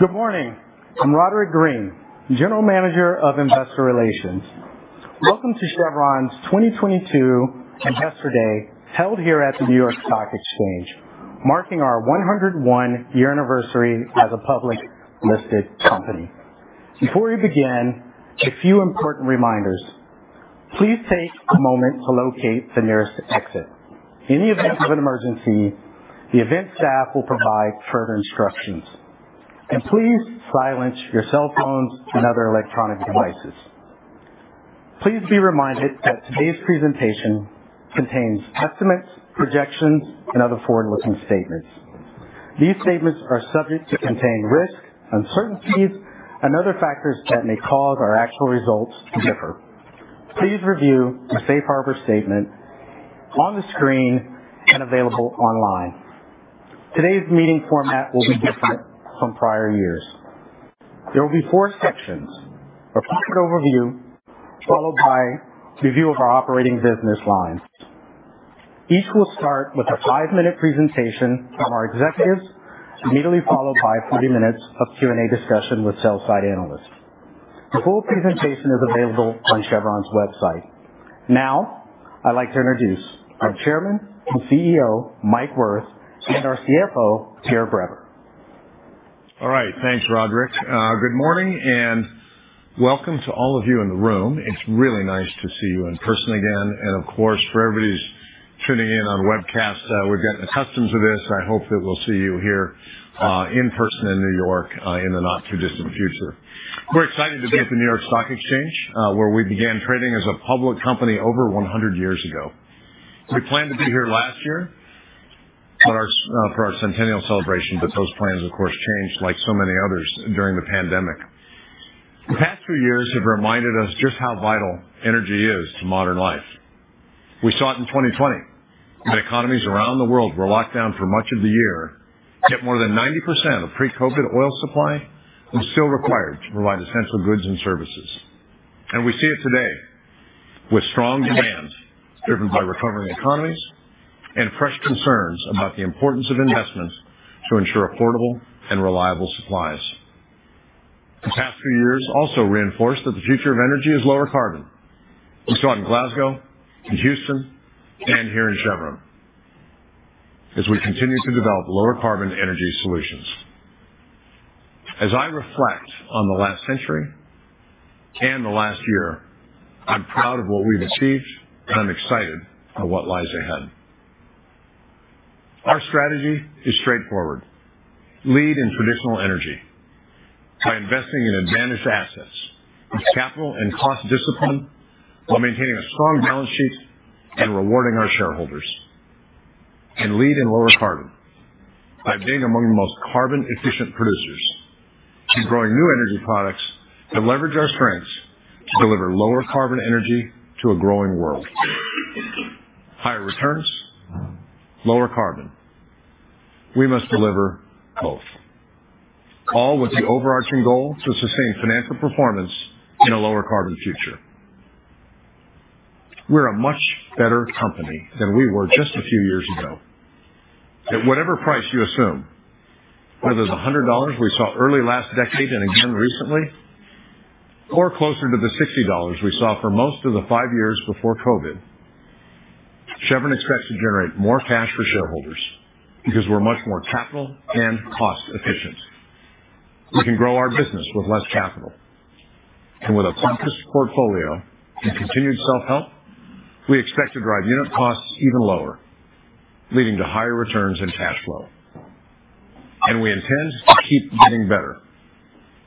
Good morning. I'm Roderick Green, General Manager of Investor Relations. Welcome to Chevron's 2022 Investor Day, held here at the New York Stock Exchange, marking our 101-year anniversary as a public listed company. Before we begin, a few important reminders. Please take a moment to locate the nearest exit. In the event of an emergency, the event staff will provide further instructions. Please silence your cell phones and other electronic devices. Please be reminded that today's presentation contains estimates, projections and other forward-looking statements. These statements are subject to certain risks, uncertainties and other factors that may cause our actual results to differ. Please review the safe harbor statement on the screen and available online. Today's meeting format will be different from prior years. There will be four sections. A corporate overview followed by review of our operating business lines. Each will start with a five-minute presentation from our executives, immediately followed by forty minutes of Q&A discussion with sell side analysts. The full presentation is available on Chevron's website. Now I'd like to introduce our Chairman and CEO, Mike Wirth, and our CFO, Pierre Breber. All right. Thanks, Roderick. Good morning and welcome to all of you in the room. It's really nice to see you in person again. Of course, for everybody who's tuning in on webcast, we're getting accustomed to this. I hope that we'll see you here in person in New York in the not-too-distant future. We're excited to be at the New York Stock Exchange, where we began trading as a public company over 100 years ago. We planned to be here last year for our centennial celebration, but those plans, of course, changed like so many others during the pandemic. The past few years have reminded us just how vital energy is to modern life. We saw it in 2020 when economies around the world were locked down for much of the year, yet more than 90% of pre-COVID oil supply was still required to provide essential goods and services. We see it today with strong demand driven by recovering economies and fresh concerns about the importance of investments to ensure affordable and reliable supplies. The past few years also reinforced that the future of energy is lower carbon. We saw it in Glasgow, in Houston and here in Chevron as we continue to develop lower carbon energy solutions. As I reflect on the last century and the last year, I'm proud of what we've achieved, and I'm excited by what lies ahead. Our strategy is straightforward. Lead in traditional energy by investing in advantage assets, with capital and cost discipline, while maintaining a strong balance sheet and rewarding our shareholders. Lead in lower carbon by being among the most carbon efficient producers and growing new energy products that leverage our strengths to deliver lower carbon energy to a growing world. Higher returns, lower carbon, we must deliver both. All with the overarching goal to sustain financial performance in a lower carbon future. We're a much better company than we were just a few years ago. At whatever price you assume, whether it's $100 we saw early last decade and again recently, or closer to the $60 we saw for most of the five years before COVID, Chevron expects to generate more cash for shareholders because we're much more capital and cost efficient. We can grow our business with less capital. With a focused portfolio and continued self-help, we expect to drive unit costs even lower, leading to higher returns and cash flow. We intend to keep getting better,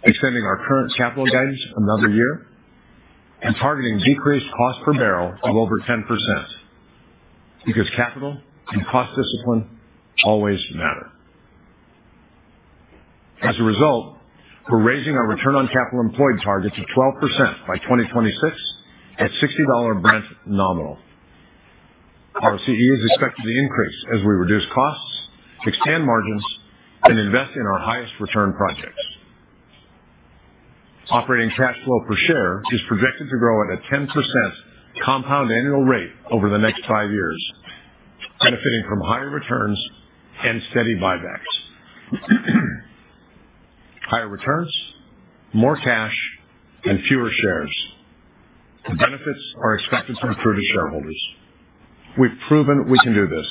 extending our current capital advantage another year, and targeting decreased cost per barrel of over 10% because capital and cost discipline always matter. As a result, we're raising our return on capital employed target to 12% by 2026 at $60 Brent nominal. Our ROCE is expected to increase as we reduce costs, expand margins and invest in our highest return projects. Operating cash flow per share is projected to grow at a 10% compound annual rate over the next five years, benefiting from higher returns and steady buybacks. Higher returns, more cash and fewer shares. The benefits are expected to accrue to shareholders. We've proven we can do this,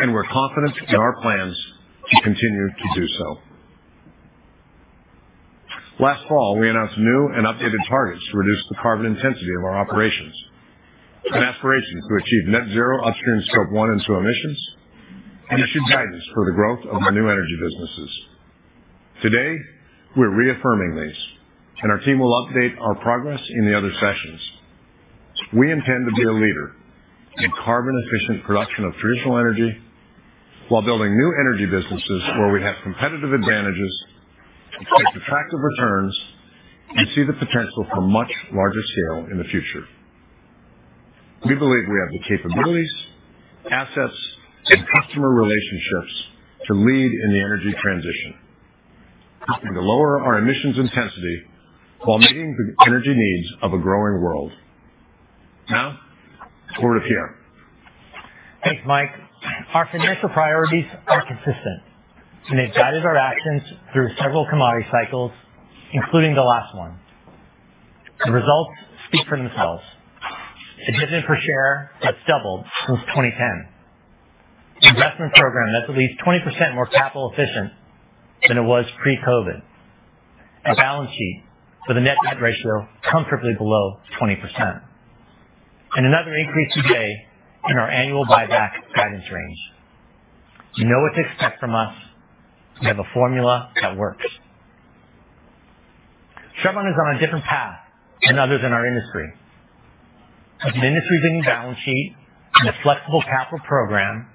and we're confident in our plans to continue to do so. Last fall, we announced new and updated targets to reduce the carbon intensity of our operations, an aspiration to achieve net zero upstream Scope one and two emissions, and issued guidance for the growth of our new energy businesses. Today, we're reaffirming these, and our team will update our progress in the other sessions. We intend to be a leader in carbon efficient production of traditional energy while building new energy businesses where we have competitive advantages, attractive returns, and see the potential for much larger scale in the future. We believe we have the capabilities, assets, and customer relationships to lead in the energy transition, helping to lower our emissions intensity while meeting the energy needs of a growing world. Now, over to Pierre. Thanks, Mike. Our financial priorities are consistent, and they've guided our actions through several commodity cycles, including the last one. The results speak for themselves. The dividend per share has doubled since 2010. The investment program that's at least 20% more capital efficient than it was pre-COVID. A balance sheet with a net debt ratio comfortably below 20%. Another increase today in our annual buyback guidance range. You know what to expect from us. We have a formula that works. Chevron is on a different path than others in our industry. With an industry-leading balance sheet and a flexible capital program,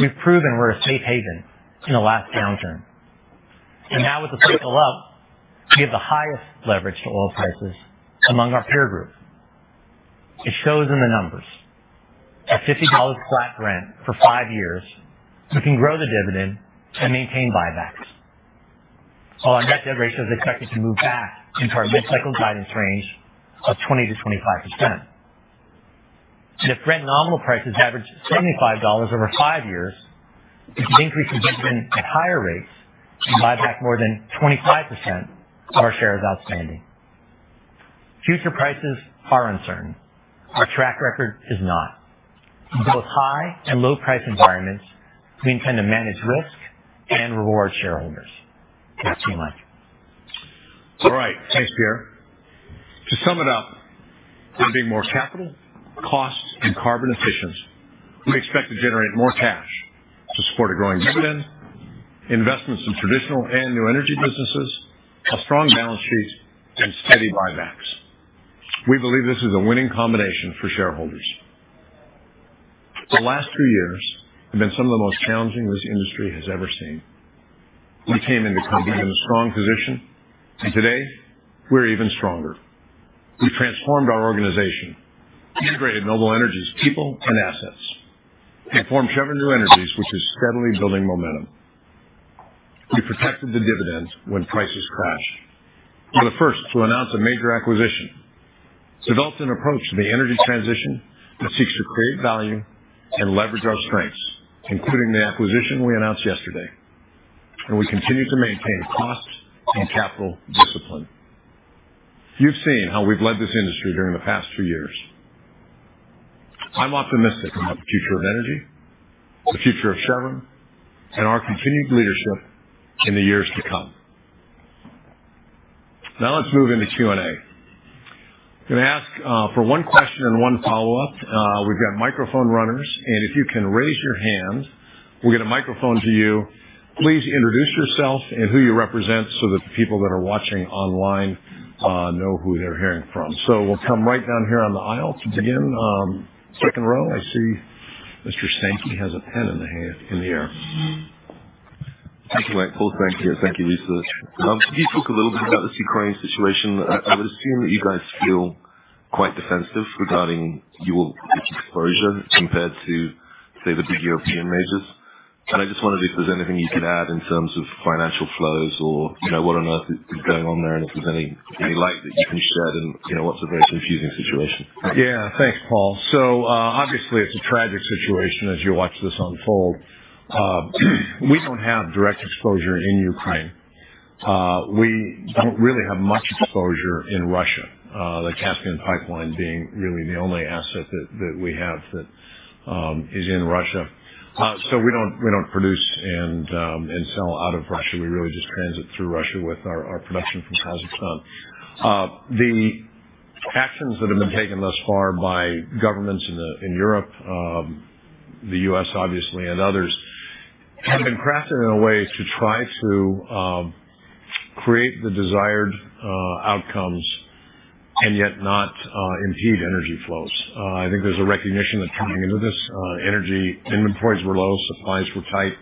we've proven we're a safe haven in the last downturn. Now with the cycle up, we have the highest leverage to oil prices among our peer group. It shows in the numbers. At $50 flat Brent for five years, we can grow the dividend and maintain buybacks. Our net debt ratio is expected to move back into our mid-cycle guidance range of 20%-25%. If Brent nominal prices average $75 over five years, we can increase investment at higher rates and buy back more than 25% of our shares outstanding. Future prices are uncertain. Our track record is not. In both high and low price environments, we intend to manage risk and reward shareholders. Thanks so much. All right. Thanks, Pierre. To sum it up, we're being more capital, cost, and carbon efficient. We expect to generate more cash to support a growing dividend, investments in traditional and new energy businesses, a strong balance sheet, and steady buybacks. We believe this is a winning combination for shareholders. The last two years have been some of the most challenging this industry has ever seen. We came into COVID in a strong position, and today we're even stronger. We've transformed our organization, integrated Noble Energy's people and assets, and formed Chevron New Energies, which is steadily building momentum. We protected the dividends when prices crashed. We're the first to announce a major acquisition. We developed an approach to the energy transition that seeks to create value and leverage our strengths, including the acquisition we announced yesterday. We continue to maintain cost and capital discipline. You've seen how we've led this industry during the past two years. I'm optimistic about the future of energy, the future of Chevron, and our continued leadership in the years to come. Now let's move into Q&A. I'm gonna ask for one question and one follow-up. We've got microphone runners, and if you can raise your hand, we'll get a microphone to you. Please introduce yourself and who you represent so that the people that are watching online know who they're hearing from. We'll come right down here on the aisle to begin. Second row. I see Mr. Sankey has a hand in the air. Thank you, Mike. Paul Sankey. Thank you. Could you talk a little bit about the Ukraine situation? I would assume that you guys feel quite defensive regarding your exposure compared to, say, the big European majors. I just wondered if there's anything you could add in terms of financial flows or what on earth is going on there and if there's any light that you can shed on what's a very confusing situation. Yeah. Thanks, Paul. Obviously, it's a tragic situation as you watch this unfold. We don't have direct exposure in Ukraine. We don't really have much exposure in Russia, the Caspian Pipeline being really the only asset that we have that is in Russia. We don't produce and sell out of Russia. We really just transit through Russia with our production from Kazakhstan. The actions that have been taken thus far by governments in Europe, the U.S. obviously, and others have been crafted in a way to try to create the desired outcomes and yet not impede energy flows. I think there's a recognition that coming into this, energy inventories were low, supplies were tight,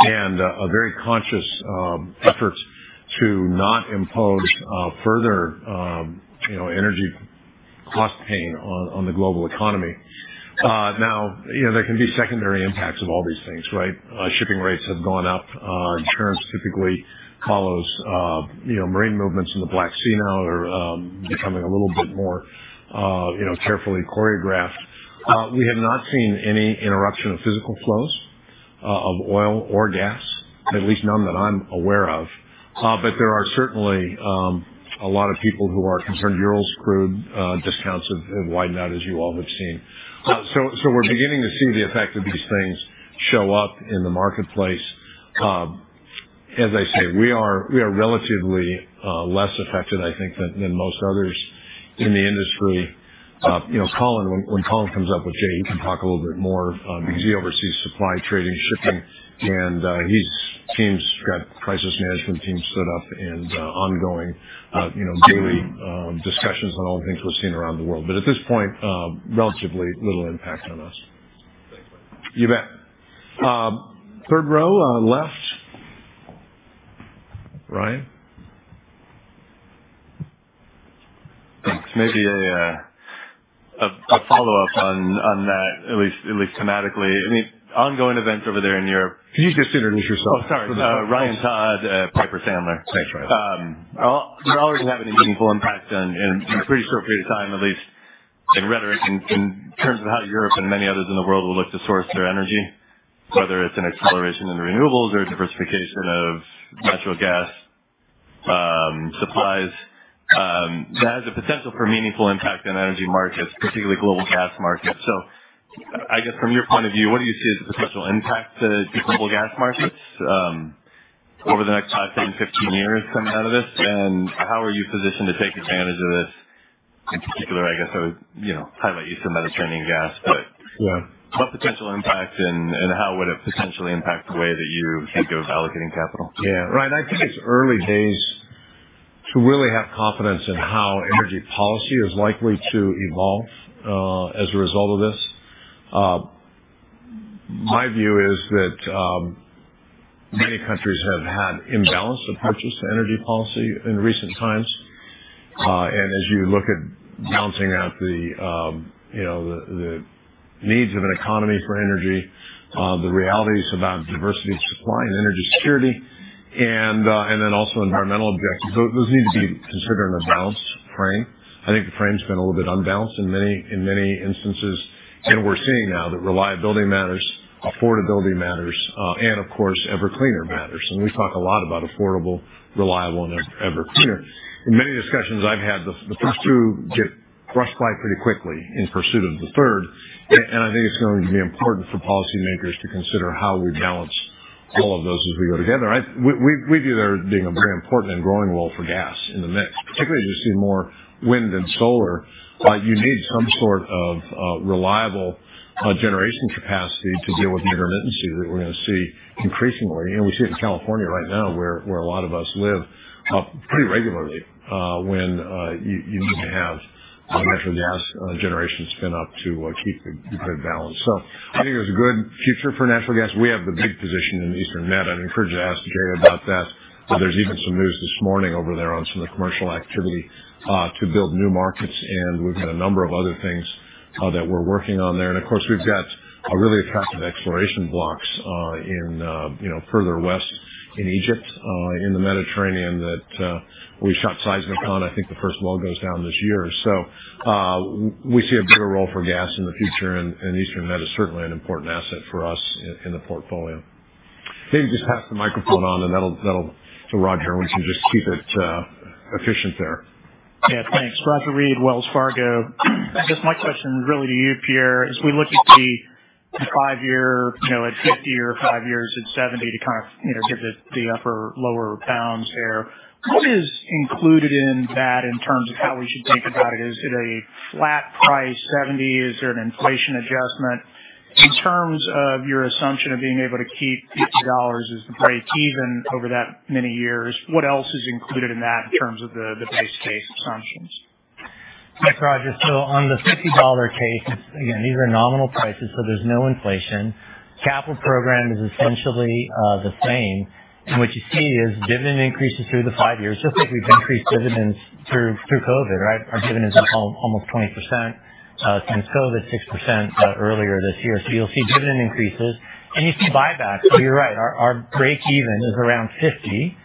and a very conscious effort to not impose further energy cost pain on the global economy. Now there can be secondary impacts of all these things, right? Shipping rates have gone up. Insurance typically follows. Marine movements in the Black Sea now are becoming a little bit more carefully choreographed. We have not seen any interruption of physical flows of oil or gas, at least none that I'm aware of. But there are certainly a lot of people who are concerned. Urals crude discounts have widened out, as you all have seen. We're beginning to see the effect of these things show up in the marketplace. As I say, we are relatively less affected, I think, than most others in the industry. When Colin comes up with Jay, he can talk a little bit more because he oversees supply, trading, shipping, and his team's got crisis management team set up and ongoing daily discussions on all the things we're seeing around the world. At this point, relatively little impact on us. Thanks, Mike. You bet. Third row, left. Ryan. Thanks. A follow-up on that, at least thematically. Any ongoing events over there in Europe? Could you just introduce yourself? Oh, sorry. Ryan Todd at Piper Sandler. Thanks, Ryan. Does it all even have any meaningful impact on, in a pretty short period of time, at least? In retrospect, in terms of how Europe and many others in the world will look to source their energy, whether it's an acceleration in renewables or diversification of natural gas supplies, that has the potential for meaningful impact on energy markets, particularly global gas markets. From your point of view, what do you see as the potential impact to global gas markets over the next five, 10, 15 years coming out of this? How are you positioned to take advantage of this? In particular, I would, highlight Eastern Mediterranean Gas, but Yeah. What potential impact and how would it potentially impact the way that you think of allocating capital? Yeah. Right. I think it's early days to really have confidence in how energy policy is likely to evolve, as a result of this. My view is that, many countries have had imbalanced approaches to energy policy in recent times. As you look at balancing out the needs of an economy for energy, the realities about diversity of supply and energy security and then also environmental objectives. Those need to be considered in a balanced frame. I think the frame's been a little bit unbalanced in many instances. We're seeing now that reliability matters, affordability matters, and of course, ever cleaner matters. We talk a lot about affordable, reliable, and ever cleaner. In many discussions I've had, the first two get brushed by pretty quickly in pursuit of the third. I think it's going to be important for policymakers to consider how we balance all of those as we go together. We view there being a very important and growing role for gas in the mix, particularly as you see more wind and solar. You need some reliable generation capacity to deal with the intermittency that we're gonna see increasingly. We see it in California right now where a lot of us live pretty regularly when you need to have natural gas generation spin up to keep the grid balanced. I think there's a good future for natural gas. We have the big position in Eastern Med. I'd encourage you to ask Jay Johnson about that. There's even some news this morning over there on some of the commercial activity to build new markets, and we've got a number of other things that we're working on there. Of course, we've got a really attractive exploration blocks in further west in Egypt in the Mediterranean that we shot seismic on. I think the first well goes down this year. We see a bigger role for gas in the future, and Eastern Med is certainly an important asset for us in the portfolio. Just pass the microphone on, and that'll. Roger, we can just keep it efficient there. Yeah, thanks. Roger Read, Wells Fargo. I guess my question really to you, Pierre, as we look at the five-year at 50 or five years at 70 to give it the upper lower bounds here, what is included in that in terms of how we should think about it? Is it a flat price 70? Is there an inflation adjustment? In terms of your assumption of being able to keep $50 as the break-even over that many years, what else is included in that in terms of the base case assumptions? Yeah, Roger. On the $50 case, again, these are nominal prices, so there's no inflation. Capital program is essentially the same. What you see is dividend increases through the five years, just like we've increased dividends through COVID, right? Our dividend is up almost 20%, since COVID, 6% earlier this year. You'll see dividend increases, and you see buybacks. You're right, our break even is around $50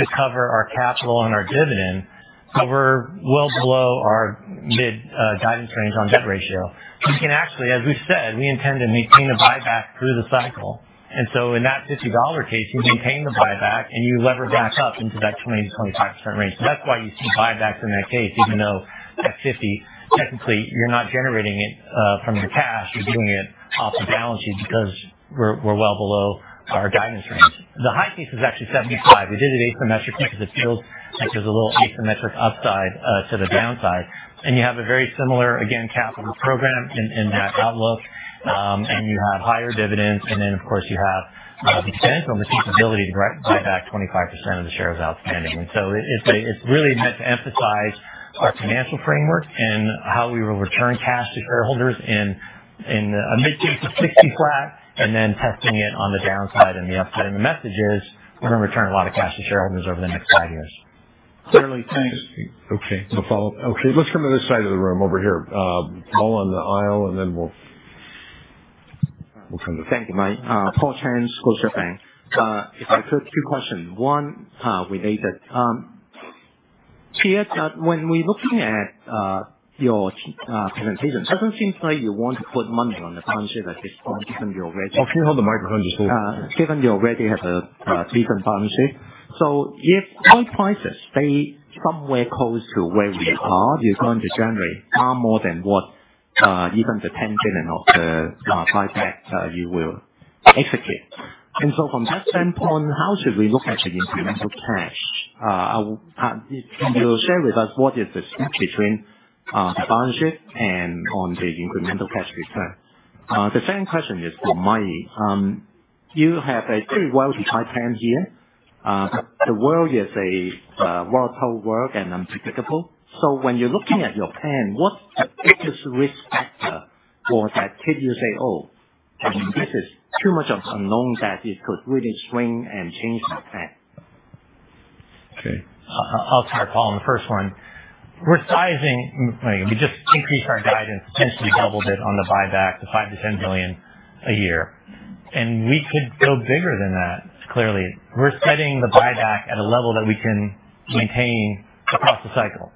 to cover our capital and our dividend. We're well below our mid guidance range on debt ratio. We can actually, as we've said, we intend to maintain a buyback through the cycle. In that $50 case, you maintain the buyback and you lever back up into that 20%-25% range. That's why you see buyback in that case, even though at $50, technically you're not generating it from your cash, you're doing it off the balance sheet because we're well below our guidance range. The high case is actually $75. We did it asymmetrically because it feels like there's a little asymmetric upside to the downside. You have a very similar, again, capital program in that outlook. You have higher dividends. Then of course you have the intentional flexibility to buy back 25% of the shares outstanding. It's really meant to emphasize our financial framework and how we will return cash to shareholders in a mid case of $60 flat and then testing it on the downside and the upside. The message is we're gonna return a lot of cash to shareholders over the next five years. Clearly. Thanks. Okay. Follow up. Okay, let's come to this side of the room over here. All on the aisle and then we'll come to. Thank you, Mike. Paul Cheng, Scotiabank. If I could, two questions. One, related. Pierre, when we're looking at your presentation, doesn't seem like you want to put money on the partnership at this point given you already- Oh, can you hold the microphone just a little? Given you already have a different partnership. If oil prices stay somewhere close to where we are, you're going to generate far more than what even the $10 billion of the buyback you will execute. From that standpoint, how should we look at the incremental cash? If you will share with us what is the split between the partnership and on the incremental cash return. The second question is for Mike Wirth. You have a pretty well-defined plan here. The world is a volatile world and unpredictable. When you're looking at your plan, what's the biggest risk factor for that could you say, "Oh, I think this is too much of unknown that it could really swing and change the plan. Okay. I'll start, Paul, on the first one. We're sizing. We just increased our guidance, potentially doubled it on the buyback to $5 billion-$10 billion a year. We could go bigger than that, clearly. We're setting the buyback at a level that we can maintain across the cycle.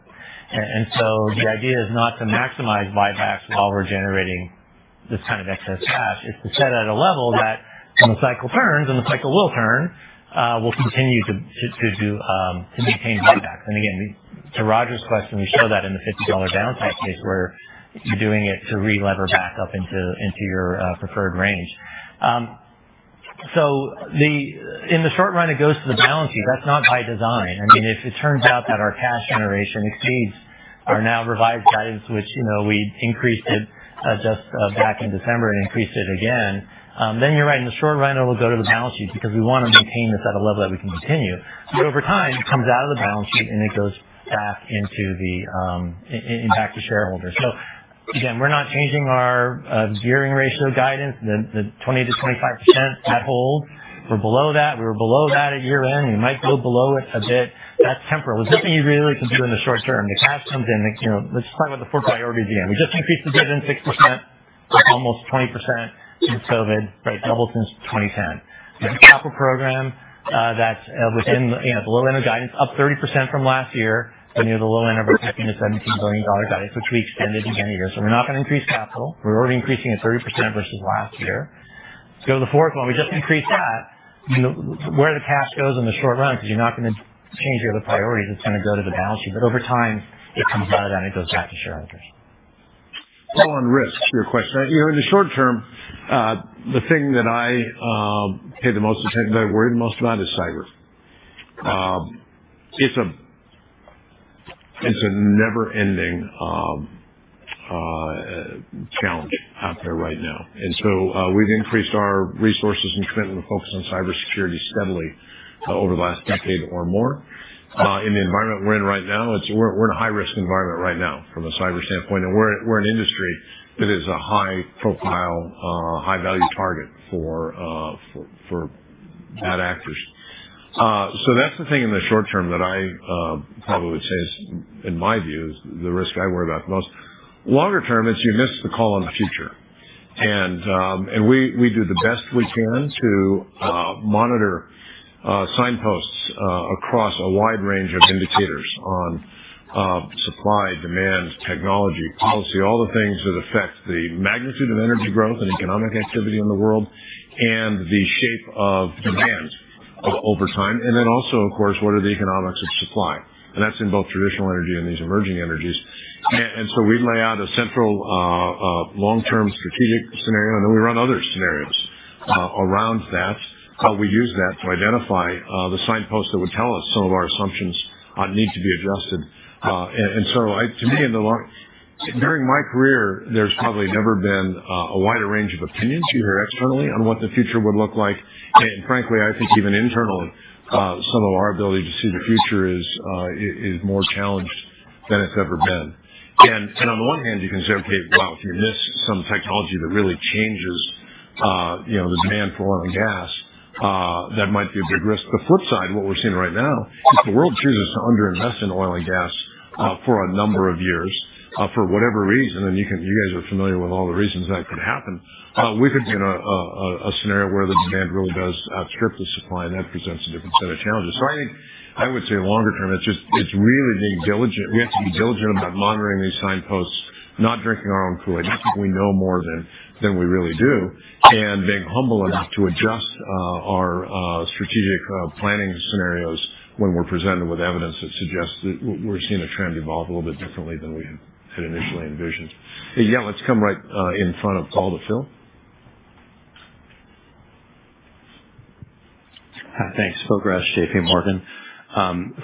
So the idea is not to maximize buybacks while we're generating this excess cash. It's to set it at a level that when the cycle turns, and the cycle will turn, we'll continue to maintain buybacks. Again, to Roger's question, we show that in the $50 downside case where you're doing it to relever back up into your preferred range. So in the short run, it goes to the balance sheet. That's not by design. If it turns out that our cash generation exceeds our now revised guidance, which we increased it just back in December and increased it again, then you're right. In the short run, it will go to the balance sheet because we wanna maintain this at a level that we can continue. Over time, it comes out of the balance sheet, and it goes back into the impact to shareholders. Again, we're not changing our gearing ratio guidance. The 20%-25% that holds, we're below that. We were below that at year-end. We might go below it a bit. That's temporary. This isn't really considered in the short term. The cash comes in. Let's talk about the four priorities again. We just increased the dividend 6%, almost 20% since COVID, right? Double since 2010. We have a capital program that's within the low end of guidance, up 30% from last year. Near the low end of our $15 billion-$17 billion guidance, which we extended again here. We're not gonna increase capital. We're already increasing it 30% versus last year. The fourth one, we just increased that. Where the cash goes in the short run, 'cause you're not gonna change your other priorities, it's gonna go to the balance sheet. But over time, it comes out of that, and it goes back to shareholders. On risk, your question. In the short term, the thing that I pay the most attention to, I worry the most about is cyber. It's a never-ending challenge out there right now. We've increased our resources and commitment to focus on cybersecurity steadily over the last decade or more. In the environment we're in right now, we're in a high-risk environment right now from a cyber standpoint, and we're an industry that is a high profile, high value target for bad actors. That's the thing in the short term that I probably would say is, in my view, the risk I worry about the most. Longer term, it's you miss the call on the future. We do the best we can to monitor signposts across a wide range of indicators on supply, demand, technology, policy, all the things that affect the magnitude of energy growth and economic activity in the world and the shape of demand over time. Then also, of course, what are the economics of supply? That's in both traditional energy and these emerging energies. We lay out a central long-term strategic scenario, and then we run other scenarios around that. We use that to identify the signposts that would tell us some of our assumptions need to be adjusted. To me, during my career, there's probably never been a wider range of opinions you hear externally on what the future would look like. Frankly, I think even internally, some of our ability to see the future is more challenged than it's ever been. On the one hand, you can say, "Okay, wow, if you miss some technology that really changes the demand for oil and gas, that might be a big risk." The flip side, what we're seeing right now, if the world chooses to underinvest in oil and gas, for a number of years, for whatever reason, and you guys are familiar with all the reasons that could happen, we could be in a scenario where the demand really does outstrip the supply, and that presents a different set of challenges. I think I would say longer term, it's just really being diligent. We have to be diligent about monitoring these signposts, not drinking our own Kool-Aid, not thinking we know more than we really do, and being humble enough to adjust our strategic planning scenarios when we're presented with evidence that suggests that we're seeing a trend evolve a little bit differently than we had initially envisioned. Yeah, let's come right in front of Paul to Phil. Thanks. Phil Gresh, JPMorgan.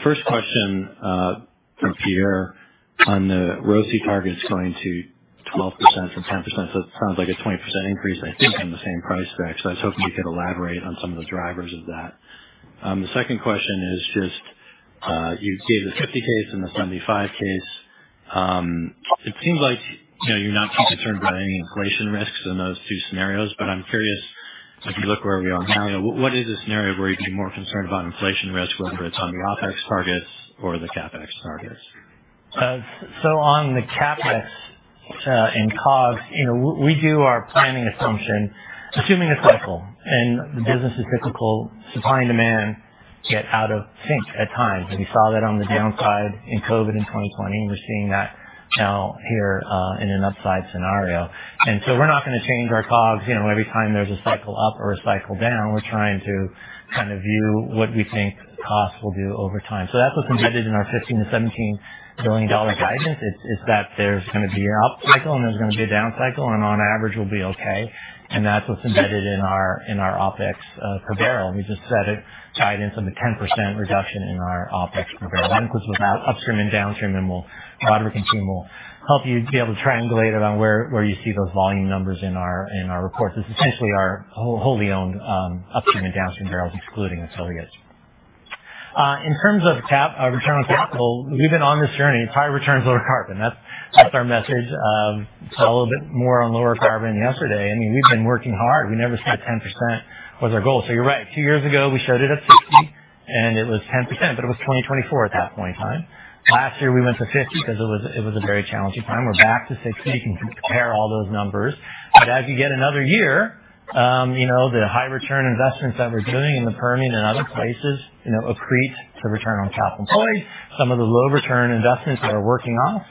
First question, from Peter. On the ROCE targets going to 12% from 10%, so it sounds like a 20% increase, I think, on the same price deck. I was hoping you could elaborate on some of the drivers of that. The second question is just, you gave the 50 case and the 75 case. It seems like you're not too concerned about any inflation risks in those two scenarios, but I'm curious, if you look where we are now what is the scenario where you'd be more concerned about inflation risk, whether it's on the OpEx targets or the CapEx targets? On the CapEx and COGS, we do our planning assumption assuming a cycle, and business is typical, supply and demand get out of sync at times. We saw that on the downside in COVID in 2020. We're seeing that now here in an upside scenario. We're not gonna change our COGS every time there's a cycle up or a cycle down. We're trying to view what we think costs will do over time. That's what's embedded in our $15 to 17 billion guidance is that there's gonna be an up cycle, and there's gonna be a down cycle, and on average we'll be okay. That's what's embedded in our OpEx per barrel. We just set our guidance on the 10% reduction in our OpEx per barrel. That includes both Upstream and Downstream, and Roger can see, we'll help you be able to triangulate around where you see those volume numbers in our reports. It's essentially our wholly owned Upstream and Downstream barrels, excluding affiliates. In terms of return on capital, we've been on this journey, high returns, lower carbon. That's our message. Saw a little bit more on lower carbon yesterday. We've been working hard. We never said 10% was our goal. You're right. twoyears ago, we showed it at 60%, and it was 10%, but it was 2024 at that point in time. Last year we went to 50% because it was a very challenging time. We're back to 60%. You can compare all those numbers. As you get another year the high return investments that we're doing in the Permian and other places accrete to return on capital employed. Some of the low return investments that are working off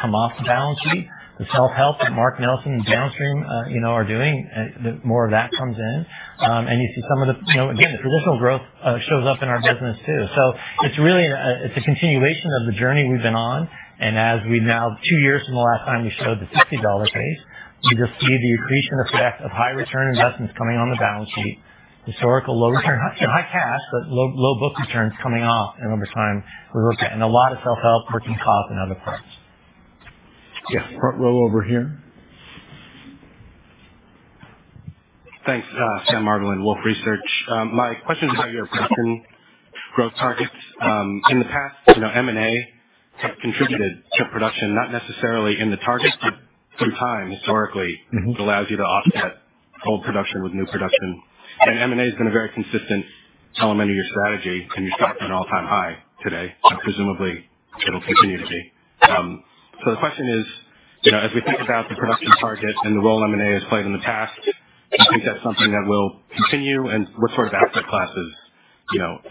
come off the balance sheet. The self-help that Mark Nelson and Downstream are doing, the more of that comes in. You see some of the again, the traditional growth, shows up in our business too. It's really, it's a continuation of the journey we've been on. As we now two years from the last time we showed the $60 case, you just see the accretion effect of high return investments coming on the balance sheet. Historical low return, high cash, but low book returns coming off. Over time, we're okay. A lot of self-help working costs and other parts. Yes. Front row over here. Thanks. Sam Margolin, Wolfe Research. My question is about your production growth targets. In the past M&A have contributed to production, not necessarily in the targets, but some time historically- It allows you to offset old production with new production. M&A has been a very consistent element of your strategy, and you're starting at an all-time high today. Presumably it'll continue to be. So the question is as we think about the production target and the role M&A has played in the past, do you think that's something that will continue and what asset classes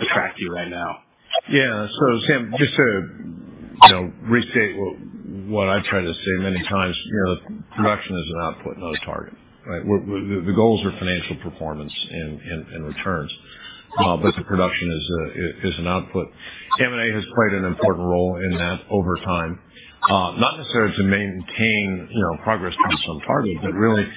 attract you right now? Sam, just to restate what I try to say many times production is an output, not a target, right? The goals are financial performance and returns. The production is an output. M&A has played an important role in that over time. Not necessarily to maintain progress against some target. Really,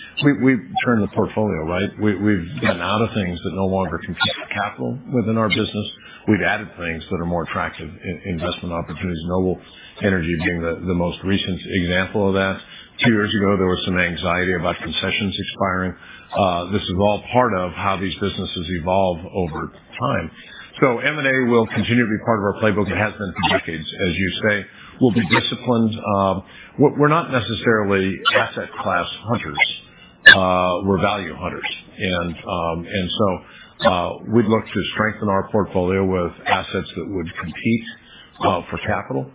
we've turned the portfolio, right? We've gotten out of things that no longer compete for capital within our business. We've added things that are more attractive in investment opportunities, Noble Energy being the most recent example of that. Two years ago, there was some anxiety about concessions expiring. This is all part of how these businesses evolve over time. M&A will continue to be part of our playbook. It has been for decades, as you say. We'll be disciplined. We're not necessarily asset class hunters. We're value hunters. We'd look to strengthen our portfolio with assets that would compete for capital.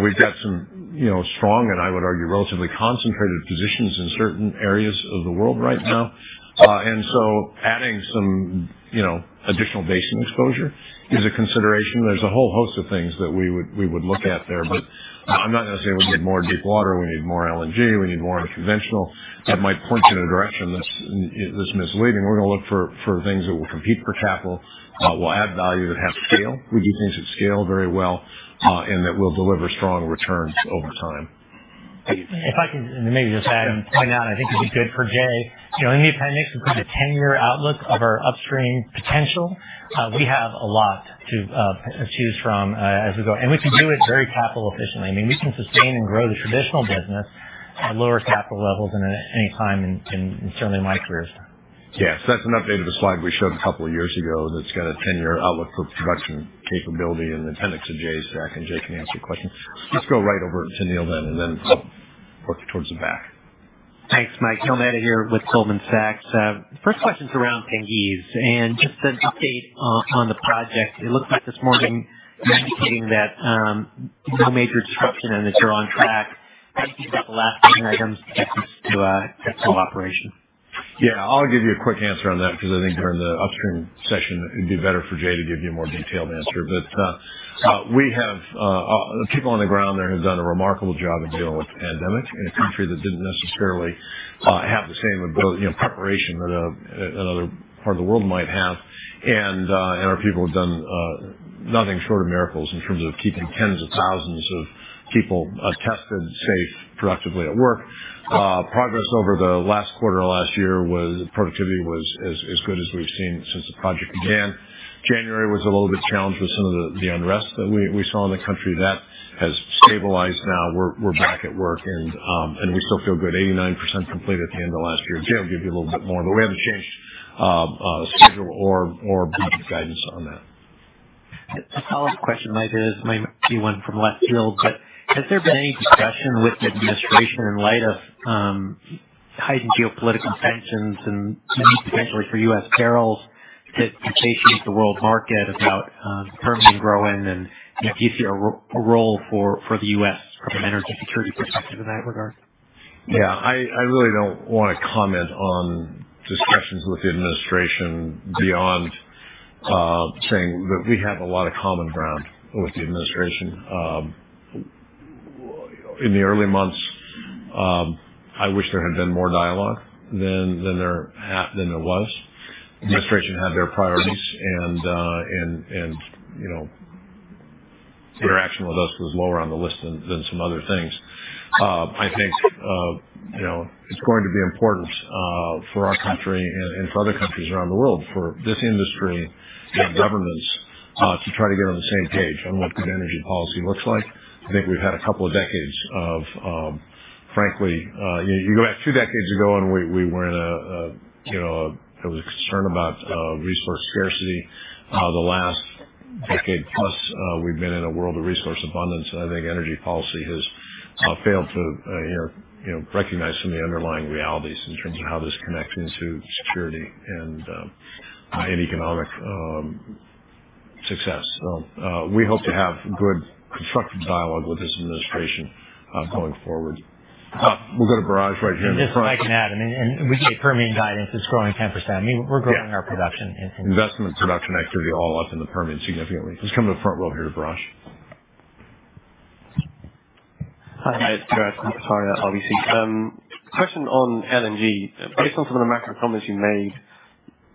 We've got some strong and I would argue, relatively concentrated positions in certain areas of the world right now. Adding some additional basin exposure is a consideration. There's a whole host of things that we would look at there. I'm not necessarily we need more deep water, we need more LNG, we need more unconventional. That might point you in a direction that's misleading. We're gonna look for things that will compete for capital, will add value, that have scale. We do things at scale very well, and that will deliver strong returns over time. If I can just add and point out, I think it'd be good for Jay. In the appendix, we put a 10-year outlook of our Upstream potential. We have a lot to choose from as we go, and we can do it very capital efficiently. We can sustain and grow the traditional business at lower capital levels than at any time in certainly my career. Yes. That's an update of a slide we showed a couple of years ago that's got a 10-year outlook for production capability in the appendix of Jay's deck, and Jay can answer your question. Let's go right over to Neil then and then work towards the back. Thanks, Mike. Neil Mehta here with Goldman Sachs. First question's around Tengiz and just an update on the project. It looks like this morning you're indicating that no major disruption and that you're on track. I think you've got the last few items to get full operation. Yeah, I'll give you a quick answer on that because I think during the Upstream session it'd be better for Jay to give you a more detailed answer. We have people on the ground there have done a remarkable job of dealing with the pandemic in a country that didn't necessarily have the same ability preparation that another part of the world might have. Our people have done nothing short of miracles in terms of keeping tens of thousands of people tested, safe, productively at work. Productivity over the last quarter last year was as good as we've seen since the project began. January was a little bit challenged with some of the unrest that we saw in the country. That has stabilized now. We're back at work and we still feel good, 89% complete at the end of last year. Jay will give you a little bit more, but we haven't changed schedule or guidance on that. A follow-up question, Mike, is my key one from last field. Has there been any discussion with the administration in light of heightened geopolitical tensions and new potential for U.S. barrels to educate the world market about the Permian growing and do you see a role for the U.S. from an energy security perspective in that regard? Yeah, I really don't want to comment on discussions with the administration beyond saying that we have a lot of common ground with the administration. In the early months, I wish there had been more dialogue than there was. The administration had their priorities and interaction with us was lower on the list than some other things. I think it's going to be important for our country and for other countries around the world, for this industry and governments to try to get on the same page on what good energy policy looks like. I think we've had a couple of decades of, frankly, you go back two decades ago, and we were in a there was a concern about resource scarcity. The last decade plus, we've been in a world of resource abundance, and I think energy policy has failed to recognize some of the underlying realities in terms of how this connects into security and economic success. We hope to have good constructive dialogue with this administration going forward. We'll go to Biraj right here in the front. Just if I can add and we gave Permian guidance as growing 10%.We're growing our production in Permian. Investment production activity all up in the Permian significantly. Let's come to the front row here to Biraj Borkhataria. Hi, guys. Biraj Borkhataria, RBC. Question on LNG. Based on some of the macro comments you made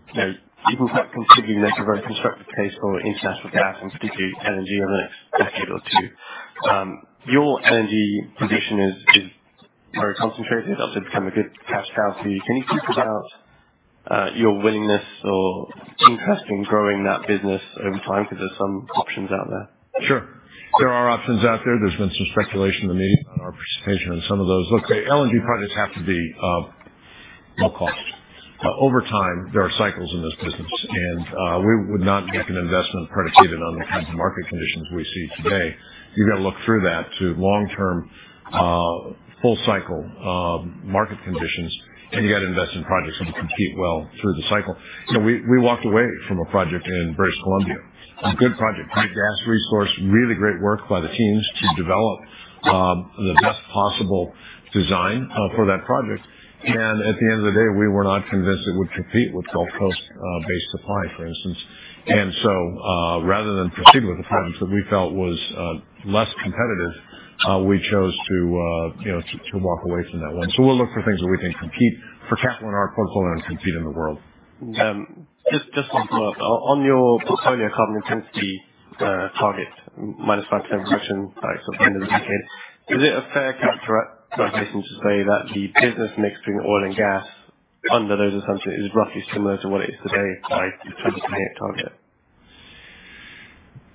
you can continue to make a very constructive case for international gas and particularly LNG over the next decade or two. Your LNG position is very concentrated. It's also become a good cash cow for you. Can you talk about your willingness or interest in growing that business over time? Because there's some options out there. Sure. There are options out there. There's been some speculation in the media on our participation in some of those. Look, LNG projects have to be low cost. Over time, there are cycles in this business, and we would not make an investment predicated on the kind of market conditions we see today. You've got to look through that to long-term full cycle market conditions, and you got to invest in projects that will compete well through the cycle. We walked away from a project in British Columbia. A good project, great gas resource, really great work by the teams to develop the best possible design for that project. At the end of the day, we were not convinced it would compete with Gulf Coast based supply, for instance. Rather than proceed with a project that we felt was less competitive, we chose to walk away from that one. We'll look for things that we can compete, protect, and enhance our portfolio and compete in the world. Just one follow-up. On your portfolio carbon intensity target, minus 5% emission by end of the decade. Is it a fair characterization to say that the business mix between oil and gas under those assumptions is roughly similar to what it is today by the 2028 target?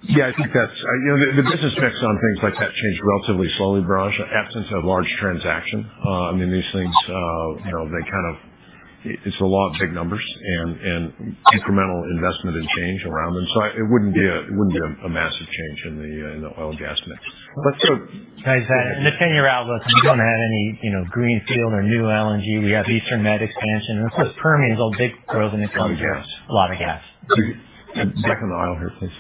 I think that'sthe business mix on things like that change relatively slowly, Biraj. In the absence of large transactions., these things it's a lot of big numbers and incremental investment and change around them. It wouldn't be a massive change in the oil and gas mix. Can I just add, to pin your outlook, we don't have any greenfield or new LNG. We have Eastern Med expansion. Of course, Permian is a big growth in the coming years. A lot of gas. A lot of gas. Second aisle here, please.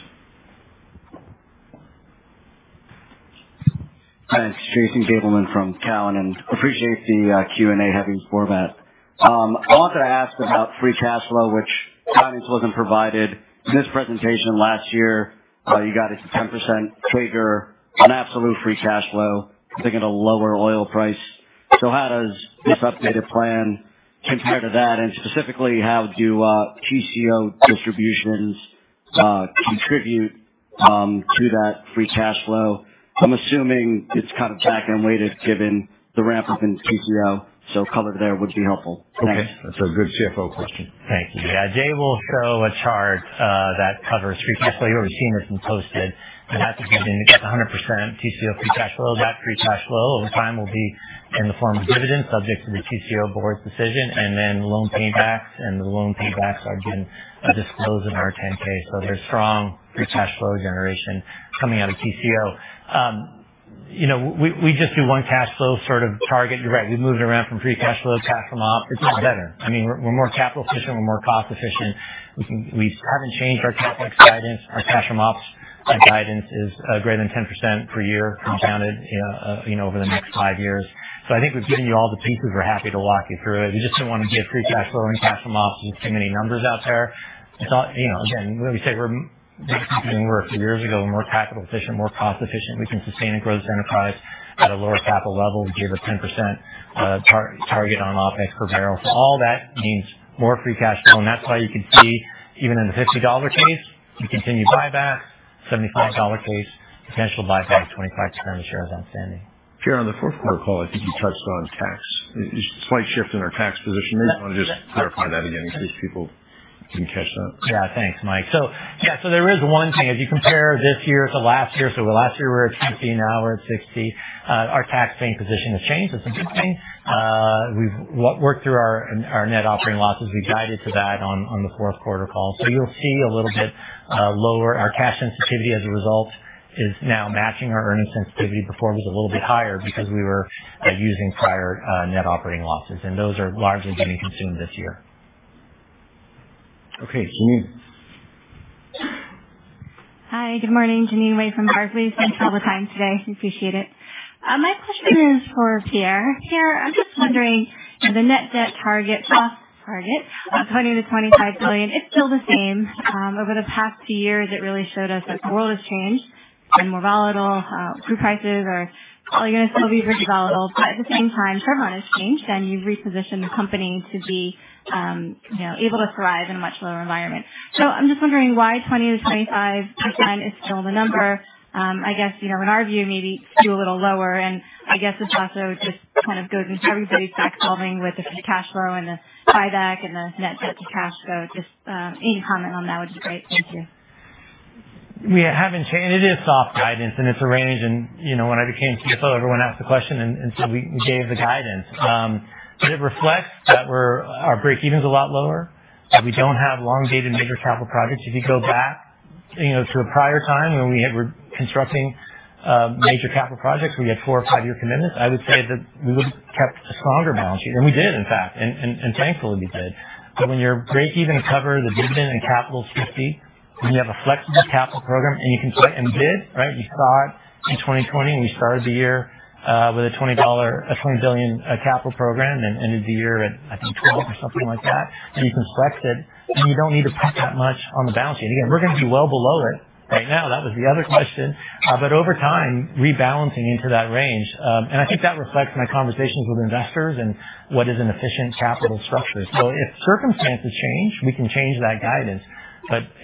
Hi, it's Jason Gabelman from Cowen, and I appreciate the Q&A having this format. I wanted to ask about free cash flow, which guidance wasn't provided. This presentation last year, you got a 10% trigger on absolute free cash flow, I think at a lower oil price. How does this updated plan compare to that? And specifically, how do TCO distributions contribute to that free cash flow? I'm assuming it's kind of back-end weighted given the ramp-up in TCO. Color there would be helpful. Thanks. Okay. That's a good CFO question. Thank you. Jay will show a chart that covers free cash flow. You already seen this when posted. It has to be getting to 100% TCO free cash flow. That free cash flow over time will be in the form of dividends subject to the TCO board's decision, and then loan paybacks, and the loan paybacks are being disclosed in our 10-K. There's strong free cash flow generation coming out of TCO. We just do one cash flow target. You're right. We've moved around from free cash flow to cash from ops. It's all better. We're more capital efficient. We're more cost efficient. We haven't changed our CapEx guidance. Our cash from ops guidance is greater than 10% per year compounded over the next five years. I think we've given you all the pieces. We're happy to walk you through it. We just didn't want to give free cash flow and cash from ops with too many numbers out there. It's all again, like we say, we're basically we were a few years ago, we're more capital efficient, more cost efficient. We can sustain and grow this enterprise at a lower capital level, give a 10% target on OpEx per barrel. All that means more free cash flow, and that's why you could see even in the $50 case, we continue buyback. $75 case, potential buyback, 25 current shares outstanding. Pierre Breber, on the fourth quarter call, I think you touched on tax. Just a slight shift in our tax position there. I just want to clarify that again in case people didn't catch that. Yeah, thanks, Mike. There is one thing. If you compare this year to last year, last year we were at 15%, now we're at 60%. Our tax paying position has changed. That's a good thing. We've worked through our net operating losses. We guided to that on the fourth quarter call. You'll see a little bit lower. Our cash sensitivity as a result is now matching our earnings sensitivity. Before, it was a little bit higher because we were using prior net operating losses, and those are largely being consumed this year. Okay. Jeanine. Hi, good morning. Jeanine Wai from Barclays. Thanks for all the time today. Appreciate it. My question is for Pierre. Pierre, I'm just wondering, the net debt target, soft target of $20 to 25 billion, it's still the same. Over the past few years, it really showed us that the world has changed, been more volatile. Crude prices are all gonna still be pretty volatile. But at the same time, Permian has changed, and you've repositioned the company to be able to thrive in a much lower environment. I'm just wondering why $20 to 25 billion again is still the number.In our view, skew a little lower. I guess it's also just goes into everybody's back solving with the free cash flow and the buyback and the net debt to cash flow. Just, any comment on that would be great. Thank you. We haven't changed. It is soft guidance, and it's a range.W hen I became CFO, everyone asked the question and so we gave the guidance. It reflects that our breakeven's a lot lower, that we don't have long-dated major capital projects. If you go back, to a prior time when we were constructing major capital projects, we had four- or five-year commitments. I would say that we would've kept a stronger balance sheet. We did, in fact, and thankfully we did. When your breakeven covers the dividend and CapEx is $50, when you have a flexible capital program, and you can put in bid, right? You saw it in 2020, and you started the year with a $20 billion capital program, and ended the year at, I think, $12 billion or something like that. You can flex it, and you don't need to put that much on the balance sheet. Again, we're gonna be well below it right now. That was the other question. Over time, rebalancing into that range, and I think that reflects my conversations with investors and what is an efficient capital structure. If circumstances change, we can change that guidance.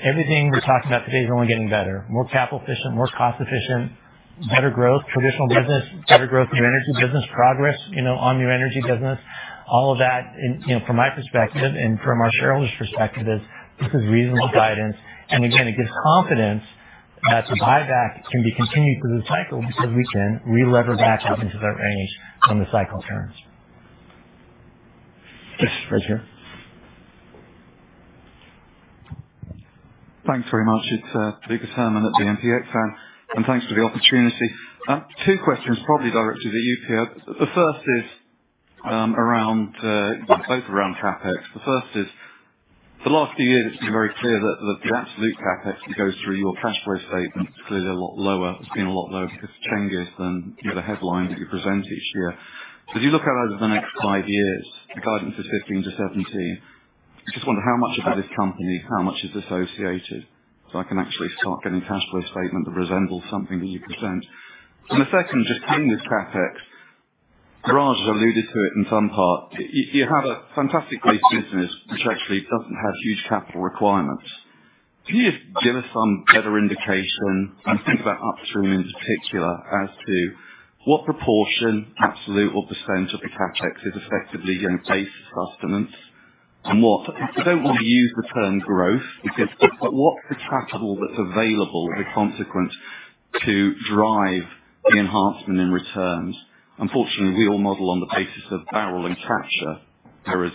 Everything we're talking about today is only getting better. More capital efficient, more cost efficient, better growth, traditional business, better growth, new energy business progress on new energy business. All of that in from my perspective and from our shareholders' perspective is this reasonable guidance. Again, it gives confidence that the buyback can be continued through the cycle because we can relever back up into that range when the cycle turns. Yes, right here. Thanks very much. It's Lucas Herrmann at BNP Exane, and thanks for the opportunity. Two questions probably directed at you, Pierre. The first is, the last few years, it's been very clear that the absolute CapEx that goes through your cash flow statement is clearly a lot lower. It's been a lot lower because of changes than, the headline that you present each year. As you look out over the next five years, the guidance is $15 to 17 billion. I just wonder how much of that is company, how much is associated, so I can actually start getting a cash flow statement that resembles something that you present. The second, just staying with CapEx, Raj has alluded to it in some part. You have a fantastic base business which actually doesn't have huge capital requirements. Can you give us some better indication, I think about Upstream in particular, as to what proportion, absolute or % of the CapEx is effectively base sustenance? I don't want to use the term growth because what's the capital that's available as a consequence to drive the enhancement in returns? Unfortunately, we all model on the basis of barrels and CapEx. There is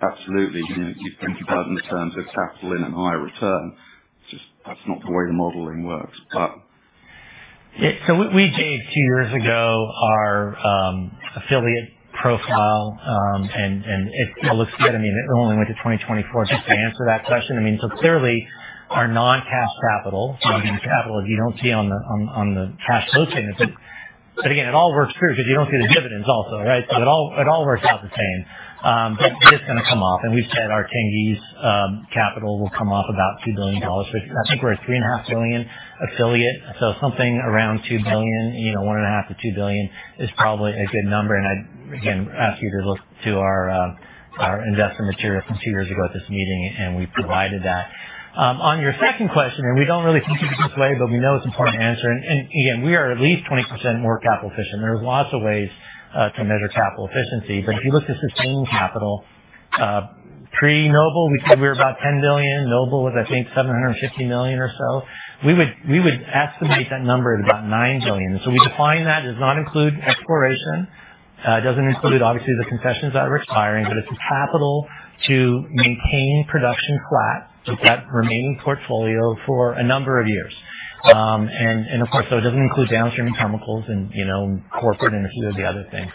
absolutely different in terms of capital in and higher return. Just that's not the way the modeling works. We changed a few years ago our affiliate profile, and it still looks good.It only went to 2024 just to answer that question. Clearly our non-cash capital capital you don't see on the cash flow statement. But again, it all works through because you don't see the dividends also, right? So it all works out the same. But it's gonna come off. We've said our Tengiz capital will come off about $2 billion. But I think we're a $3.5 billion affiliate. So something around $2 billion $1.5 to 2 billion is probably a good number. I'd again ask you to look to our investor material from two years ago at this meeting, and we provided that. On your second question, we don't really think it this way, but we know it's important to answer. Again, we are at least 20% more capital efficient. There are lots of ways to measure capital efficiency. But if you look at sustaining capital, pre-Noble, we said we were about $10 billion. Noble was, I think, $750 million or so. We would estimate that number at about $9 billion. We define that. It does not include exploration. It doesn't include obviously the concessions that are expiring, but it's a capital to maintain production flat with that remaining portfolio for a number of years. Of course, it doesn't include downstream chemicals and corporate and a few of the other things.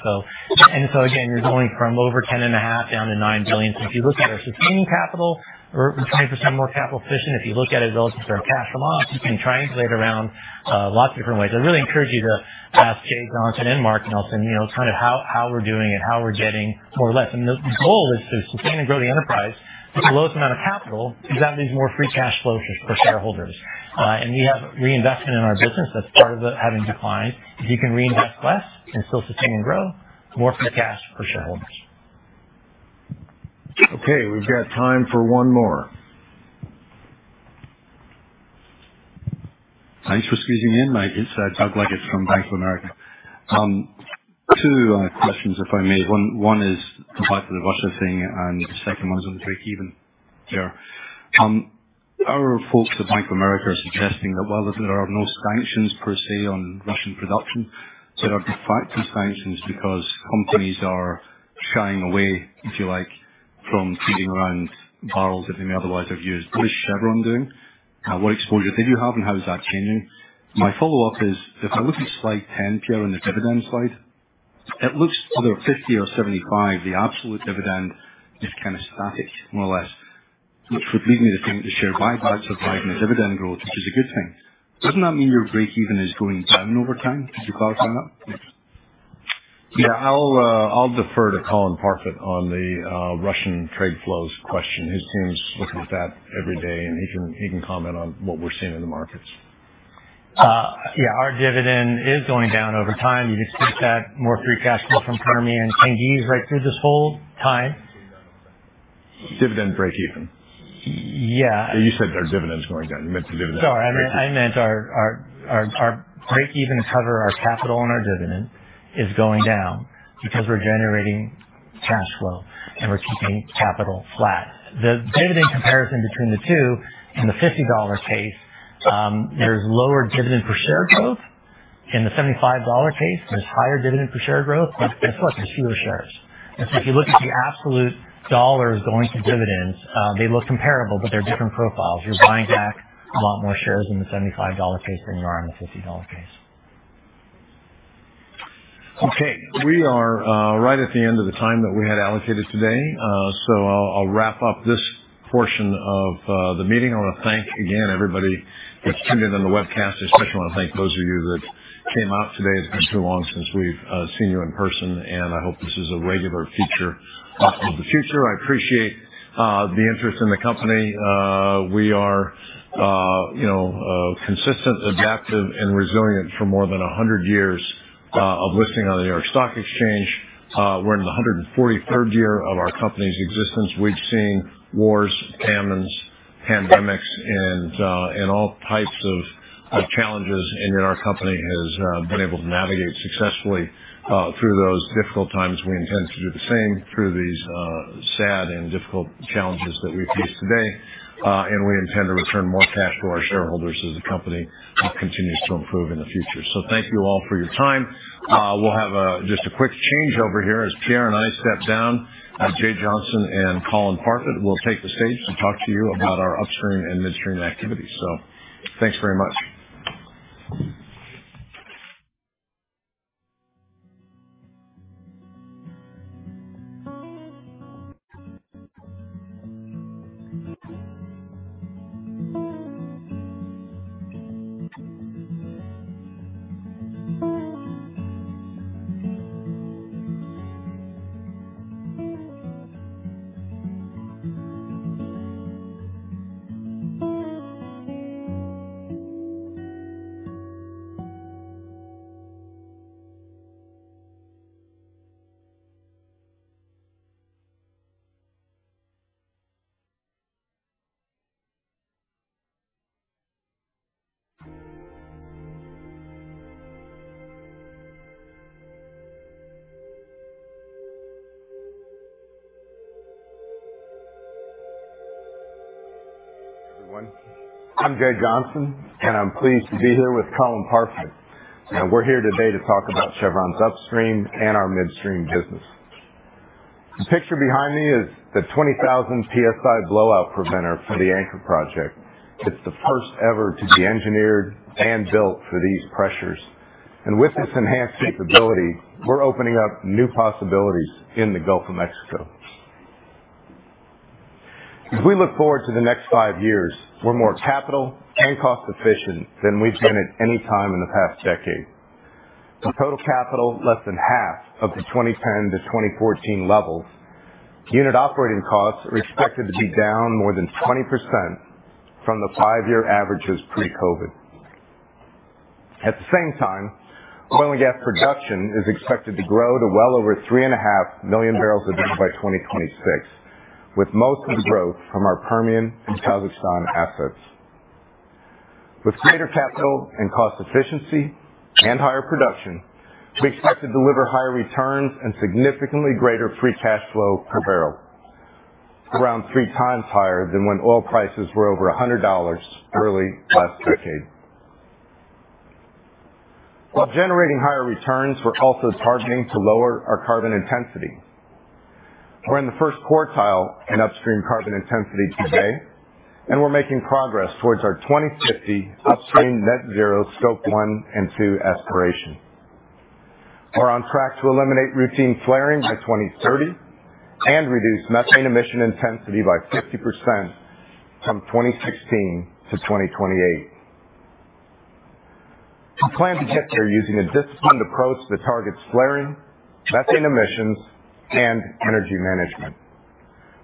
You're going from over $10.5 billion down to $9 billion. If you look at our sustaining capital, we're 20% more capital efficient. If you look at it as those cash flow, you can triangulate around lots of different ways. I really encourage you to ask Jay Johnson and Mark Nelson how we're doing it, how we're getting more or less. The goal is to sustain and grow the enterprise with the lowest amount of capital because that leaves more free cash flows for shareholders. We have reinvestment in our business. That's part of the having declined. If you can reinvest less and still sustain and grow, more free cash for shareholders. Okay, we've got time for one more. Thanks for squeezing in. My name's Doug Leggate from Bank of America. Two questions if I may. One is the part of the Russia thing, and the second one is on the breakeven, Pierre. Our folks at Bank of America are suggesting that while there are no sanctions per se on Russian production, there are de facto sanctions because companies are shying away, if you like, from dealing in barrels that they may otherwise have used. What is Chevron doing? What exposure did you have, and how is that changing? My follow-up is, if I look at slide 10, Pierre, on the dividend slide, it looks either 50 or 75, the absolute dividend is static, more or less, which would lead me to think that share buybacks are driving the dividend growth, which is a good thing. Doesn't that mean your breakeven is going down over time? Could you clarify that? Yeah. I'll defer to Colin Parfitt on the Russian trade flows question. His team's looking at that every day, and he can comment on what we're seeing in the markets. Yeah, our dividend is going down over time. You just take that more free cash flow from Permian and Tengiz right through this whole time. Dividend breakeven. You said our dividend's going down. You meant the dividend breakeven. Sorry. I meant our breakeven to cover our capital and our dividend is going down because we're generating cash flow, and we're keeping capital flat. The dividend comparison between the two, in the $50 case, there's lower dividend per share growth. In the $75 case, there's higher dividend per share growth, but of course, there's fewer shares. If you look at the absolute dollars going to dividends, they look comparable, but they're different profiles. You're buying back a lot more shares in the $75 case than you are in the $50 case. Okay. We are right at the end of the time that we had allocated today. So I'll wrap up this portion of the meeting. I wanna thank, again, everybody who's tuned in on the webcast, especially wanna thank those of you that came out today. It's been too long since we've seen you in person, and I hope this is a regular feature of the future. I appreciate the interest in the company. We are consistent, adaptive, and resilient for more than 100 years of listing on the New York Stock Exchange. We're in the 143rd year of our company's existence. We've seen wars, famines, pandemics, and all types of challenges, and yet our company has been able to navigate successfully through those difficult times. We intend to do the same through these, sad and difficult challenges that we face today. We intend to return more cash to our shareholders as the company continues to improve in the future. Thank you all for your time. We'll have just a quick change over here as Pierre and I step down, as Jay Johnson and Colin Parfitt will take the stage to talk to you about our Upstream and Midstream activities. Thanks very much. Everyone. I'm Jay Johnson, and I'm pleased to be here with Colin Parfitt. Now, we're here today to talk about Chevron's Upstream and our Midstream business. The picture behind me is the 20,000 PSI blowout preventer for the Anchor project. It's the first ever to be engineered and built for these pressures. With this enhanced capability, we're opening up new possibilities in the Gulf of Mexico. As we look forward to the next five years, we're more capital and cost efficient than we've been at any time in the past decade. With total capital less than half of the 2010 to 2014 levels, unit operating costs are expected to be down more than 20% from the five-year averages pre-COVID. At the same time, oil and gas production is expected to grow to well over 3.5 million barrels a day by 2026, with most of the growth from our Permian and Kazakhstan assets. With greater capital and cost efficiency and higher production, we expect to deliver higher returns and significantly greater free cash flow per barrel around 3x higher than when oil prices were over $100 early last decade. While generating higher returns, we're also targeting to lower our carbon intensity. We're in the first quartile in Upstream carbon intensity today, and we're making progress towards our 2050 Upstream net zero Scope one and two aspiration. We're on track to eliminate routine flaring by 2030 and reduce methane emission intensity by 50% from 2016 to 2028. We plan to get there using a disciplined approach that targets flaring, methane emissions, and energy management.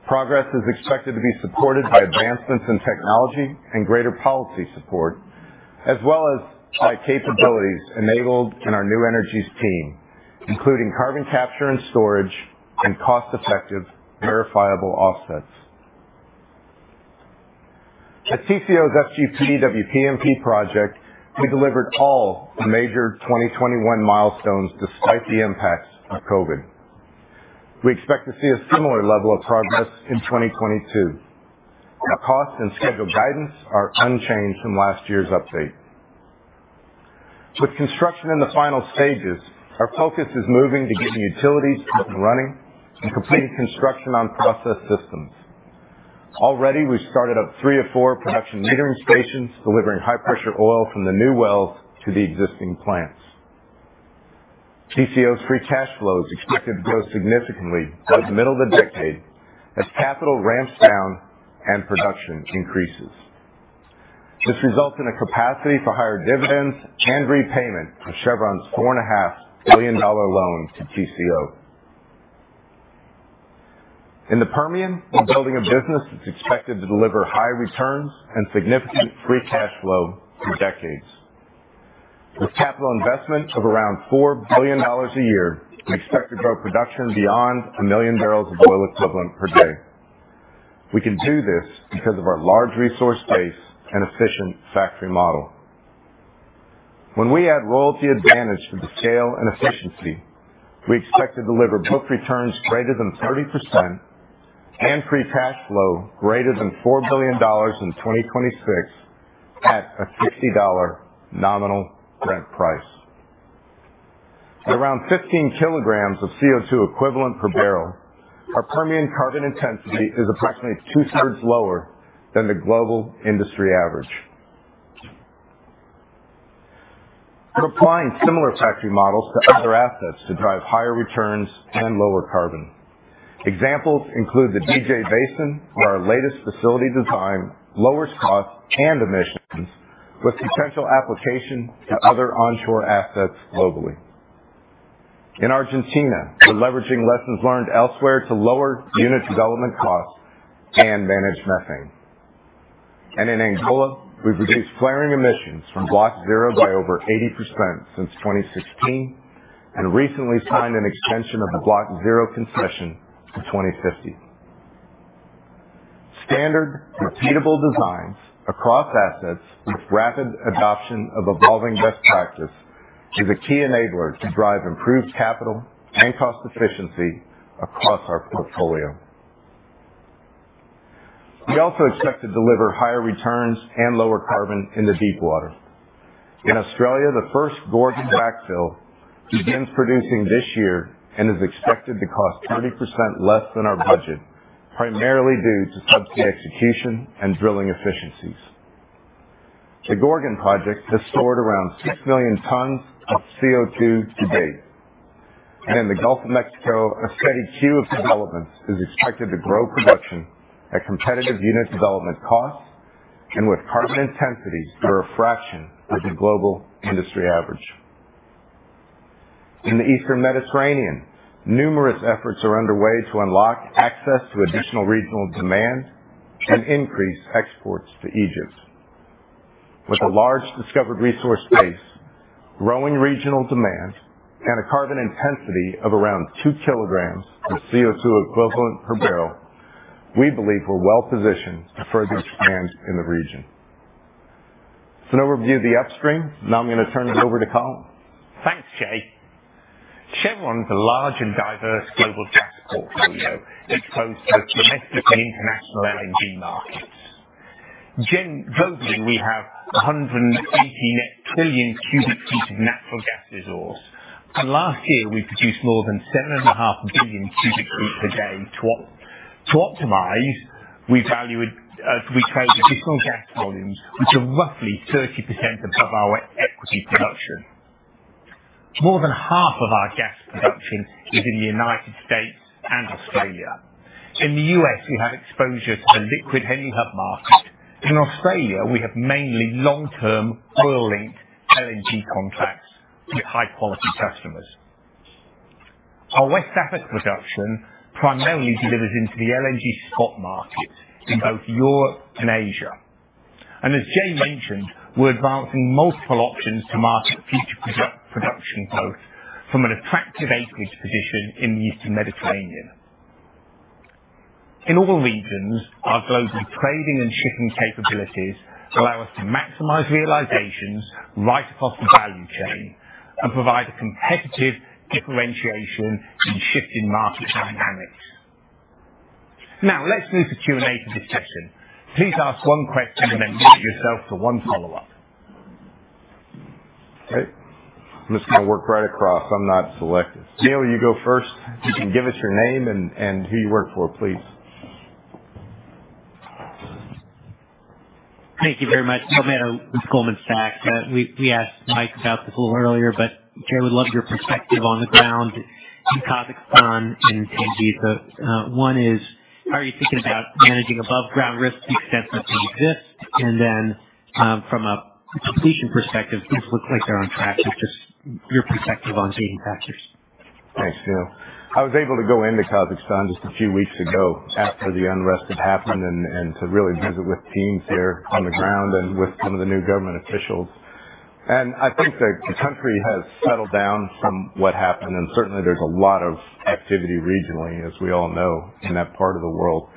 Progress is expected to be supported by advancements in technology and greater policy support, as well as by capabilities enabled in our New Energies team, including carbon capture and storage and cost-effective verifiable offsets. At TCO's FGP-WPMP project, we delivered all major 2021 milestones despite the impacts of COVID. We expect to see a similar level of progress in 2022. Our cost and schedule guidance are unchanged from last year's update. With construction in the final stages, our focus is moving to getting utilities up and running and completing construction on process systems. Already, we started up three of four production metering stations delivering high pressure oil from the new wells to the existing plants. TCO's free cash flow is expected to grow significantly through the middle of the decade as capital ramps down and production increases. This results in a capacity for higher dividends and repayment of Chevron's $4.5 billion loan to TCO. In the Permian, we're building a business that's expected to deliver high returns and significant free cash flow for decades. With capital investment of around $4 billion a year, we expect to grow production beyond one million barrels of oil equivalent per day. We can do this because of our large resource base and efficient factory model. When we add royalty advantage to the scale and efficiency, we expect to deliver book returns greater than 30% and free cash flow greater than $4 billion in 2026 at a $50 nominal Brent price. At around 15 kilograms of CO2 equivalent per barrel, our Permian carbon intensity is approximately two-thirds lower than the global industry average. We're applying similar factory models to other assets to drive higher returns and lower carbon. Examples include the DJ Basin, where our latest facility design lowers costs and emissions with potential application to other onshore assets globally. In Argentina, we're leveraging lessons learned elsewhere to lower unit development costs and manage methane. In Angola, we've reduced flaring emissions from Block zero by over 80% since 2016 and recently signed an extension of the Block zero concession to 2050. Standard repeatable designs across assets with rapid adoption of evolving best practice is a key enabler to drive improved capital and cost efficiency across our portfolio. We also expect to deliver higher returns and lower carbon in the deepwater. In Australia, the first Gorgon backfill begins producing this year and is expected to cost 30% less than our budget, primarily due to subsea execution and drilling efficiencies. The Gorgon project has stored around six million tons of CO2 to date. In the Gulf of Mexico, a steady queue of developments is expected to grow production at competitive unit development costs and with carbon intensities that are a fraction of the global industry average. In the Eastern Mediterranean, numerous efforts are underway to unlock access to additional regional demand and increase exports to Egypt. With a large discovered resource base, growing regional demand, and a carbon intensity of around two kilograms of CO2 equivalent per barrel, we believe we're well positioned to further expand in the region. That's an overview of the Upstream. Now I'm gonna turn it over to Colin. Thanks, Jay. Chevron has a large and diverse global gas portfolio exposed to domestic and international LNG markets. Globally, we have 180 net trillion cubic feet of natural gas resource. Last year, we produced more than 7.5 billion cubic feet per day. To optimize, we value it, we trade additional gas volumes, which are roughly 30% above our equity production. More than half of our gas production is in the United States and Australia. In the U.S., we have exposure to the liquid Henry Hub market. In Australia, we have mainly long-term oil-linked LNG contracts with high-quality customers. Our West Africa production primarily delivers into the LNG spot market in both Europe and Asia. As Jay mentioned, we're advancing multiple options to market future production growth from an attractive acreage position in the Eastern Mediterranean. In all the regions, our global trading and shipping capabilities allow us to maximize realizations right across the value chain and provide a competitive differentiation in shifting market dynamics. Now let's move to Q&A for this session. Please ask one question, and then keep yourself for one follow-up. Okay. I'm just gonna work right across. I'm not selective. Neil, you go first. If you can give us your name and who you work for, please. Thank you very much. Neil Mehta with Goldman Sachs. We asked Mike about this a little earlier, but Jay, I would love your perspective on the ground in Kazakhstan and Tengiz. One is, how are you thinking about managing above ground risk to the extent that they exist? From a completion perspective, things look like they're on track. Just your perspective on key factors. Thanks, Neil. I was able to go into Kazakhstan just a few weeks ago after the unrest had happened and to really visit with teams there on the ground and with some of the new government officials. I think the country has settled down from what happened, and certainly there's a lot of activity regionally, as we all know, in that part of the world.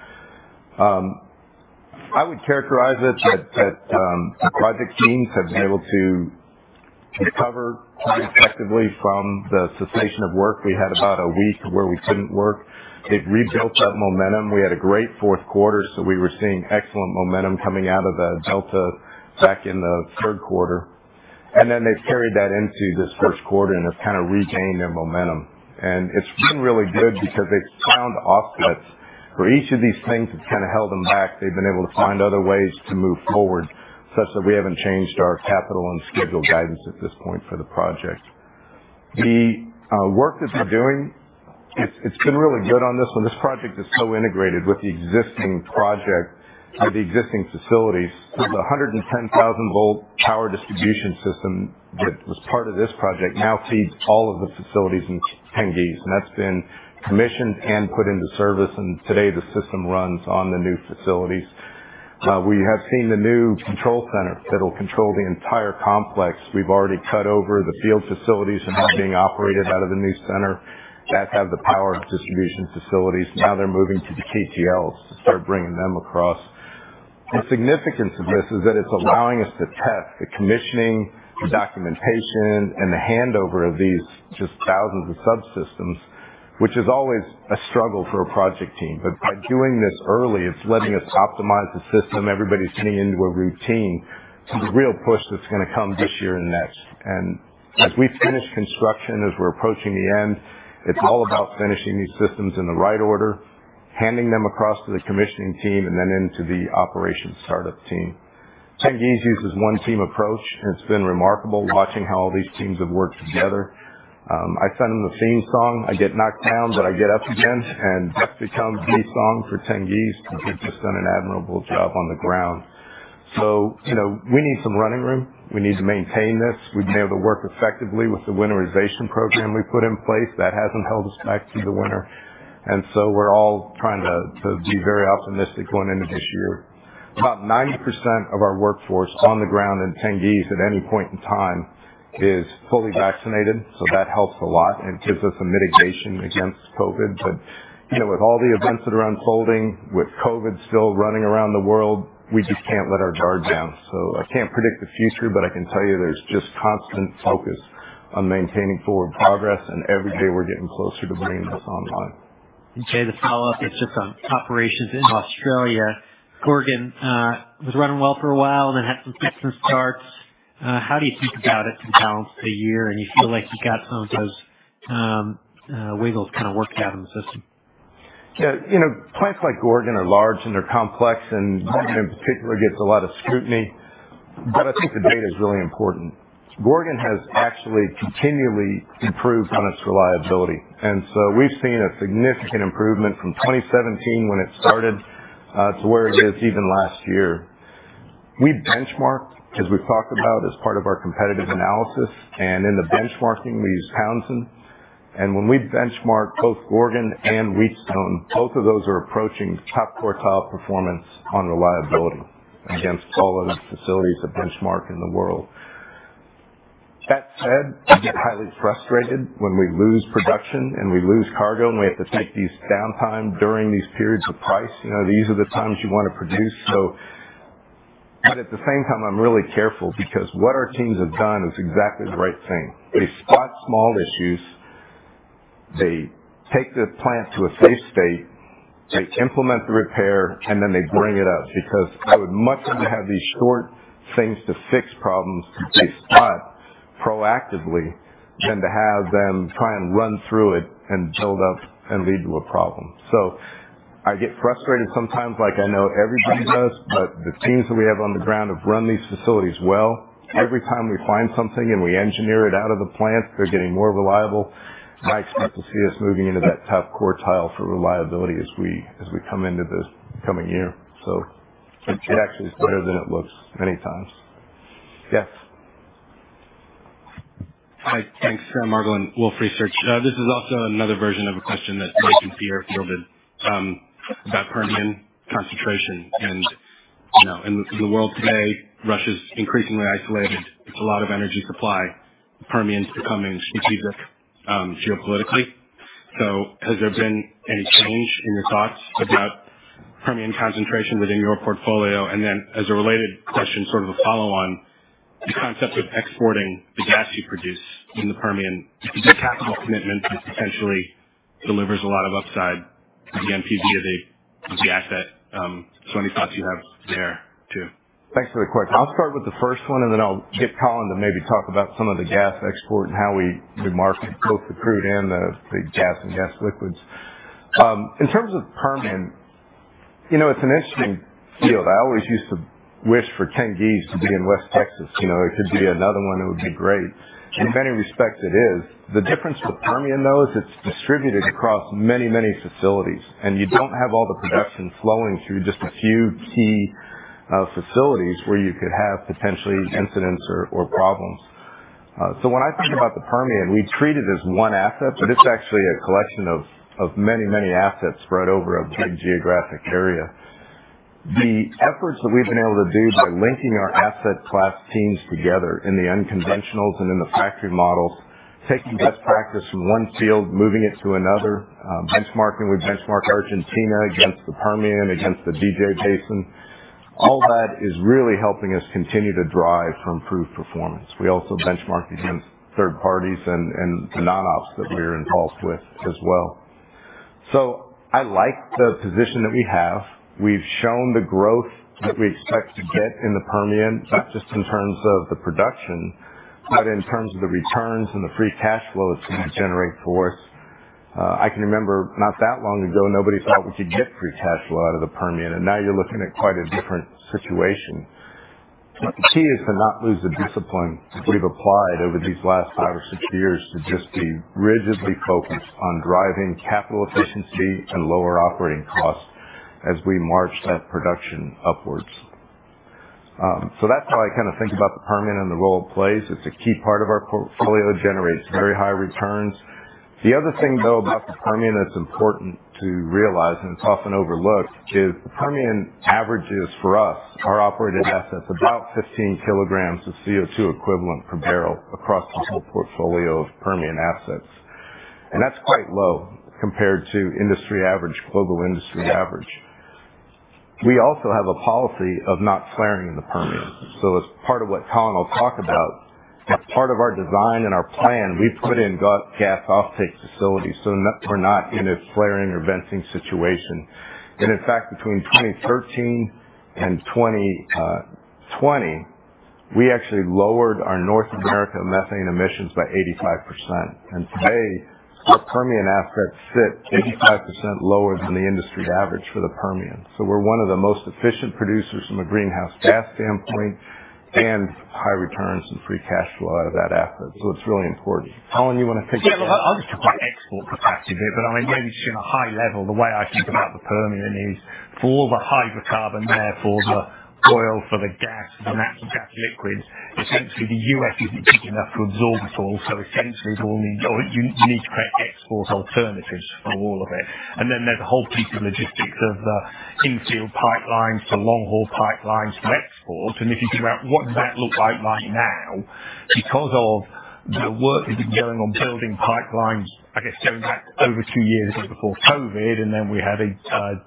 I would characterize it that the project teams have been able to recover quite effectively from the cessation of work. We had about a week where we couldn't work. They've rebuilt that momentum. We had a great fourth quarter, so we were seeing excellent momentum coming out of the delta back in the third quarter. Then they've carried that into this first quarter, and it's kinda regained their momentum. It's been really good because they've found offsets. For each of these things that's kinda held them back, they've been able to find other ways to move forward such that we haven't changed our capital and schedule guidance at this point for the project. The work that they're doing, it's been really good on this one. This project is so integrated with the existing project or the existing facilities. The 110,000-volt power distribution system that was part of this project now feeds all of the facilities in Tengiz, and that's been commissioned and put into service, and today the system runs on the new facilities. We have seen the new control center that'll control the entire complex. We've already cut over. The field facilities are now being operated out of the new center that have the power distribution facilities. Now they're moving to the KGLs to start bringing them across. The significance of this is that it's allowing us to test the commissioning, the documentation, and the handover of these just thousands of subsystems, which is always a struggle for a project team. By doing this early, it's letting us optimize the system. Everybody's getting into a routine. It's a real push that's gonna come this year and next. As we finish construction, as we're approaching the end, it's all about finishing these systems in the right order, handing them across to the commissioning team, and then into the operations startup team. Tengiz uses one team approach, and it's been remarkable watching how all these teams have worked together. I sang them a theme song. I get knocked down, but I get up again, and that's become the song for Tengiz because they've just done an admirable job on the ground. We need some running room. We need to maintain this. We've been able to work effectively with the winterization program we put in place. That hasn't held us back through the winter. We're all trying to be very optimistic going into this year. About 90% of our workforce on the ground in Tengiz at any point in time is fully vaccinated, so that helps a lot and gives us a mitigation against COVID. With all the events that are unfolding, with COVID still running around the world, we just can't let our guard down. I can't predict the future, but I can tell you there's just constant focus on maintaining forward progress, and every day we're getting closer to bringing this online. Jay, this follow-up is just on operations in Australia. Gorgon was running well for a while and then had some fits and starts. How do you think about it in balance for the year? You feel like you got some of those wiggles worked out in the system? Plants like Gorgon are large, and they're complex, and Gorgon in particular gets a lot of scrutiny. I think the data is really important. Gorgon has actually continually improved on its reliability. We've seen a significant improvement from 2017 when it started to where it is even last year. We benchmarked, as we've talked about as part of our competitive analysis, and in the benchmarking, we use Solomon. When we benchmark both Gorgon and Wheatstone, both of those are approaching top quartile performance on reliability against all other facilities that benchmark in the world. That said, I get highly frustrated when we lose production, and we lose cargo, and we have to take these downtime during these periods of high prices. These are the times you wanna produce. At the same time, I'm really careful because what our teams have done is exactly the right thing. They spot small issues, they take the plant to a safe state, they implement the repair, and then they bring it up because I would much rather have these short things to fix problems they spot proactively than to have them try and run through it and build up and lead to a problem. I get frustrated sometimes like I know everybody does, but the teams that we have on the ground have run these facilities well. Every time we find something, and we engineer it out of the plant, they're getting more reliable. I expect to see us moving into that top quartile for reliability as we come into this coming year. It's actually better than it looks many times. Yes. Hi. Thanks. Sam Margolin, Wolfe Research. This is also another version of a question that Mike and Pierre fielded about Permian concentration. In the world today, Russia's increasingly isolated. It's a lot of energy supply. Permian's becoming strategic geopolitically. Has there been any change in your thoughts about Permian concentration within your portfolio? As a related question, a follow-on, the concept of exporting the gas you produce in the Permian. Is it a capital commitment that potentially delivers a lot of upside to the NPV of the asset? Any thoughts you have there too. Thanks for the question. I'll start with the first one, and then I'll get Colin to talk about some of the gas export and how we do market both the crude and the gas and gas liquids. In terms of Permian it's an interesting field. I always used to wish for Tengiz to be in West Texas. If it could be another one, it would be great. In many respects, it is. The difference with Permian, though, is it's distributed across many, many facilities, and you don't have all the production flowing through just a few key facilities where you could have potentially incidents or problems. When I think about the Permian, we treat it as one asset, but it's actually a collection of many, many assets spread over a big geographic area. The efforts that we've been able to do by linking our asset class teams together in the unconventionals and in the factory models, taking best practice from one field, moving it to another, benchmarking. We benchmark Argentina against the Permian, against the DJ Basin. All that is really helping us continue to drive for improved performance. We also benchmark against third parties and the non-ops that we're in calls with as well. I like the position that we have. We've shown the growth that we expect to get in the Permian, not just in terms of the production, but in terms of the returns and the free cash flow it's going to generate for us. I can remember not that long ago, nobody thought we could get free cash flow out of the Permian, and now you're looking at quite a different situation. The key is to not lose the discipline that we've applied over these last five or six years to just be rigidly focused on driving capital efficiency and lower operating costs as we march that production upwards. So that's how I think about the Permian and the role it plays. It's a key part of our portfolio. It generates very high returns. The other thing, though, about the Permian that's important to realize, and it's often overlooked, is the Permian averages for us, our operated assets, about 15 kilograms of CO2 equivalent per barrel across the whole portfolio of Permian assets. That's quite low compared to industry average, global industry average. We also have a policy of not flaring in the Permian. As part of what Colin will talk about, as part of our design and our plan, we put in gas offtake facilities so we're not in a flaring or venting situation. In fact, between 2013 and 2020, we actually lowered our North American methane emissions by 85%. Today, our Permian assets sit 85% lower than the industry average for the Permian. We're one of the most efficient producers from a greenhouse gas standpoint and high returns and free cash flow out of that asset. It's really important. Colin, you wanna take it from here? Yeah, look, I'll just talk about export capacity a bit, but just in a high level, the way I think about the Permian is for all the hydrocarbon there, for the oil, for the gas, for the natural gas liquids, essentially the U.S. isn't big enough to absorb it all. Essentially we all need or you need to create export alternatives for all of it. Then there's a whole piece of logistics of the in-field pipelines to long-haul pipelines to export. If you think about what does that look like right now, because of the work that's been going on building pipelines, I guess going back over two years, like before COVID, and then we had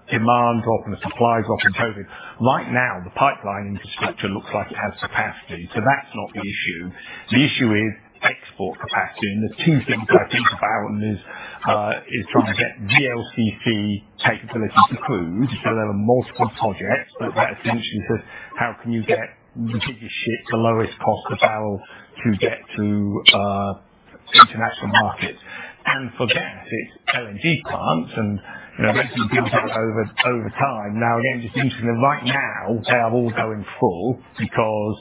demand drop and the supply drop in COVID. Right now, the pipeline infrastructure looks like it has capacity, so that's not the issue. The issue is export capacity, and there are two things I think about, is trying to get VLCC capability to crude. There are multiple projects, but that's the issue is that how can you get the biggest ship to lowest cost barrel to get to international markets? For gas, it's LNG plants and investing to build that over time. Now again, just interestingly, right now they are all going full because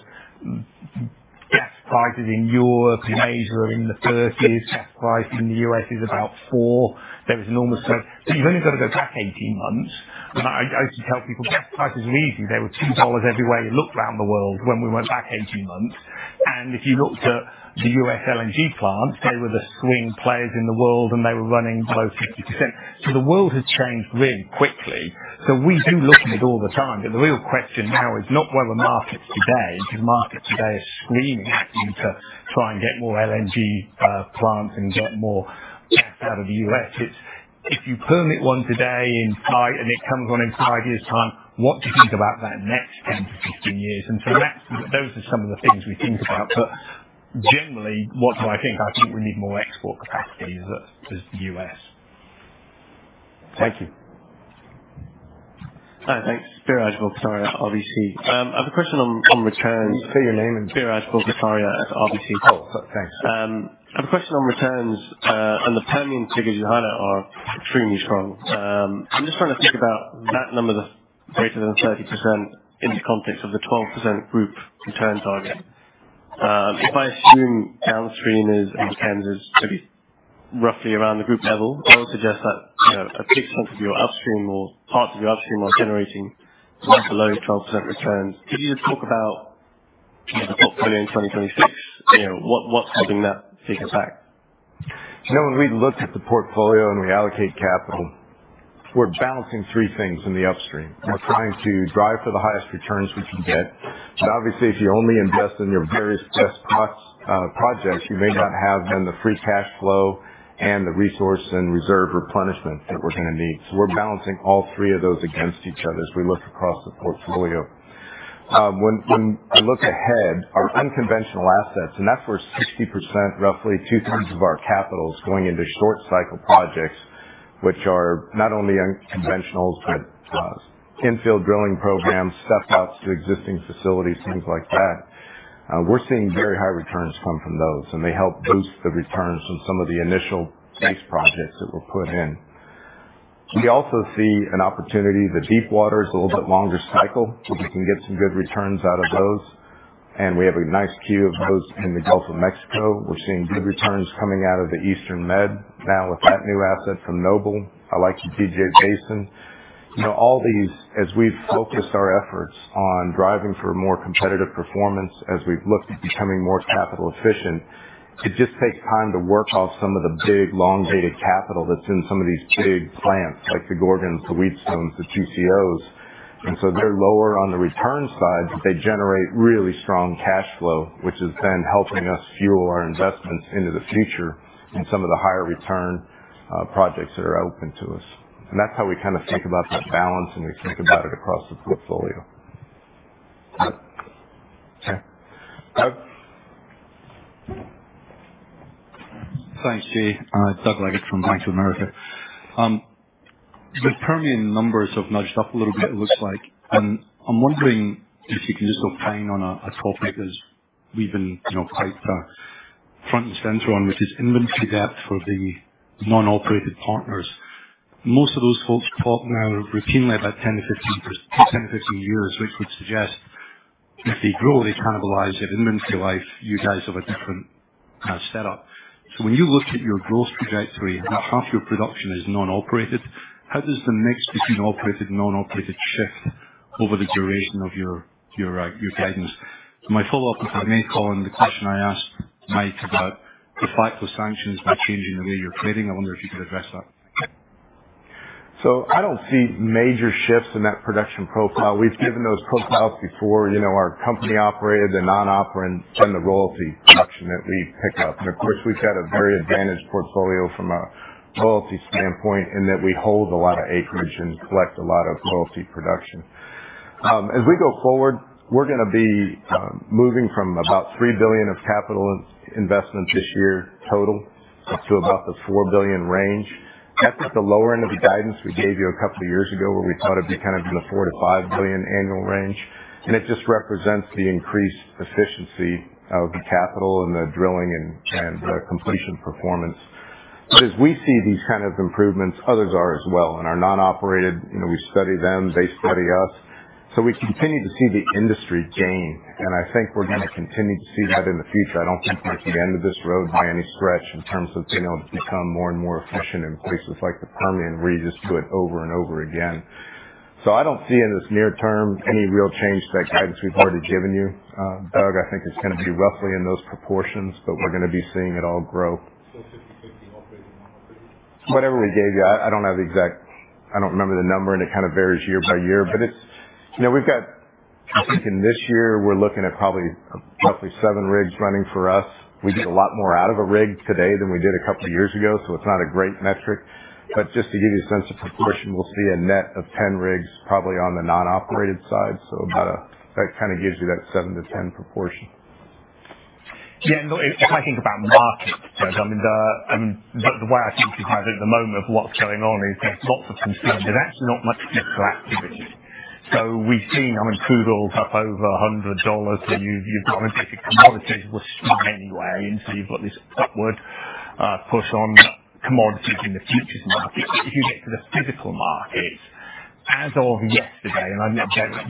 gas prices in Europe and Asia are in the 30s. Gas price in the US is about $4. There was enormous. You've only got to go back 18 months. I should tell people, gas prices were easy. They were $2 everywhere you looked around the world when we went back 18 months. If you looked at the U.S. LNG plants, they were the swing players in the world, and they were running below 50%. The world has changed really quickly. We do look at it all the time, but the real question now is not where the market is today, because the market today is screaming at you to try and get more LNG plants and get more gas out of the U.S. It's if you permit one today in July, and it comes on in five years' time, what do you think about that next 10-15 years? That's. Those are some of the things we think about. Generally, what do I think? I think we need more export capacity that is U.S. Thank you. Hi, thanks. Biraj Borkhataria, RBC. I have a question on returns. Say your name again. Biraj Borkhataria at RBC. Oh, thanks. I have a question on returns, and the Permian figures you highlight are extremely strong. I'm just trying to think about that number that's greater than 30% in the context of the 12% group return target. If I assume Downstream is, in terms of roughly around the group level, that would suggest that a big chunk of your Upstream or parts of your Upstream are generating much below 12% returns. Could you just talk about the portfolio in 2026 what's holding that figure back? When we look at the portfolio and we allocate capital, we're balancing three things in the upstream. We're trying to drive for the highest returns we can get. But obviously, if you only invest in your various best projects, you may not have then the free cash flow and the resource and reserve replenishment that we're gonna need. So we're balancing all three of those against each other as we look across the portfolio. When I look ahead, our unconventional assets, and that's where 60%, roughly two-thirds, of our capital is going into short-cycle projects, which are not only unconventional, but infill drilling programs, step-outs to existing facilities, things like that. We're seeing very high returns come from those, and they help boost the returns from some of the initial base projects that were put in. We also see an opportunity, the deepwater is a little bit longer cycle. We can get some good returns out of those, and we have a nice queue of those in the Gulf of Mexico. We're seeing good returns coming out of the Eastern Med now with that new asset from Noble, our Leviathan DJ Basin. All these, as we've focused our efforts on driving for more competitive performance, as we've looked at becoming more capital efficient, it just takes time to work off some of the big, long-dated capital that's in some of these big plants, like the Gorgon, the Wheatstone, the TCO. They're lower on the return side, but they generate really strong cash flow, which is then helping us fuel our investments into the future in some of the higher return projects that are open to us. That's how we think about that balance, and we think about it across the portfolio. Okay. Uh. Thanks, Jay. Doug Leggate from Bank of America. The Permian numbers have nudged up a little bit, it looks like. I'm wondering if you can just give a comment on a topic that we've been quite front and center on, which is inventory depth for the non-operated partners. Most of those folks talk now routinely about 10-15 years, which would suggest if they grow, they cannibalize their inventory life. You guys have a different setup. So when you look at your growth trajectory, about half your production is non-operated. How does the mix between operated and non-operated shift over the duration of your guidance? My follow-up is on the same call and the question I asked Mike about the effect of sanctions by changing the way you're trading. I wonder if you could address that. I don't see major shifts in that production profile. We've given those profiles before. Our company operated, the non-operant, and the royalty production that we pick up. Of course, we've got a very advantaged portfolio from a royalty standpoint in that we hold a lot of acreage and collect a lot of royalty production. As we go forward, we're gonna be moving from about $3 billion of capital investment this year total up to about the $4 billion range. That's at the lower end of the guidance we gave you a couple of years ago, where we thought it'd be in the $4 to 5 billion annual range. It just represents the increased efficiency of the capital and the drilling and the completion performance. As we see these improvements, others are as well. In our non-operated we study them, they study us. We continue to see the industry gain, and I think we're gonna continue to see that in the future. I don't think we're at the end of this road by any stretch in terms of being able to become more and more efficient in places like the Permian where you just do it over and over again. I don't see in this near term any real change to that guidance we've already given you. Doug, I think it's gonna be roughly in those proportions, but we're gonna be seeing it all grow. Whatever we gave you. I don't remember the number, and it varies year by year. We've got, I think in this year we're looking at probably, roughly seven rigs running for us. We get a lot more out of a rig today than we did a couple of years ago, so it's not a great metric. Just to give you a sense of proportion, we'll see a net of 10 rigs probably on the non-operated side. That kind of gives you that 7-10 proportion. Yeah. No, if I think about the market, Doug Leggate,, the way I think of it at the moment of what's going on is there's lots of concern. There's actually not much physical activity. We've seen crude oil up over $100. You've got it. Commodities were strong anyway, and so you've got this upward push on commodities in the futures market. If you get to the physical markets, as of yesterday, and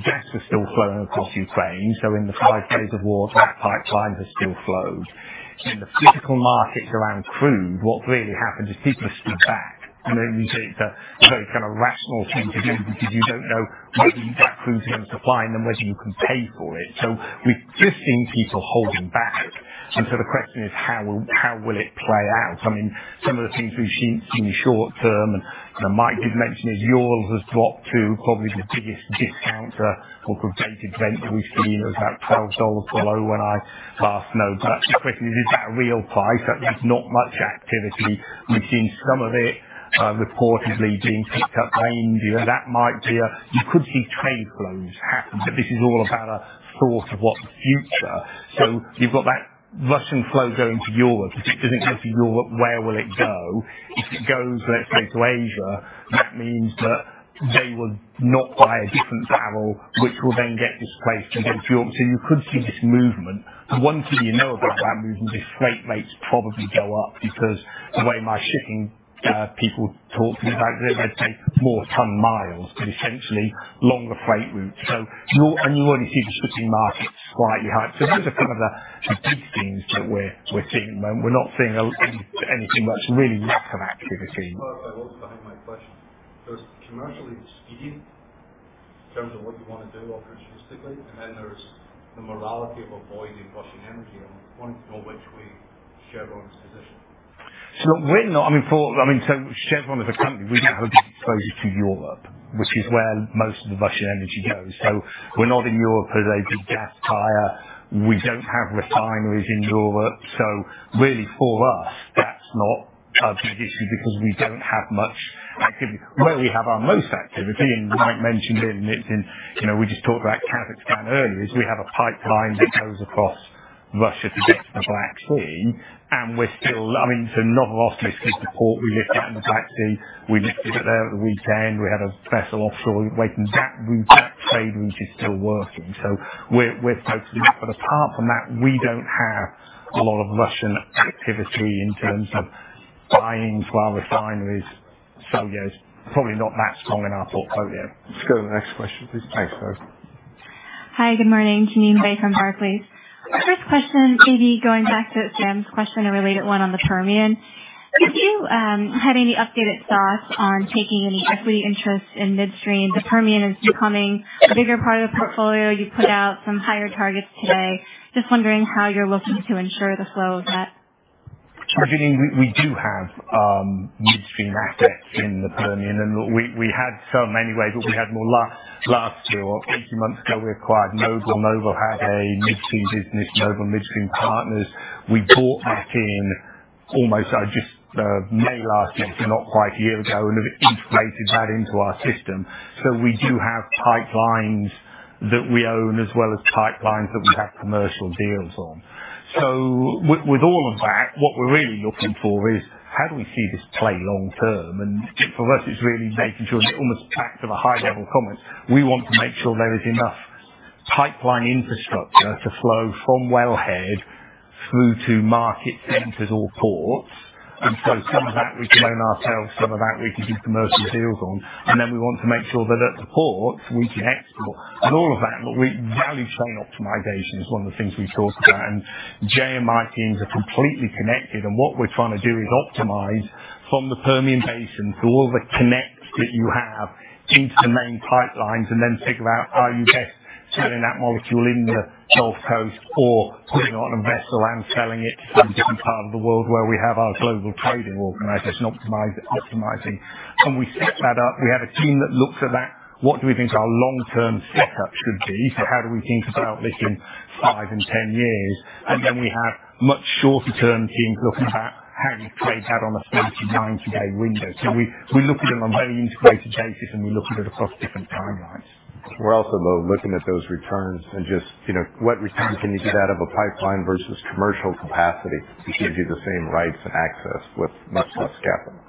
gas was still flowing across Ukraine, so in the five days of war, that pipeline has still flowed. In the physical markets around crude, what really happened is people have stood back. The very rational thing to do because you don't know whether you get crude in the supply and then whether you can pay for it. We've just seen people holding back. The question is how will it play out? Some of the things we've seen in the short term, and ,Mike did mention is Urals has dropped to probably the biggest discount or degraded blend that we've seen. It was about $12 below when I last looked. The question is that a real price? There's not much activity. We've seen some of it reportedly being picked up by India. That might be. You could see trade flows happen, but this is all about a thought of what future. You've got that Russian flow going to Europe. If it doesn't go to Europe, where will it go? If it goes, let's say, to Asia, that means that they will not buy a different barrel, which will then get displaced against Europe. You could see this movement. The one thing you know about that movement is freight rates probably go up because the way my shipping people talk to me about it, they take more ton miles, but essentially longer freight routes. You already see the shipping markets slightly higher. Those are some of the themes that we're seeing. We're not seeing a lack of activity. Well, I'll stand behind my question. There's, commercially speaking, in terms of what you wanna do opportunistically, and then there's the morality of avoiding Russian energy. I want to know which way Chevron is positioned. Chevron as a company, we're not hugely exposed to Europe, which is where most of the Russian energy goes. We're not in Europe as a gas buyer. We don't have refineries in Europe. Really for us, that's not a big issue because we don't have much activity. Where we have our most activity, and Mike mentioned it, and it's in we just talked about Kazakhstan earlier, is we have a pipeline that goes across Russia to get to the Black Sea, and Novorossiysk is the port. We lift out in the Black Sea. We lifted it there at the weekend. We had a vessel offshore waiting. That route, that trade route is still working. We're focused. Apart from that, we don't have a lot of Russian activity in terms of buying to our refineries. Yeah, it's probably not that strong in our portfolio. Let's go to the next question, please. Thanks, Doug Leggate. Hi, good morning. Jeanine Wai from Barclays. My first question may be going back to Sam's question and related one on the Permian. Did you have any updated thoughts on taking any equity interest in midstream? The Permian is becoming a bigger part of the portfolio. You put out some higher targets today. Just wondering how you're looking to ensure the flow of that. Jeanine, we do have midstream assets in the Permian, and look, we had some anyway, but we had more last year or 18 months ago we acquired Noble. Noble had a midstream business, Noble Midstream Partners. We brought that in almost just May last year, so not quite a year ago, and have integrated that into our system. We do have pipelines that we own as well as pipelines that we have commercial deals on. With all of that, what we're really looking for is how do we see this play long term? For us it's really making sure, and it almost back to the high level comments, we want to make sure there is enough pipeline infrastructure to flow from wellhead through to market centers or ports. Some of that we can own ourselves, some of that we can do commercial deals on. We want to make sure that at the port we can export. All of that, we value chain optimization is one of the things we talked about, and Jay and my teams are completely connected. What we're trying to do is optimize from the Permian to all the connections that you have into the main pipelines, and then figure out, are you best off selling that molecule in the Gulf Coast or putting it on a vessel and selling it to some different part of the world where we have our global trading organization optimize, optimizing. We set that up. We have a team that looks at that. What do we think our long-term setup should be? How do we think about this in five and 10 years? Then we have much shorter term teams looking at how do you trade that on a 30-, 90-day window. We look at it on a very integrated basis, and we look at it across different timelines. We're also though looking at those returns and just what return can you get out of a pipeline versus commercial capacity to give you the same rights and access with much less capital.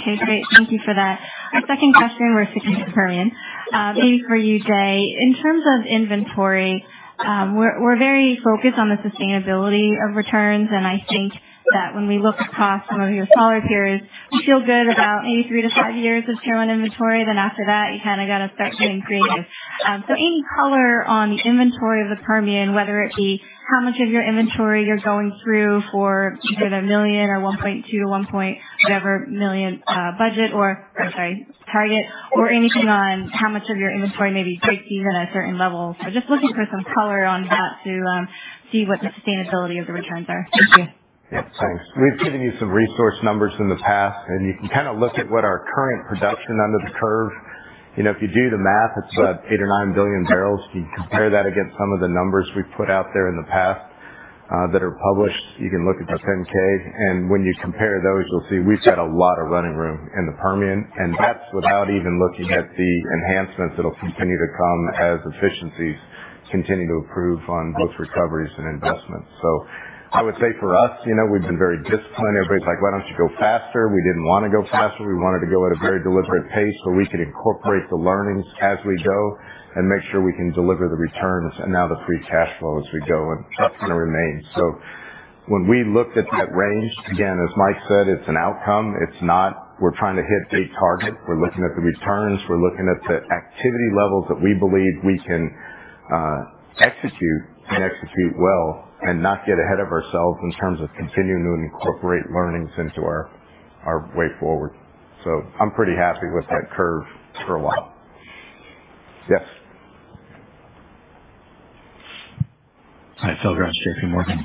Okay, great. Thank you for that. My second question we're sticking to Permian. Maybe for you, Jay. In terms of inventory, we're very focused on the sustainability of returns. I think that when we look across some of your smaller peers, we feel good about maybe three to five years of shale inventory. Then after that, you kinda gotta start getting creative. So any color on the inventory of the Permian, whether it be how much of your inventory you're going through for either 1 million or 1.2 to 1.2 million budget or target or anything on how much of your inventory breaks even at certain levels. Just looking for some color on that to see what the sustainability of the returns are. Thank you. Yeah, thanks. We've given you some resource numbers in the past, and you can look at what our current production under the curve. If you do the math, it's 8eight or nine billion barrels. If you compare that against some of the numbers we've put out there in the past that are published, you can look at the 10-K. When you compare those, you'll see we've got a lot of running room in the Permian, and that's without even looking at the enhancements that'll continue to come as efficiencies continue to improve on both recoveries and investments. I would say for us we've been very disciplined. Everybody's like, "Why don't you go faster?" We didn't wanna go faster. We wanted to go at a very deliberate pace, so we could incorporate the learnings as we go and make sure we can deliver the returns and now the free cash flows we generate and maintain. When we looked at that range, again, as Mike said, it's an outcome. It's not we're trying to hit a target. We're looking at the returns. We're looking at the activity levels that we believe we can execute and execute well and not get ahead of ourselves in terms of continuing to incorporate learnings into our way forward. I'm pretty happy with that curve for a while. Yes. Hi, Phil Gresh, JPMorgan.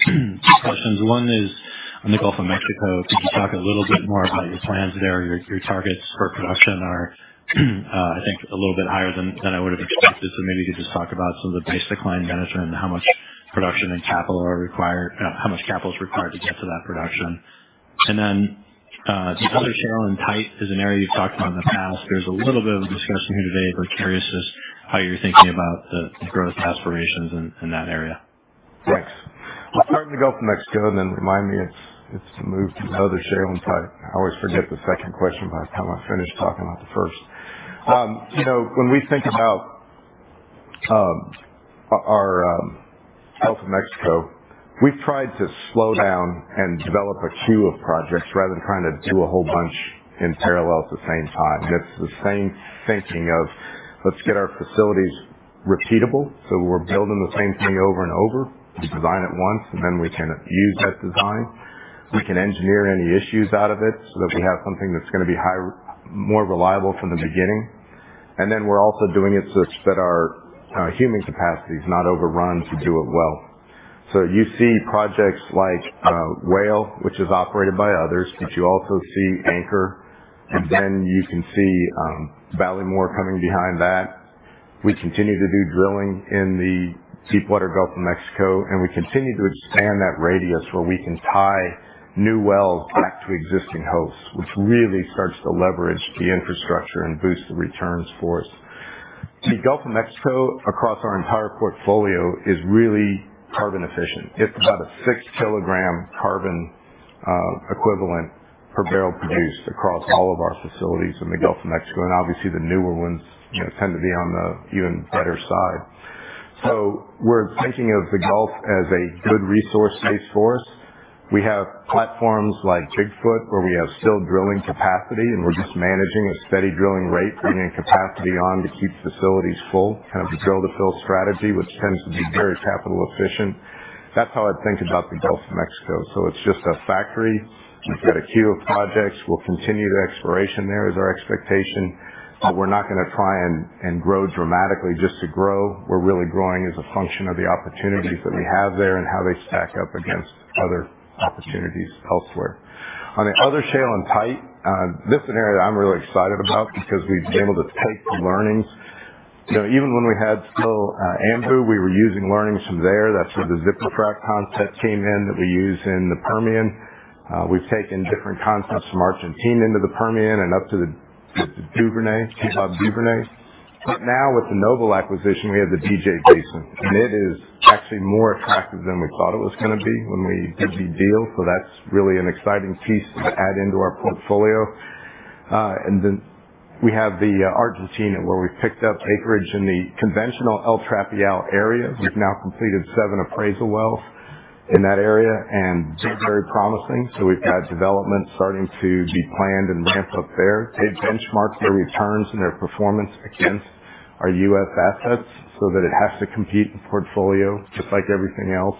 Two questions. One is on the Gulf of Mexico. Could you talk a little bit more about your plans there? Your targets for production are, I think, a little bit higher than I would have expected. So you could just talk about some of the baseline management and how much production and capital are required, how much capital is required to get to that production. Then, the other shale and tight is an area you've talked about in the past. There's a little bit of discussion here today. We're curious just how you're thinking about the growth aspirations in that area. Thanks. I'll start with the Gulf of Mexico, and then remind me it's to move to other shale and tight. I always forget the second question by the time I finish talking about the first. When we think about our Gulf of Mexico, we've tried to slow down and develop a queue of projects rather than trying to do a whole bunch in parallel at the same time. That's the same thinking of let's get our facilities repeatable, so we're building the same thing over and over. We design it once, and then we can use that design. We can engineer any issues out of it so that we have something that's gonna be high more reliable from the beginning. Then we're also doing it such that our human capacity is not overrun to do it well. You see projects like Whale, which is operated by others, but you also see Anchor, and then you can see Ballymore coming behind that. We continue to do drilling in the deepwater Gulf of Mexico, and we continue to expand that radius where we can tie new wells back to existing hosts, which really starts to leverage the infrastructure and boost the returns for us. The Gulf of Mexico across our entire portfolio is really carbon efficient. It's about a six-kilogram carbon equivalent per barrel produced across all of our facilities in the Gulf of Mexico. Obviously the newer ones tend to be on the even better side. We're thinking of the Gulf as a good resource base for us. We have platforms like Big Foot, where we have still drilling capacity, and we're just managing a steady drilling rate, bringing capacity on to keep facilities full. A drill to fill strategy, which tends to be very capital efficient. That's how I think about the Gulf of Mexico, so it's just a factory. We've got a queue of projects. We'll continue the exploration there. This is our expectation, but we're not gonna try and grow dramatically just to grow. We're really growing as a function of the opportunities that we have there and how they stack up against other opportunities elsewhere. On the other shale and tight, this is an area that I'm really excited about because we've been able to take the learnings. You know, even when we had still, Anhu, we were using learnings from there. That's where the Zipper Frac concept came in that we use in the Permian. We've taken different concepts from Argentina into the Permian and up to the Duvernay. Now with the Noble acquisition, we have the DJ Basin, and it is actually more attractive than we thought it was gonna be when we did the deal, so that's really an exciting piece to add into our portfolio. We have Argentina, where we picked up acreage in the conventional El Trapial area. We've now completed seven appraisal wells in that area, and they're very promising. We've got development starting to be planned and ramped up there. They benchmark their returns and their performance against our U.S. assets so that it has to compete in portfolio just like everything else.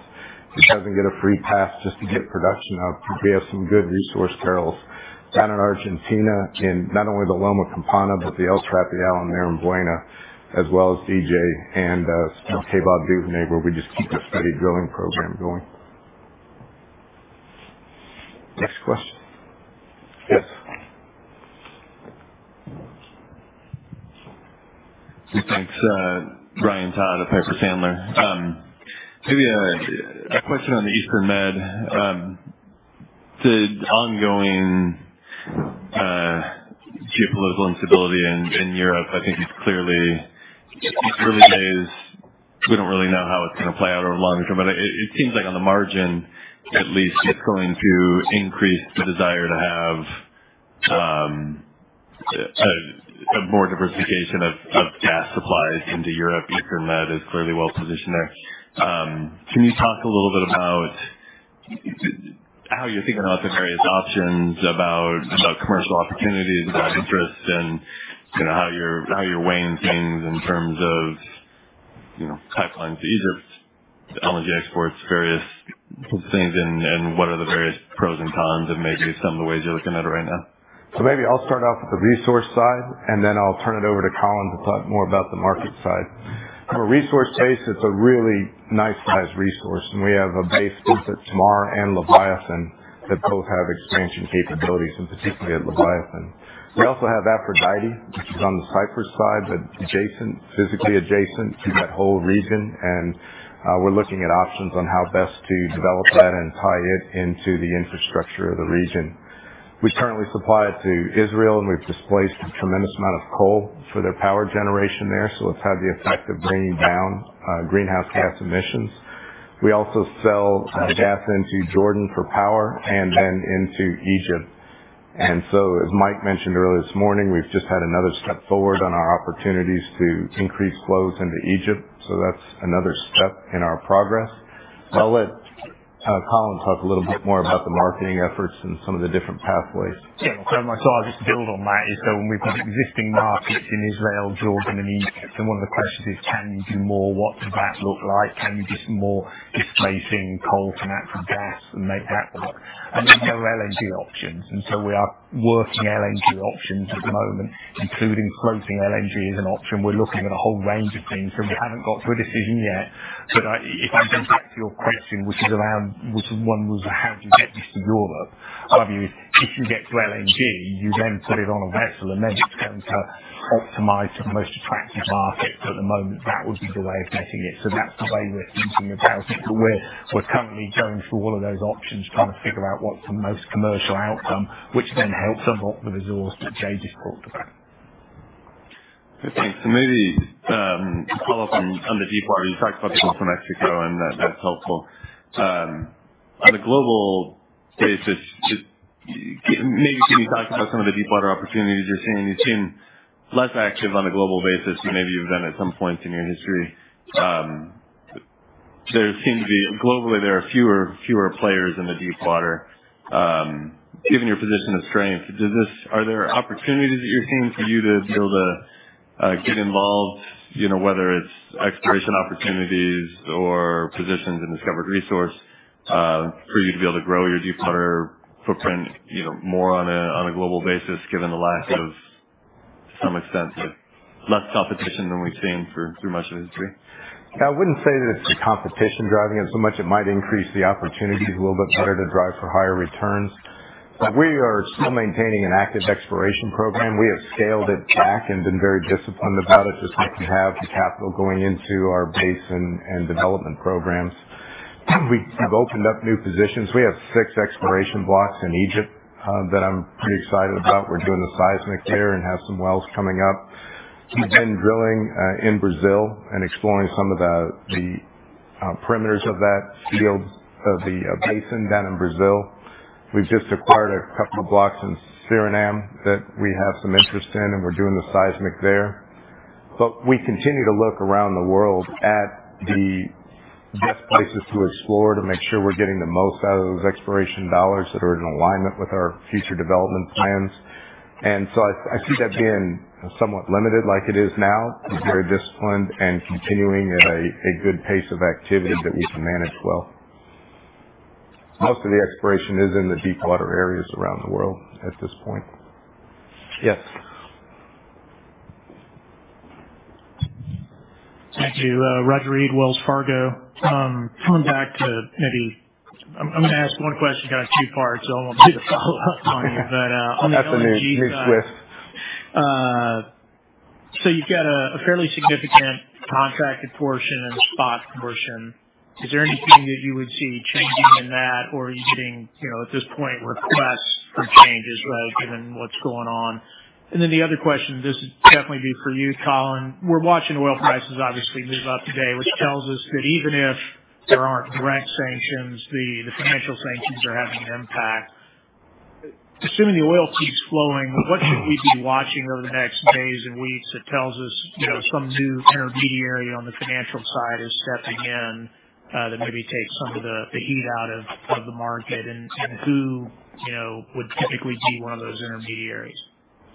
It doesn't get a free pass just to get production up. We have some good resource barrels down in Argentina, in not only the Loma Campana, but the El Trapial and Narambuena, as well as DJ and Cabudare, where we just keep a steady drilling program going. Next question. Yes. Thanks. Ryan Todd of Piper Sandler. A question on the Eastern Med. The ongoing geopolitical instability in Europe, I think clearly, these early days, we don't really know how it's gonna play out over the long term. But it seems like on the margin, at least it's going to increase the desire to have a more diversification of gas supplies into Europe. Eastern Med is clearly well positioned there. Can you talk a little bit about how you're thinking about the various options about commercial opportunities, about interest, and how you're weighing things in terms of pipelines to Egypt, LNG exports, various things. What are the various pros and cons and some of the ways you're looking at it right now? I'll start off with the resource side, and then I'll turn it over to Colin to talk more about the market side. From a resource base, it's a really nice sized resource, and we have a base both at Tamar and Leviathan that both have expansion capabilities, and particularly at Leviathan. We also have Aphrodite, which is on the Cyprus side, but adjacent, physically adjacent to that whole region. We're looking at options on how best to develop that and tie it into the infrastructure of the region. We currently supply it to Israel, and we've displaced a tremendous amount of coal for their power generation there. It's had the effect of bringing down greenhouse gas emissions. We also sell gas into Jordan for power and then into Egypt. As Mike mentioned earlier this morning, we've just had another step forward on our opportunities to increase flows into Egypt. That's another step in our progress. I'll let Colin talk a little bit more about the marketing efforts and some of the different pathways. Yeah. Mike, so I'll just build on that is that when we've got existing markets in Israel, Jordan and Egypt, then one of the questions is, can you do more? What does that look like? Can you do some more displacing coal to natural gas and make that work? There's no LNG options. We are working LNG options at the moment, including floating LNG as an option. We're looking at a whole range of things, and we haven't got to a decision yet. But, if I go back to your question, which is around. Which one was, how do you get this to Europe? If you get to LNG, you then put it on a vessel and then it's down to optimize for the most attractive market. At the moment, that would be the way of getting it. That's the way we're thinking about it. We're currently going through all of those options, trying to figure out what's the most commercial outcome, which then helps unlock the results that J.D. scored. Okay. To follow up on the deepwater, you talked about Mexico and that's helpful. On a global basis, just maybe can you talk about some of the deepwater opportunities you're seeing? You've been less active on a global basis than maybe you've been at some points in your history. Globally, there seem to be fewer players in the deepwater. Given your position of strength, are there opportunities that you're seeing for you to be able to get involved whether it's exploration opportunities or positions in discovered resource for you to be able to grow your deepwater footprint more on a global basis, given the lack to some extent of less competition than we've seen for much of the history? I wouldn't say that it's the competition driving it so much. It might increase the opportunities a little bit better to drive for higher returns. We are still maintaining an active exploration program. We have scaled it back and been very disciplined about it, just so we can have the capital going into our base and development programs. We have opened up new positions. We have six exploration blocks in Egypt that I'm pretty excited about. We're doing the seismic there and have some wells coming up. We've been drilling in Brazil and exploring some of the perimeters of that field of the basin down in Brazil. We've just acquired a couple of blocks in Suriname that we have some interest in, and we're doing the seismic there. We continue to look around the world at the best places to explore to make sure we're getting the most out of those exploration dollars that are in alignment with our future development plans. I see that being somewhat limited like it is now. It's very disciplined and continuing at a good pace of activity that we can manage well. Most of the exploration is in the deepwater areas around the world at this point. Yes. Thank you. Roger Read, Wells Fargo. Coming back to I'm gonna ask one question, guys, two parts. I won't do the follow-ups on you, but on the LNG side. That's a new twist. You've got a fairly significant contracted portion and spot portion. Is there anything that you would see changing in that, or are you getting at this point, requests for changes, right, given what's going on? The other question, this would definitely be for you, Colin. We're watching oil prices obviously move up today, which tells us that even if there aren't direct sanctions, the financial sanctions are having an impact. Assuming the oil keeps flowing, what should we be watching over the next days and weeks that tells us some new intermediary on the financial side is stepping in, that maybe takes some of the heat out of the market? Who would typically be one of those intermediaries?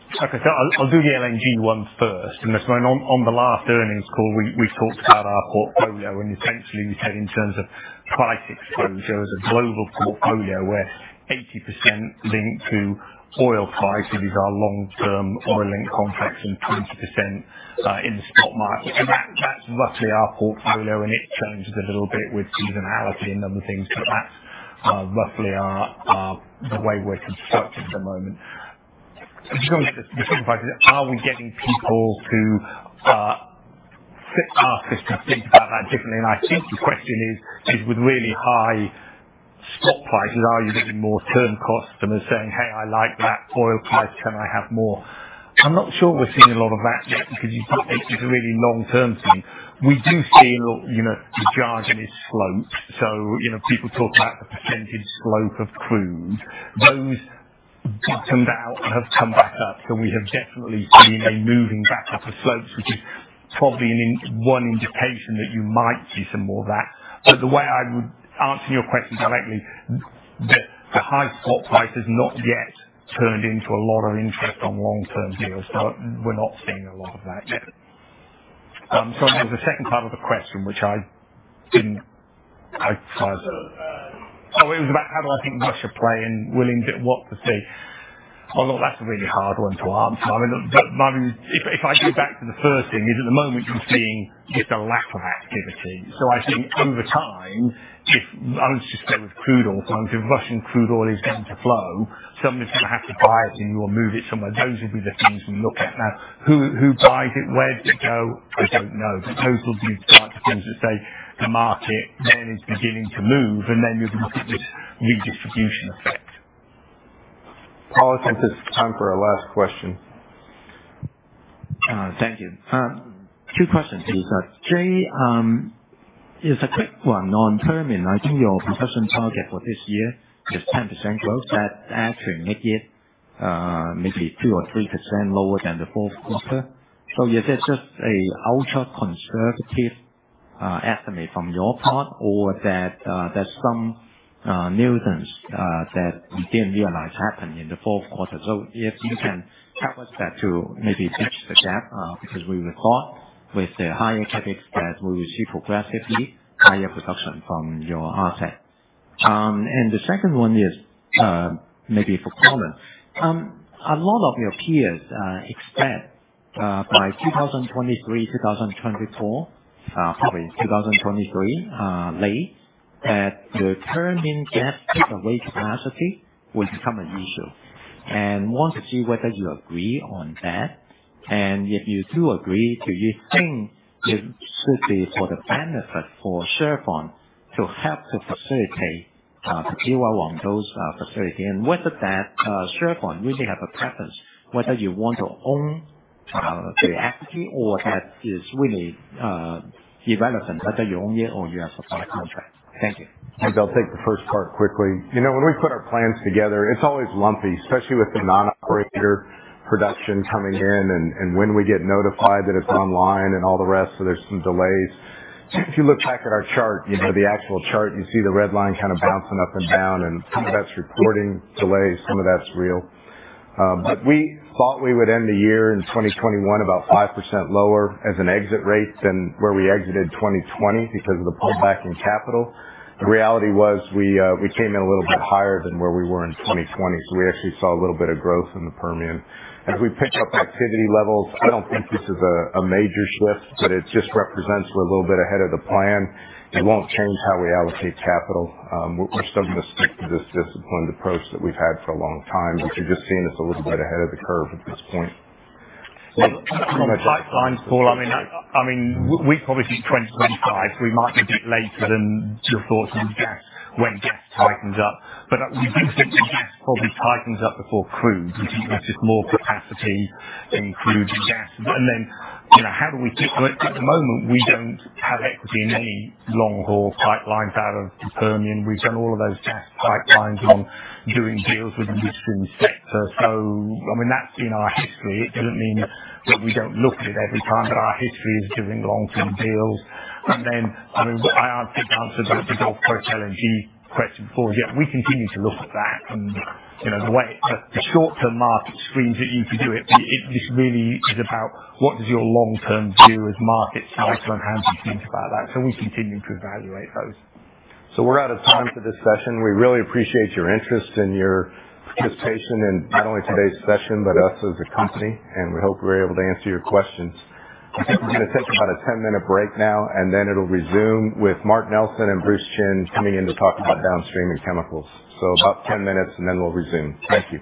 Okay. I'll do the LNG one first. This one on the last earnings call, we talked about our portfolio, and essentially we said in terms of price exposure as a global portfolio, we're 80% linked to oil prices with our long term oil linked contracts and 20%, in the spot market. That's roughly our portfolio, and it changes a little bit with seasonality and other things. That's roughly the way we're constructed at the moment. Just going back to the second question, are we getting people who fit our system think about that differently? I think the question is with really high stock prices, are you getting more term customers saying, "Hey, I like that oil price. Can I have more?" I'm not sure we're seeing a lot of that yet because it's a really long-term thing. We do see a lot. The charging is sloped. People talk about the percentage slope of crude. Those bottomed out have come back up, and we have definitely seen a moving back up of slopes, which is probably an indication that you might see some more of that. The way I would answer your question directly, the high spot price has not yet turned into a lot of interest on long term deals. We're not seeing a lot of that yet. Sorry, there was a second part of the question, which I didn't I five. So, uh- Oh, look, that's a really hard one to answer.My view, if I go back, the first thing is, at the moment you're seeing just a lack of activity. I think over time I would just go with crude oil. If Russian crude oil is going to flow, somebody's gonna have to buy it or move it somewhere. Those would be the things we look at. Now, who buys it, where does it go? I don't know. Those will be the types of things that say the market then is beginning to move, and then you can look at this redistribution effect. Paul, I think it's time for our last question. Thank you. Two questions. Jay, here's a quick one on Permian. I think your production target for this year is 10% growth. That'll actually make it maybe 2% to 3% lower than the fourth quarter. Is this just an ultra-conservative estimate from your part or that there's some nuance that you didn't realize happened in the fourth quarter? If you can help us that to maybe bridge the gap, because we would thought with the higher CapEx that we receive progressively higher production from your asset. The second one is for Colin. A lot of your peers expect by 2023-2024, probably late 2023, that the Permian gas takeaway capacity will become an issue. Want to see whether you agree on that. If you do agree, do you think it should be for the benefit for Chevron to help to facilitate to deal along those facility? Whether that Chevron really have a preference whether you want to own the equity or that is really development, whether you own it or you have a contract. Thank you. I'll take the first part quickly. When we put our plans together, it's always lumpy, especially with the non-operator production coming in and when we get notified that it's online and all the rest, so there's some delays. If you look back at our chart the actual chart, you see the red line kind of bouncing up and down, and some of that's reporting delays, some of that's real. We thought we would end the year in 2021 about 5% lower as an exit rate than where we exited 2020 because of the pullback in capital. The reality was we came in a little bit higher than where we were in 2020, so we actually saw a little bit of growth in the Permian. As we picked up activity levels, I don't think this is a major shift, but it just represents we're a little bit ahead of the plan. It won't change how we allocate capital. We're still going to stick to this disciplined approach that we've had for a long time, but you're just seeing us a little bit ahead of the curve at this point. Pipelines, Paul.We probably think 2025, so we might be a bit later than your thoughts on gas when gas tightens up. We think that the gas probably tightens up before crude. We think there's just more capacity in crude and gas. How do we do? At the moment, we don't have equity in any long-haul pipelines out of Permian. We've done all of those gas pipelines and doing deals with industry sector. That's been our history. It doesn't mean that we don't look at it every time, but our history is doing long-term deals. I answered that Gulf Coast LNG question before. Yeah, we continue to look at that and the way. The short-term market screams at you to do it. It just really is about what your long-term view of markets is, how to enhance things about that. We continue to evaluate those. We're out of time for this session. We really appreciate your interest and your participation in not only today's session, but us as a company, and we hope we were able to answer your questions. We're gonna take about a 10-minute break now, and then it'll resume with Mark Nelson and Bruce Chinn coming in to talk about Downstream and Chemicals. About 10 minutes and then we'll resume. Thank you.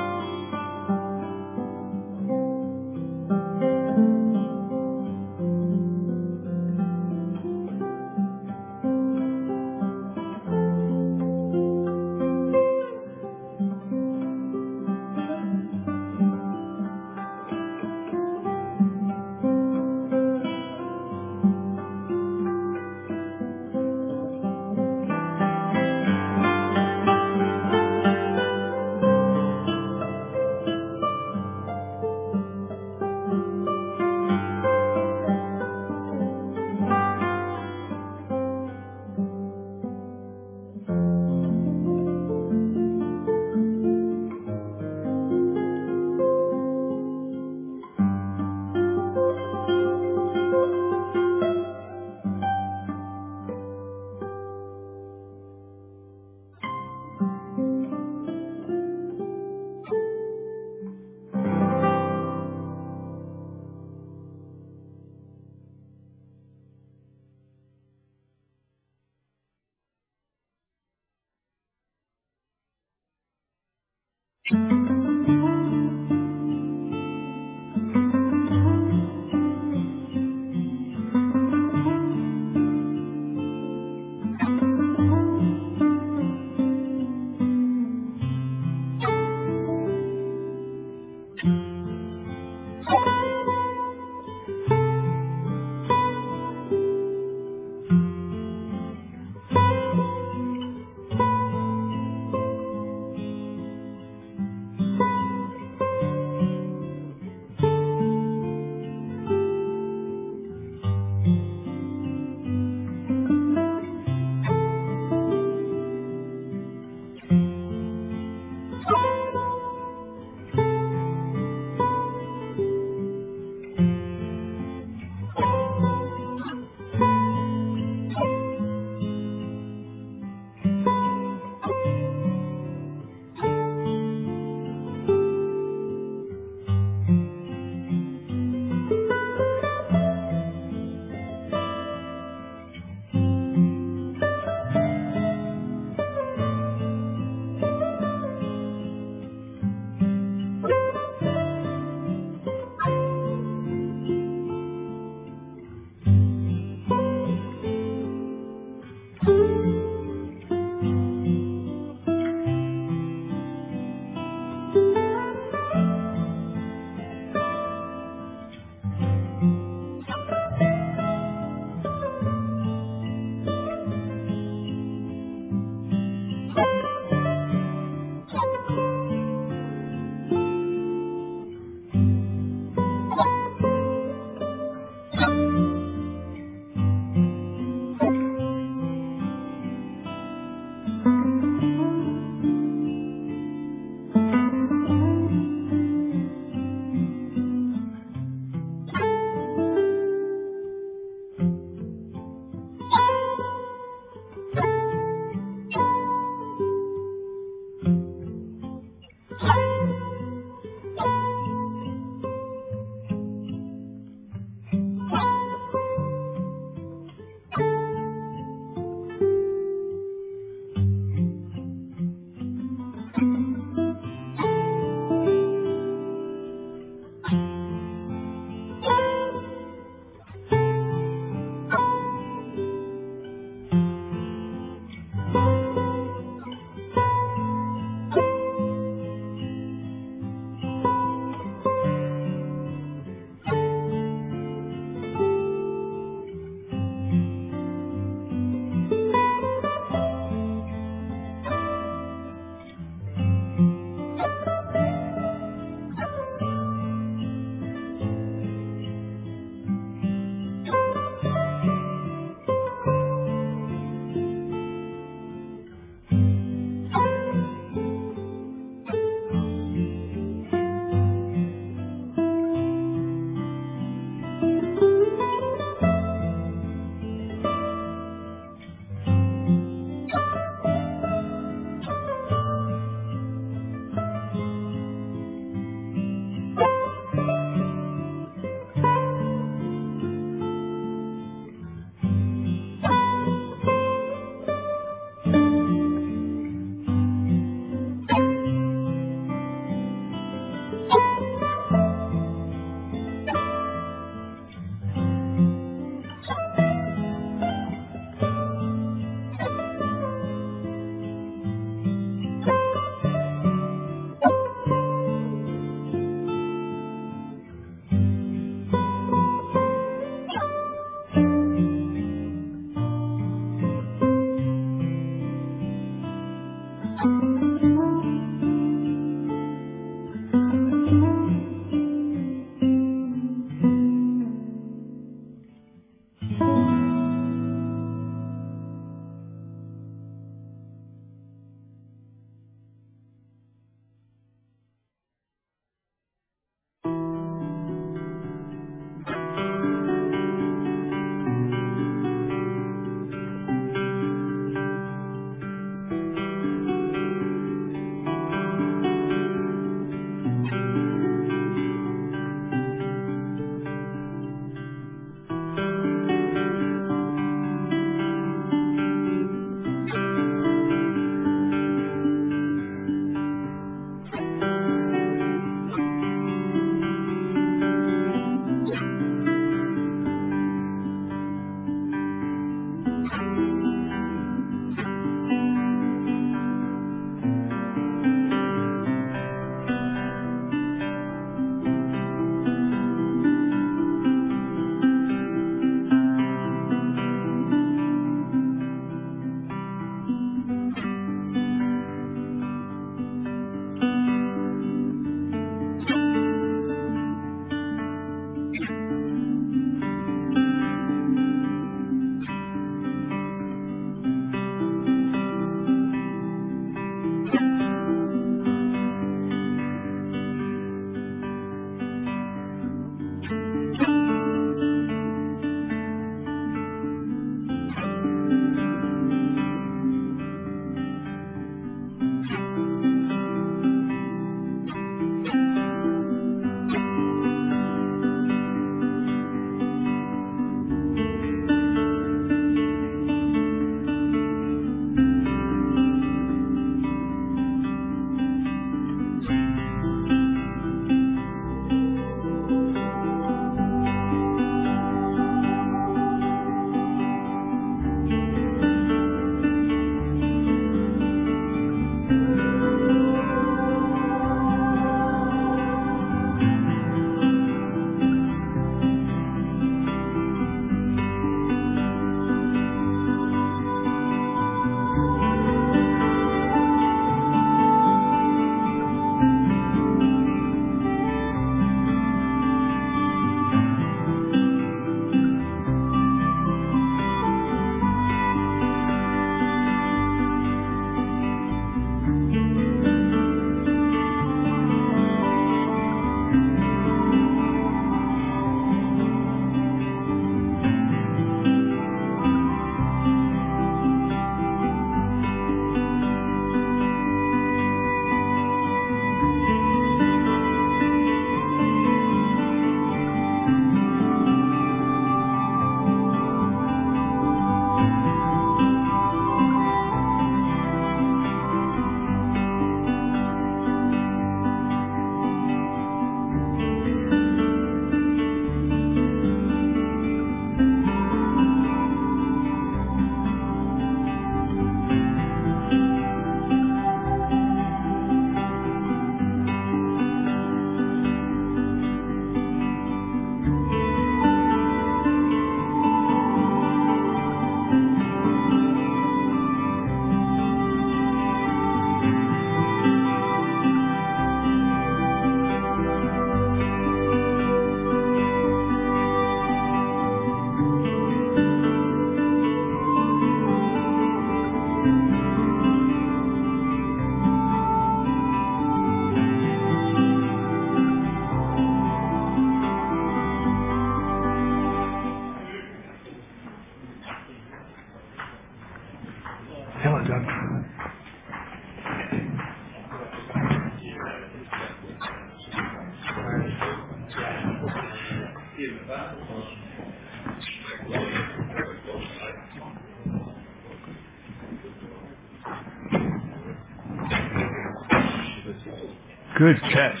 Good catch.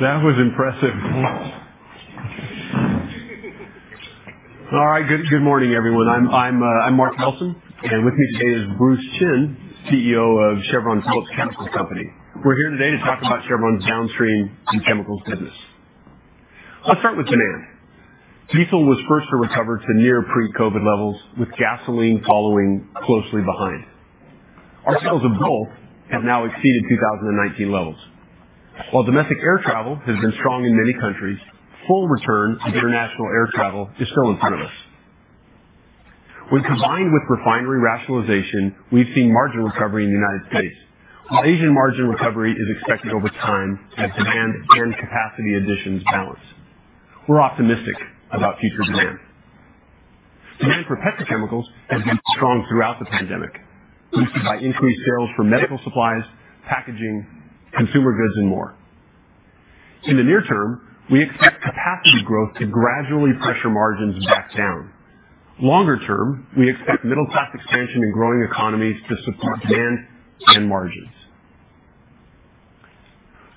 That was impressive. All right. Good morning, everyone. I'm Mark Nelson, and with me today is Bruce Chinn, CEO of Chevron Phillips Chemical Company. We're here today to talk about Chevron's downstream and chemicals business. Let's start with demand. Diesel was first to recover to near pre-COVID levels, with gasoline following closely behind. Our sales of both have now exceeded 2019 levels. While domestic air travel has been strong in many countries, full return to international air travel is still in front of us. When combined with refinery rationalization, we've seen margin recovery in the United States. Asian margin recovery is expected over time as demand and capacity additions balance. We're optimistic about future demand. Demand for petrochemicals has been strong throughout the pandemic, boosted by increased sales for medical supplies, packaging, consumer goods, and more. In the near term, we expect capacity growth to gradually pressure margins back down. Longer term, we expect middle class expansion and growing economies to support demand and margins.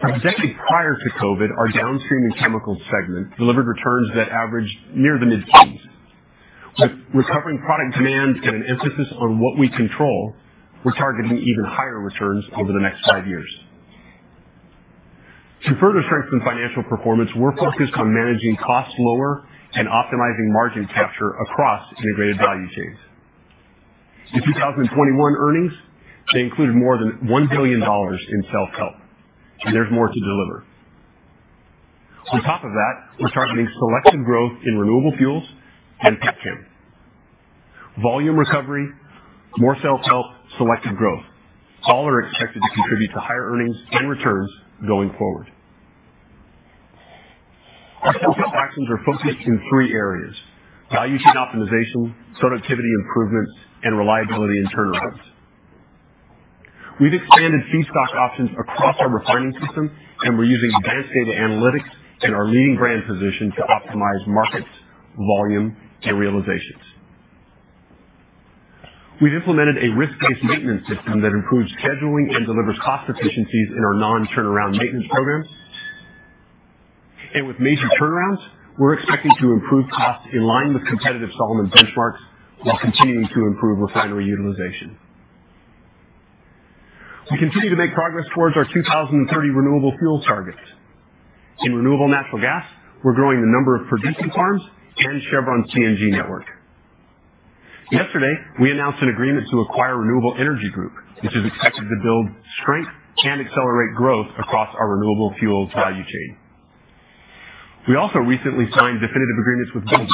The decade prior to COVID, our Downstream and Chemicals segment delivered returns that averaged near the mid-teens. With recovering product demand and an emphasis on what we control, we're targeting even higher returns over the next five years. To further strengthen financial performance, we're focused on managing costs lower and optimizing margin capture across integrated value chains. The 2021 earnings, they include more than $1 billion in self-help, and there's more to deliver. On top of that, we're targeting selective growth in renewable fuels and pet chem. Volume recovery, more self-help, selective growth. All are expected to contribute to higher earnings and returns going forward. Our focus actions are focused in three areas, value chain optimization, productivity improvements, and reliability and turnarounds. We've expanded feedstock options across our refining system, and we're using advanced data analytics and our leading brand position to optimize markets, volume, and realizations. We've implemented a risk-based maintenance system that improves scheduling and delivers cost efficiencies in our non-turnaround maintenance programs. With major turnarounds, we're expecting to improve costs in line with competitive Solomon benchmarks while continuing to improve refinery utilization. We continue to make progress towards our 2030 renewable fuel targets. In renewable natural gas, we're growing the number of producing farms and Chevron CNG network. Yesterday, we announced an agreement to acquire Renewable Energy Group, which is expected to build strength and accelerate growth across our renewable fuels value chain. We also recently signed definitive agreements with Bunge.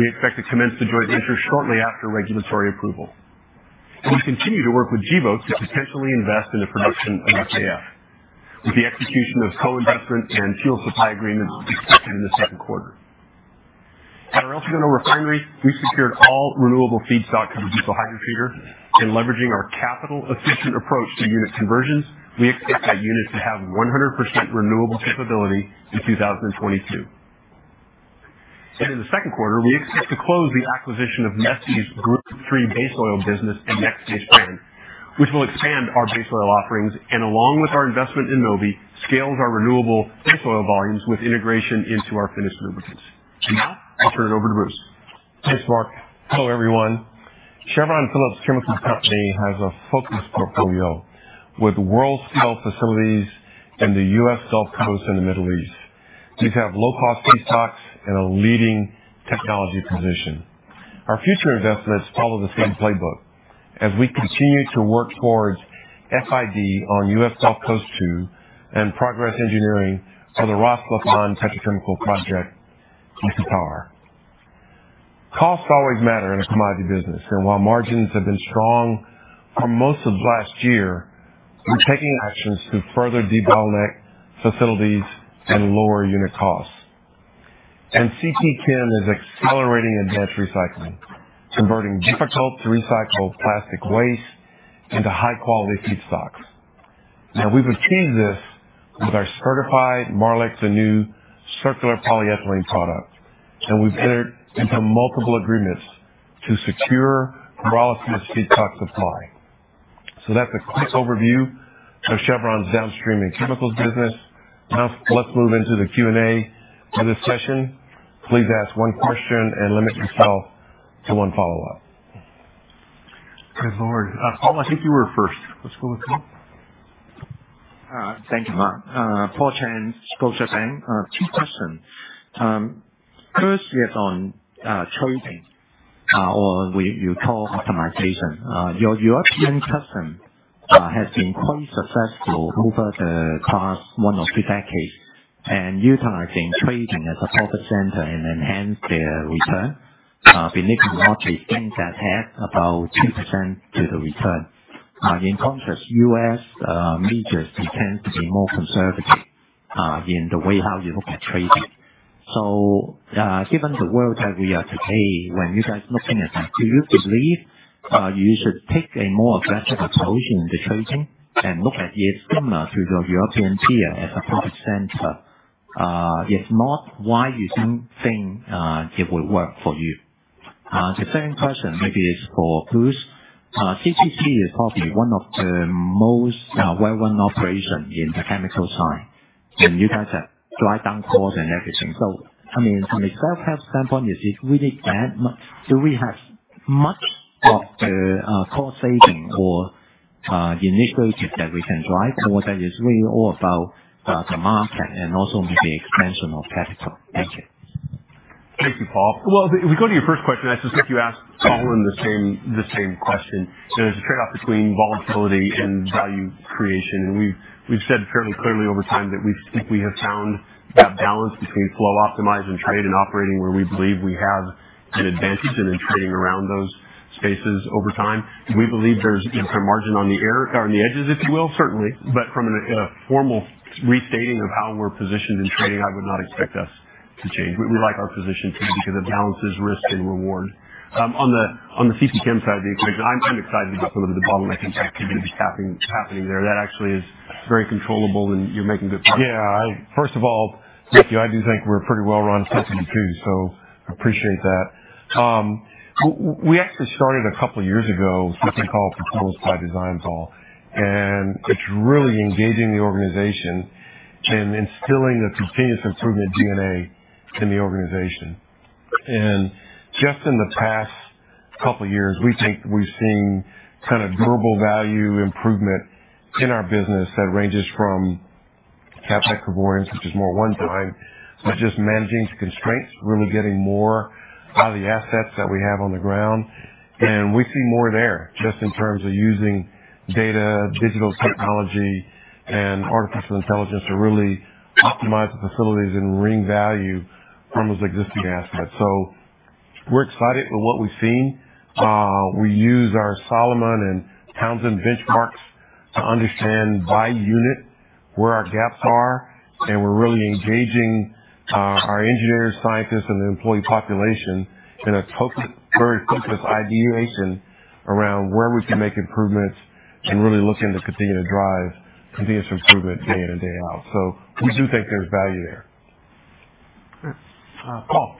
We expect to commence the joint venture shortly after regulatory approval. We continue to work with Gevo to potentially invest in the production of SAF, with the execution of co-investment and fuel supply agreements expected in the second quarter. At our El Segundo refinery, we've secured all renewable feedstocks to the diesel hydrotreater and, leveraging our capital efficient approach to unit conversions, we expect that unit to have 100% renewable capability in 2022. In the second quarter, we expect to close the acquisition of Neste's Group III base oil business and Neste brand, which will expand our base oil offerings, and along with our investment in Novvi, scales our renewable base oil volumes with integration into our finished lubricants. Now I'll turn it over to Bruce Chinn. Thanks, Mark. Hello, everyone. Chevron Phillips Chemical Company has a focused portfolio with world-scale facilities in the U.S. Gulf Coast and the Middle East. These have low cost feedstocks and a leading technology position. Our future investments follow the same playbook as we continue to work towards FID on U.S. Gulf Coast II and progress engineering for the Ras Laffan petrochemical project in Qatar. Costs always matter in a commodity business, and while margins have been strong for most of last year, we're taking actions to further bottleneck facilities and lower unit costs. CPChem is accelerating advanced recycling, converting difficult to recycle plastic waste into high-quality feedstocks. Now we've achieved this with our certified Marlex Anew circular polyethylene product, and we've entered into multiple agreements to secure pyrolysis feedstock supply. That's a quick overview of Chevron's downstream and chemicals business. Now let's move into the Q&A for this session. Please ask one question and limit yourself to one follow-up. Good Lord. Paul, I think you were first. Let's go with Paul. Thank you, Mark. Paul Cheng, Scotiabank. Two questions. First is on trading, you call optimization. Your European majors has been quite successful over the past one or two decades and utilizing trading as a profit center and enhance their return. Believe it or not, it adds. That is about 2% to the return. In contrast, U.S. majors tend to be more conservative in the way how you look at trading. Given the world that we are today, when you guys looking at that, do you believe you should take a more aggressive approach in the trading and look at it similar to your European peer as a profit center? If not, why you don't think it would work for you? The second question maybe is for Bruce. CPChem is probably one of the most well-run operation in the chemical side, and you guys have drive down costs and everything. On the surface standpoint, is it really that much? Do we have much of the cost saving or initiative that we can drive, or is that really all about the market and also the expansion of capital? Thank you. Thank you, Paul. Well, if we go to your first question, I suspect you asked Colin the same question. There's a trade-off between volatility and value creation. We've said fairly clearly over time that we think we have found that balance between flow optimize and trade and operating, where we believe we have an advantage. In trading around those spaces over time, we believe there's some margin on the air or on the edges, if you will, certainly. From a formal restating of how we're positioned in trading, I would not expect us to change. We like our position today because it balances risk and reward. On the CPChem side of the equation, I'm excited about some of the bottlenecking activity happening there. That actually is very controllable, and you're making good progress. First of all, thank you. I do think we're a pretty well-run company, too, so appreciate that. We actually started a couple of years ago something called the Total by Design, Paul. It's really engaging the organization and instilling the continuous improvement DNA in the organization. Just in the past couple of years, we think we've seen durable value improvement in our business that ranges from CapEx avoidance, which is more one time, but just managing constraints, really getting more out of the assets that we have on the ground. We see more there just in terms of using data, digital technology, and artificial intelligence to really optimize the facilities and wring value from those existing assets. We're excited with what we've seen. We use our Solomon and Townsend benchmarks to understand by unit where our gaps are, and we're really engaging our engineers, scientists, and employee population in a focused, very focused ideation around where we can make improvements and really looking to continue to drive continuous improvement day in and day out. We do think there's value there. All right. Paul.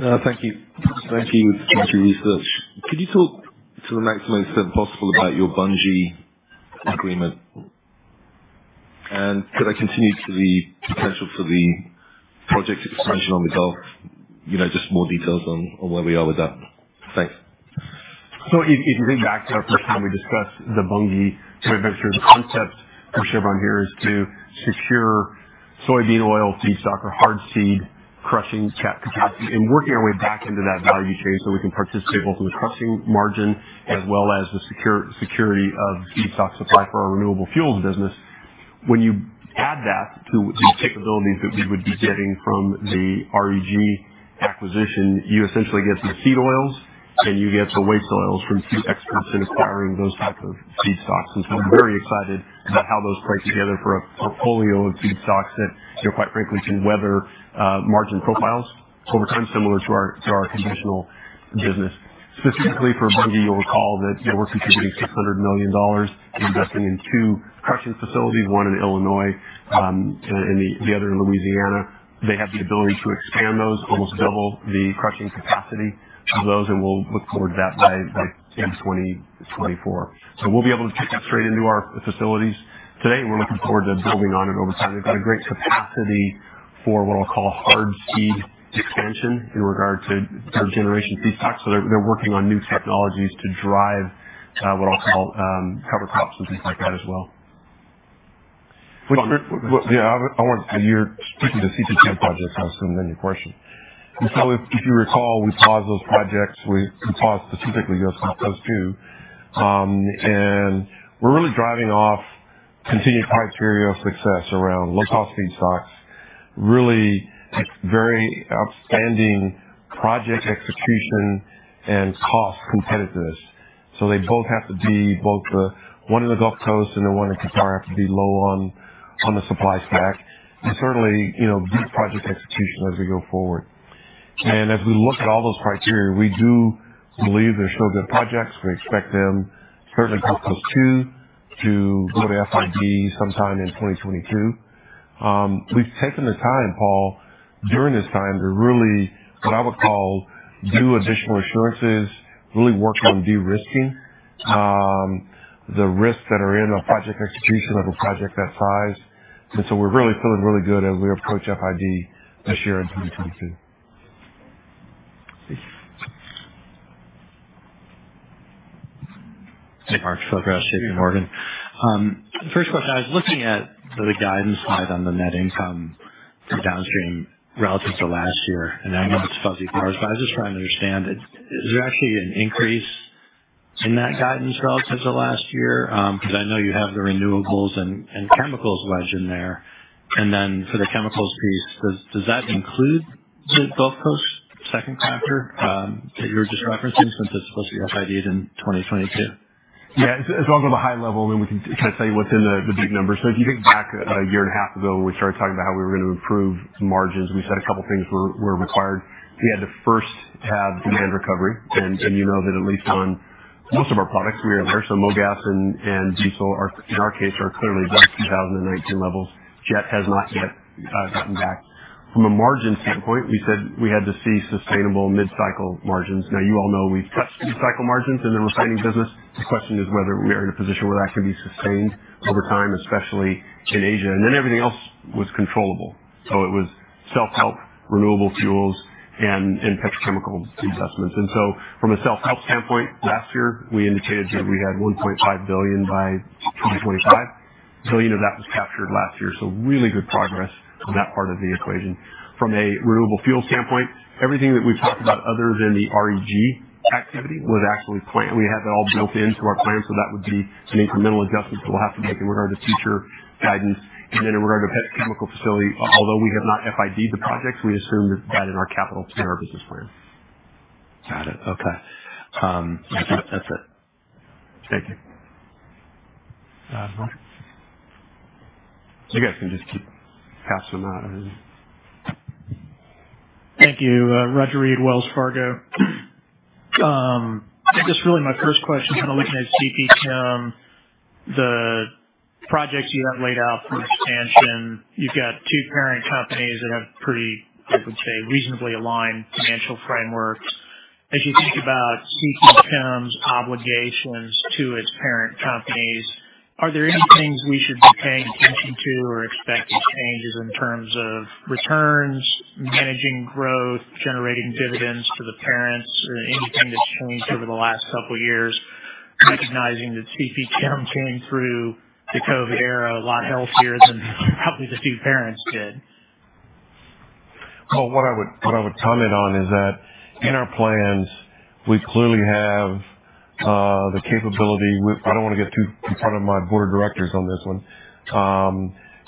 Thank you. Jefferies Research. Could you talk to the maximum extent possible about your Bunge agreement? Could you comment on the potential for the project expansion on the Gulf? Just more details on where we are with that. Thanks. If you think back to our first time we discussed the Bunge joint venture, the concept for Chevron here is to secure soybean oil feedstock or oilseed crushing capacity and working our way back into that value chain so we can participate both in the crushing margin as well as the security of feedstock supply for our renewable fuels business. When you add that to the capabilities that we would be getting from the REG acquisition, you essentially get some seed oils, and you get the waste oils from two experts in acquiring those type of feedstocks. We're very excited about how those play together for a portfolio of feedstocks that quite frankly, can weather margin profiles over time, similar to our conventional business. Specifically for Bunge, you'll recall that we're contributing $600 million, investing in two crushing facilities, one in Illinois, and the other in Louisiana. They have the ability to expand those, almost double the crushing capacity of those, and we'll look toward that by end 2024. We'll be able to kick that straight into our facilities today. We're looking forward to building on it over time. They've got a great capacity for what I'll call hard seed expansion in regard to third generation feedstocks. They're working on new technologies to drive what I'll call cover crops and things like that as well. Yeah. You're speaking to CPChem projects, I assume, in your question. If you recall, we paused those projects. We paused specifically Gulf Coast II, and we're really driving our continued criteria of success around low-cost feedstocks, really very outstanding project execution and cost competitiveness. They both have to be the one in the Gulf Coast and the one in Qatar have to be low on the supply stack. Certainly, good project execution as we go forward. As we look at all those criteria, we do believe they're still good projects. We expect them, certainly Gulf Coast II to go to FID sometime in 2022. We've taken the time, Paul, during this time to really what I would call do additional assurances, really work on de-risking, the risks that are in a project execution of a project that size. We're really feeling really good as we approach FID this year in 2022. Thanks. Hey, Phil Gresh, JPMorgan. First question, I was looking at the guidance slide on the net income for Downstream relative to last year. I know it's fuzzy parts, but I was just trying to understand. Is there actually an increase in that guidance relative to last year? Because I know you have the renewables and chemicals wedge in there. For the chemicals piece, does that include the Gulf Coast II that you were just referencing since it's supposed to be FID in 2022? Yeah. If I go to the high level, then we can tell you what's in the big number. If you think back a year and a half ago, we started talking about how we were going to improve margins. We said a couple things were required. We had to first have demand recovery. That at least on most of our products, we are there. MoGas and diesel are, in our case, clearly back to 2019 levels. Jet has not yet gotten back. From a margin standpoint, we said we had to see sustainable mid-cycle margins. Now you all know we've touched mid-cycle margins in the refining business. The question is whether we are in a position where that can be sustained over time, especially in Asia. Then everything else was controllable. It was self-help, renewable fuels and petrochemical assessments. From a self-help standpoint, last year we indicated that we had $1.5 billion by 2025. That was captured last year. Really good progress on that part of the equation. From a renewable fuel standpoint, everything that we've talked about other than the REG activity was actually planned. We have that all built into our plan, so that would be an incremental adjustment that we'll have to make in regard to future guidance. In regard to petrochemical facility, although we have not FID the projects, we assume that in our capital in our business plan. Got it. Okay. I think that's it. Thank you. Mark. You guys can just keep passing that. Thank you. Roger Read, Wells Fargo. Just really my first question, looking at CPChem, the projects you have laid out for expansion. You've got two parent companies that have pretty, I would say, reasonably aligned financial frameworks. As you think about CPChem's obligations to its parent companies, are there any things we should be paying attention to or expecting changes in terms of returns, managing growth, generating dividends to the parents or anything that's changed over the last couple years, recognizing that CPChem came through the COVID era a lot healthier than probably the two parents did? Cole, what I would comment on is that in our plans, we clearly have the capability. I don't wanna get too in front of my board of directors on this one.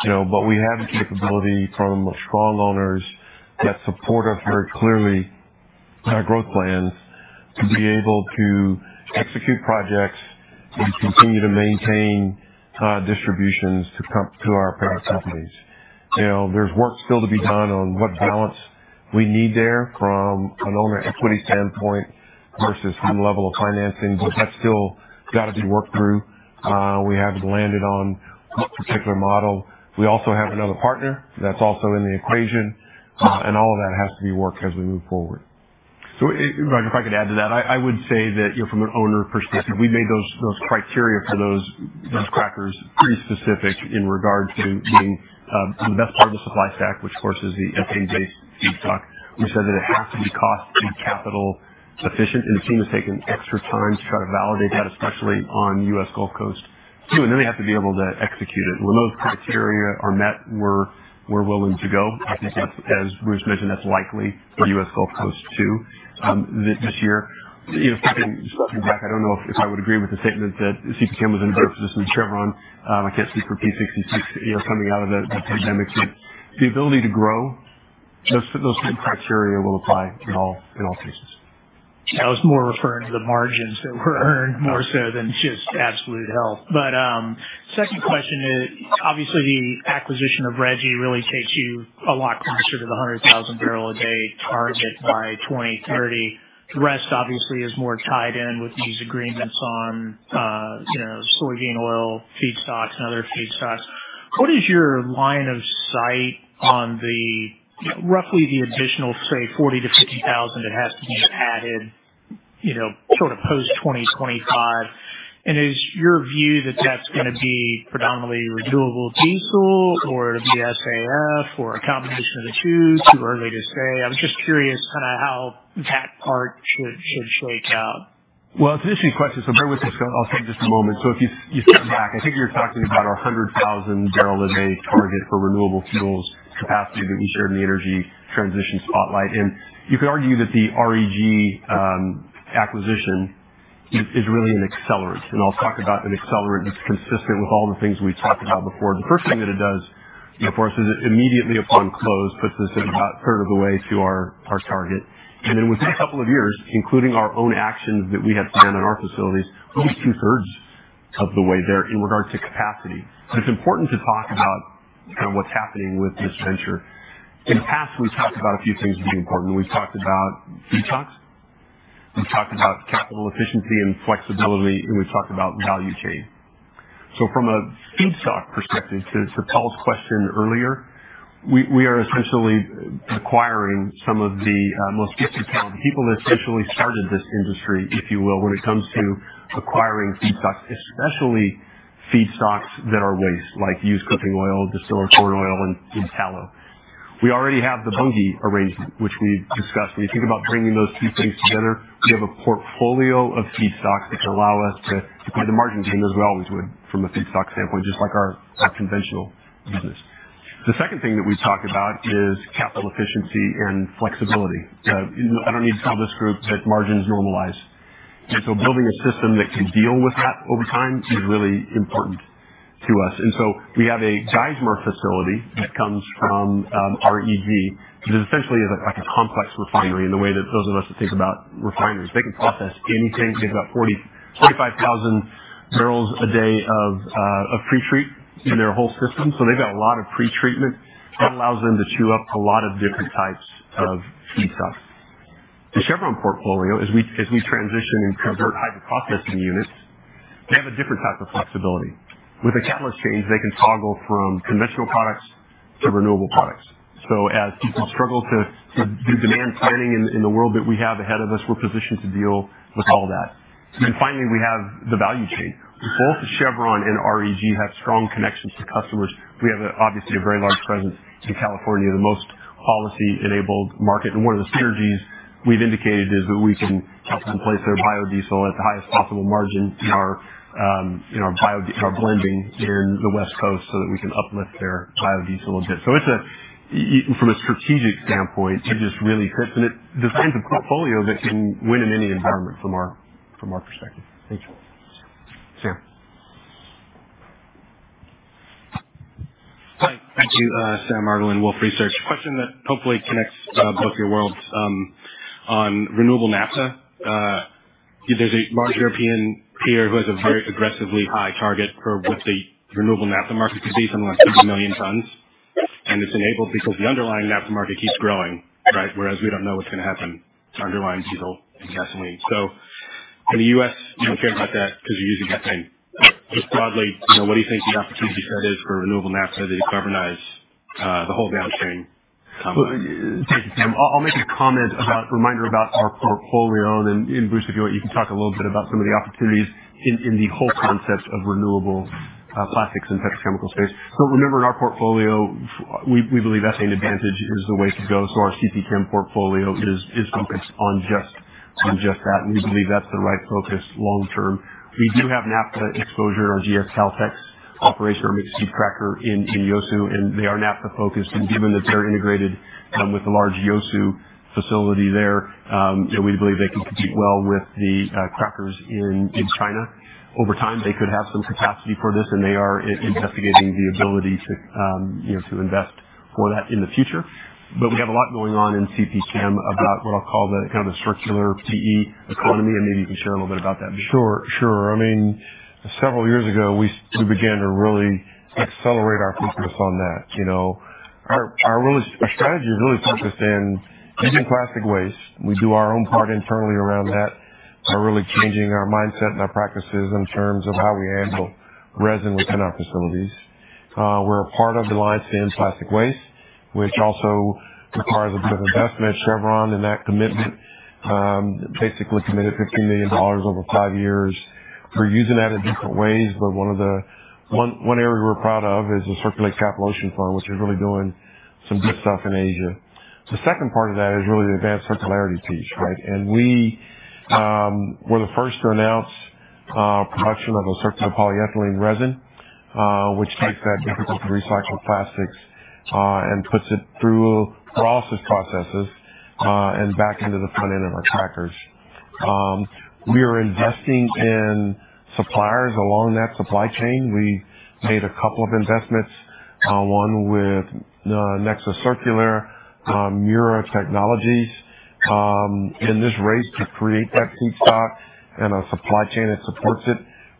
We have the capability from strong owners that support us very clearly in our growth plans to be able to execute projects and continue to maintain distributions to our parent companies. There's work still to be done on what balance we need there from an owner equity standpoint versus some level of financing, but that's still gotta be worked through. We haven't landed on what particular model. We also have another partner that's also in the equation, and all of that has to be worked as we move forward. If I could add to that. I would say that from an owner perspective, we made those criteria for those crackers pretty specific in regard to being on the best part of the supply stack, which of course is the ethane-based feedstock. We said that it has to be cost and capital efficient, and the team has taken extra time to try to validate that, especially on U.S. Gulf Coast II, and then they have to be able to execute it. When those criteria are met, we're willing to go. I think as Bruce mentioned, that's likely for U.S. Gulf Coast II this year. You know, just jumping back, I don't know if I would agree with the statement that CPChem was in a race with Chevron. I can't speak for Phillips 66, coming out of the pandemic. The ability to grow those same criteria will apply in all cases. I was more referring to the margins that were earned more so than just absolute health. Second question is obviously the acquisition of REG really takes you a lot closer to the 100,000 barrel a day target by 2030. The rest obviously is more tied in with these agreements on soybean oil, feedstocks, and other feedstocks. What is your line of sight on the, roughly the additional, say, 40,000-50,000 that has to be added post 2025? And is your view that that's gonna be predominantly renewable diesel or it'll be SAF or a combination of the two? Too early to say? I was just curious how that part should shake out. Well, it's an interesting question, so bear with me. I'll say in just a moment. If you step back, I think you're talking about our 100,000 barrel a day target for renewable fuels capacity that we shared in the energy transition spotlight. You could argue that the REG acquisition is really an accelerant, and I'll talk about an accelerant that's consistent with all the things we've talked about before. The first thing that it does for us is it immediately upon close puts us about a third of the way to our target. Then within a couple of years, including our own actions that we have planned in our facilities, at least two-thirds of the way there in regard to capacity. It's important to talk about what's happening with this venture. In the past, we've talked about a few things being important. We've talked about feedstocks. We've talked about capital efficiency and flexibility, and we've talked about value chain. From a feedstock perspective, to Paul's question earlier, we are essentially acquiring some of the most gifted people that essentially started this industry, if you will, when it comes to acquiring feedstocks, especially feedstocks that are waste, like used cooking oil, distilled corn oil, and tallow. We already have the Bunge arrangement, which we discussed. When you think about bringing those two things together, we have a portfolio of feedstocks that can allow us to play the margin game as we always would from a feedstock standpoint, just like our conventional business. The second thing that we've talked about is capital efficiency and flexibility. I don't need to tell this group that margins normalize. Building a system that can deal with that over time is really important to us. We have a Geismar facility that comes from REG, which is essentially a, like, a complex refinery in the way that those of us who think about refineries. They can process anything. They've got 45,000 barrels a day of pretreat in their whole system. So they've got a lot of pre-treatment that allows them to chew up a lot of different types of feedstocks. The Chevron portfolio, as we transition and convert hydroprocessing units, they have a different type of flexibility. With a catalyst change, they can toggle from conventional products to renewable products. As people struggle to do demand planning in the world that we have ahead of us, we're positioned to deal with all that. Then finally, we have the value chain. Both Chevron and REG have strong connections to customers. We have obviously a very large presence in California, the most policy-enabled market. One of the synergies we've indicated is that we can help them place their biodiesel at the highest possible margin in our blending in the West Coast so that we can uplift their biodiesel a bit. From a strategic standpoint, it just really fits, and it designs a portfolio that can win in any environment from our perspective. Thank you. Sam. Hi. Thank you. Sam Margolin, Wolfe Research. Question that hopefully connects both your worlds on renewable naphtha. There's a large European peer who has a very aggressively high target for what the renewable naphtha market could be, something like 50 million tons. It's enabled because the underlying naphtha market keeps growing, right? Whereas we don't know what's gonna happen to underlying diesel and gasoline. In the U.S., you don't care about that because you're using ethane. Just broadly what do you think the opportunity set is for renewable naphtha to decarbonize the whole downstream. Thank you, Sam. I'll make a comment about reminder about our portfolio. Bruce, if you want, you can talk a little bit about some of the opportunities in the whole concept of renewable plastics and petrochemical space. Remember, in our portfolio, we believe ethane advantage is the way to go. Our CPChem portfolio is focused on just ethane. On just that, and we believe that's the right focus long term. We do have naphtha exposure, our GS Caltex operation or mixed feed cracker in Yeosu, and they are naphtha-focused. Given that they're integrated with the large Yeosu facility there, we believe they can compete well with the crackers in China. Over time, they could have some capacity for this, and they are investigating the ability to invest for that in the future. But we have a lot going on in CPChem about what I'll call the kind of a circular PE economy, and maybe you can share a little bit about that. Sure, several years ago we began to really accelerate our focus on that. Our strategy is really focused on using plastic waste. We do our own part internally around that by really changing our mindset and our practices in terms of how we handle resin within our facilities. We're a part of the Alliance to End Plastic Waste, which also requires a bit of investment. Chevron, in that commitment, basically committed $15 million over five years. We're using that in different ways, but one area we're proud of is the Circulate Capital Ocean Fund, which is really doing some good stuff in Asia. The second part of that is really the advanced circularity piece, right? We were the first to announce production of a circular polyethylene resin, which takes that difficult to recycle plastics and puts it through pyrolysis processes and back into the front end of our crackers. We are investing in suppliers along that supply chain. We made a couple of investments, one with Nexus Circular, Mura Technology. In this race to create that feedstock and a supply chain that supports it,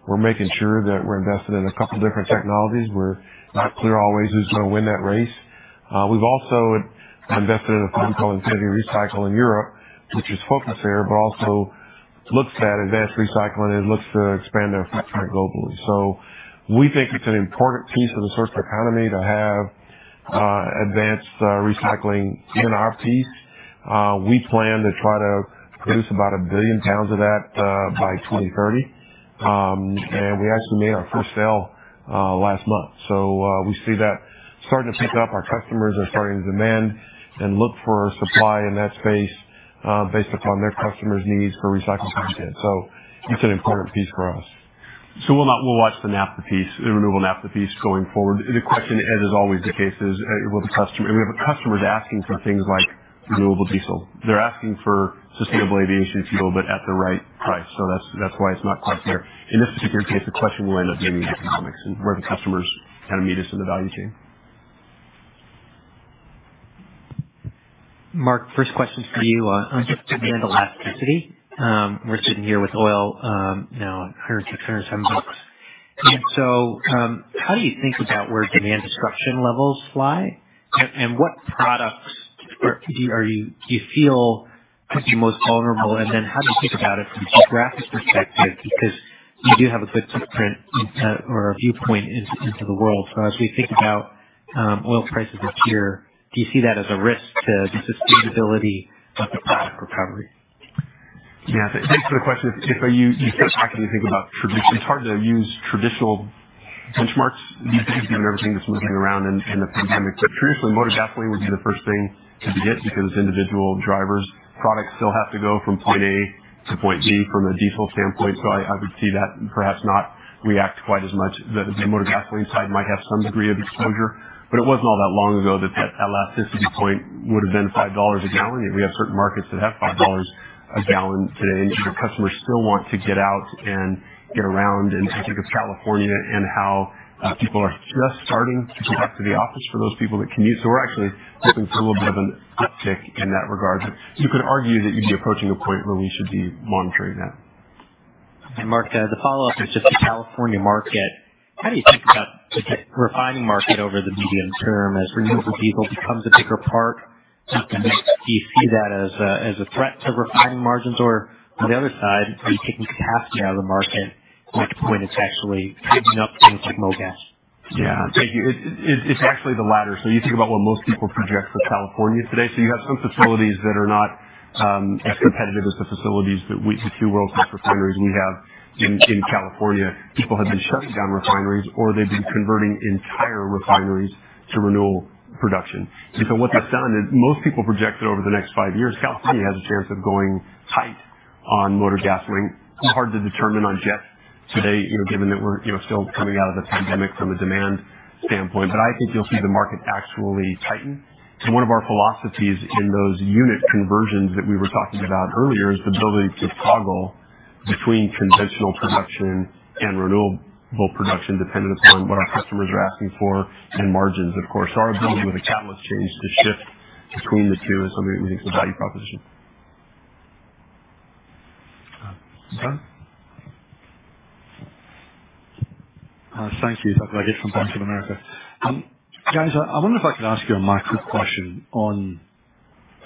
we're making sure that we're invested in a couple different technologies. We're not clear always who's gonna win that race. We've also invested in a firm called Infinity Recycling in Europe, which is focused there, but also looks at advanced recycling, and it looks to expand their footprint globally. We think it's an important piece of the circular economy to have advanced recycling in our piece. We plan to try to produce about 1 billion pounds of that by 2030. We actually made our first sale last month. We see that starting to pick up. Our customers are starting to demand and look for supply in that space based upon their customers' needs for recycled content. It's an important piece for us. We'll watch the naphtha piece, the renewable naphtha piece going forward. The question, as is always the case, is, will the customer... We have customers asking for things like renewable diesel. They're asking for sustainable aviation fuel, but at the right price. That's why it's not quite there. In this particular case, the question will end up being economics and where the customer meet us in the value chain. Mark, first question is for you. On demand elasticity, we're sitting here with oil now at. How do you think about where demand destruction levels lie? What products do you feel could be most vulnerable? How do you think about it from a geographic perspective? Because you do have a good footprint or a viewpoint into the world. As we think about oil prices this year, do you see that as a risk to the sustainability of the product recovery? Thanks for the question. You start talking and think about tradition, it's hard to use traditional benchmarks these days given everything that's moving around in the pandemic. Traditionally, motor gasoline would be the first thing to be hit because individual drivers. Products still have to go from point A to point B from a diesel standpoint. I would see that perhaps not react quite as much. The motor gasoline side might have some degree of exposure, but it wasn't all that long ago that elasticity point would have been $5 a gallon. We have certain markets that have $5 a gallon today, and customers still want to get out and get around. In particular California and how people are just starting to come back to the office for those people that commute. We're actually hoping for a little bit of an uptick in that regard. You could argue that you'd be approaching a point where we should be monitoring that. Mark, the follow-up is just the California market. How do you think about the refining market over the medium term as renewable diesel becomes a bigger part? Do you see that as a threat to refining margins? Or on the other side, are you taking capacity out of the market when it's actually taking up things like mo gas? Yeah. Thank you. It's actually the latter. You think about what most people project for California today. You have some facilities that are not as competitive as the facilities that we have in California. The two world-class refineries we have in California. People have been shutting down refineries or they've been converting entire refineries to renewable production. What that's done is most people project that over the next five years, California has a chance of going tight on motor gasoline. It's hard to determine on jet today given that we're still coming out of the pandemic from a demand standpoint. I think you'll see the market actually tighten. One of our philosophies in those unit conversions that we were talking about earlier is the ability to toggle between conventional production and renewable production dependent upon what our customers are asking for and margins, of course. Our ability with a catalyst change to shift between the two is something that we think is a value proposition. Ben? Thank you. Doug Leggate from Bank of America. Guys, I wonder if I could ask you a macro question.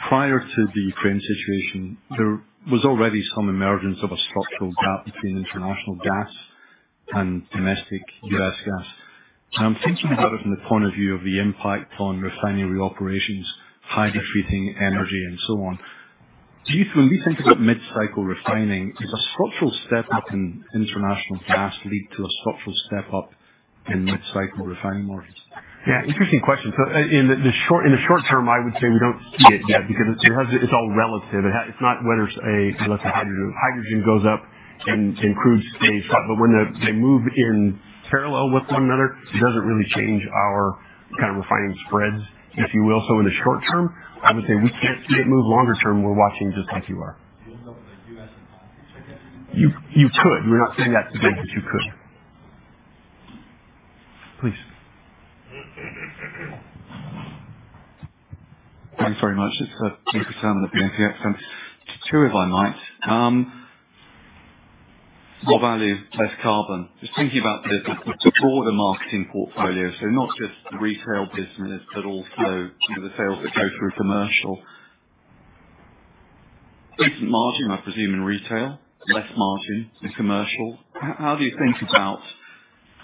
Prior to the Ukraine situation, there was already some emergence of a structural gap between international gas and domestic U.S. gas. I'm thinking about it from the point of view of the impact on refinery operations, hydro treating energy and so on. When we think about mid-cycle refining, does a structural step-up in international gas lead to a structural step-up Which cycle refining margins? Yeah, interesting question. In the short term, I would say we don't see it yet because it's all relative. It's not whether, let's say, hydrogen goes up and improves a stock, but when they move in parallel with one another, it doesn't really change our refining spreads, if you will. In the short term, I would say we can't see it move. Longer term, we're watching just like you are. You could. We're not saying that's the case, but you could. Please. Thanks very much. It's Lucas Herrmann at BNP Exane. Two, if I might. More value, less carbon. Just thinking about the broader marketing portfolio. So not just the retail business, but also the sales that go through commercial. Decent margin, I presume, in retail, less margin in commercial. How do you think about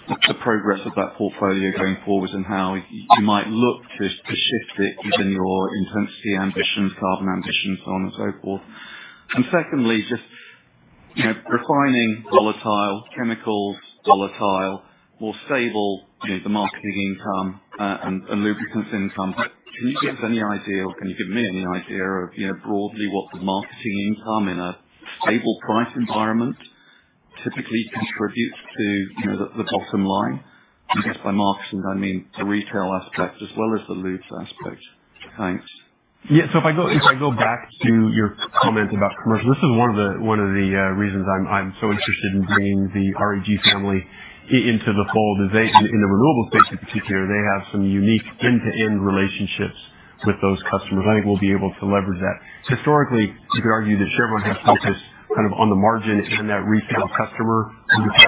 the progress of that portfolio going forward and how you might look to shift it given your carbon intensity ambition, so on and so forth? Secondly, just, refining volatile, chemicals volatile, while stable, the marketing income and lubricants income. Can you give us any idea or can you give me any idea of broadly what the marketing income in a stable price environment typically contributes to the bottom line? I guess by marketing I mean the retail aspect as well as the lubes aspect. Thanks. If I go back to your comment about commercial, this is one of the reasons I'm so interested in bringing the REG family into the fold is they in the renewables space in particular, they have some unique end-to-end relationships with those customers. I think we'll be able to leverage that. Historically, you could argue that Chevron has focused on the margin and that retail customer.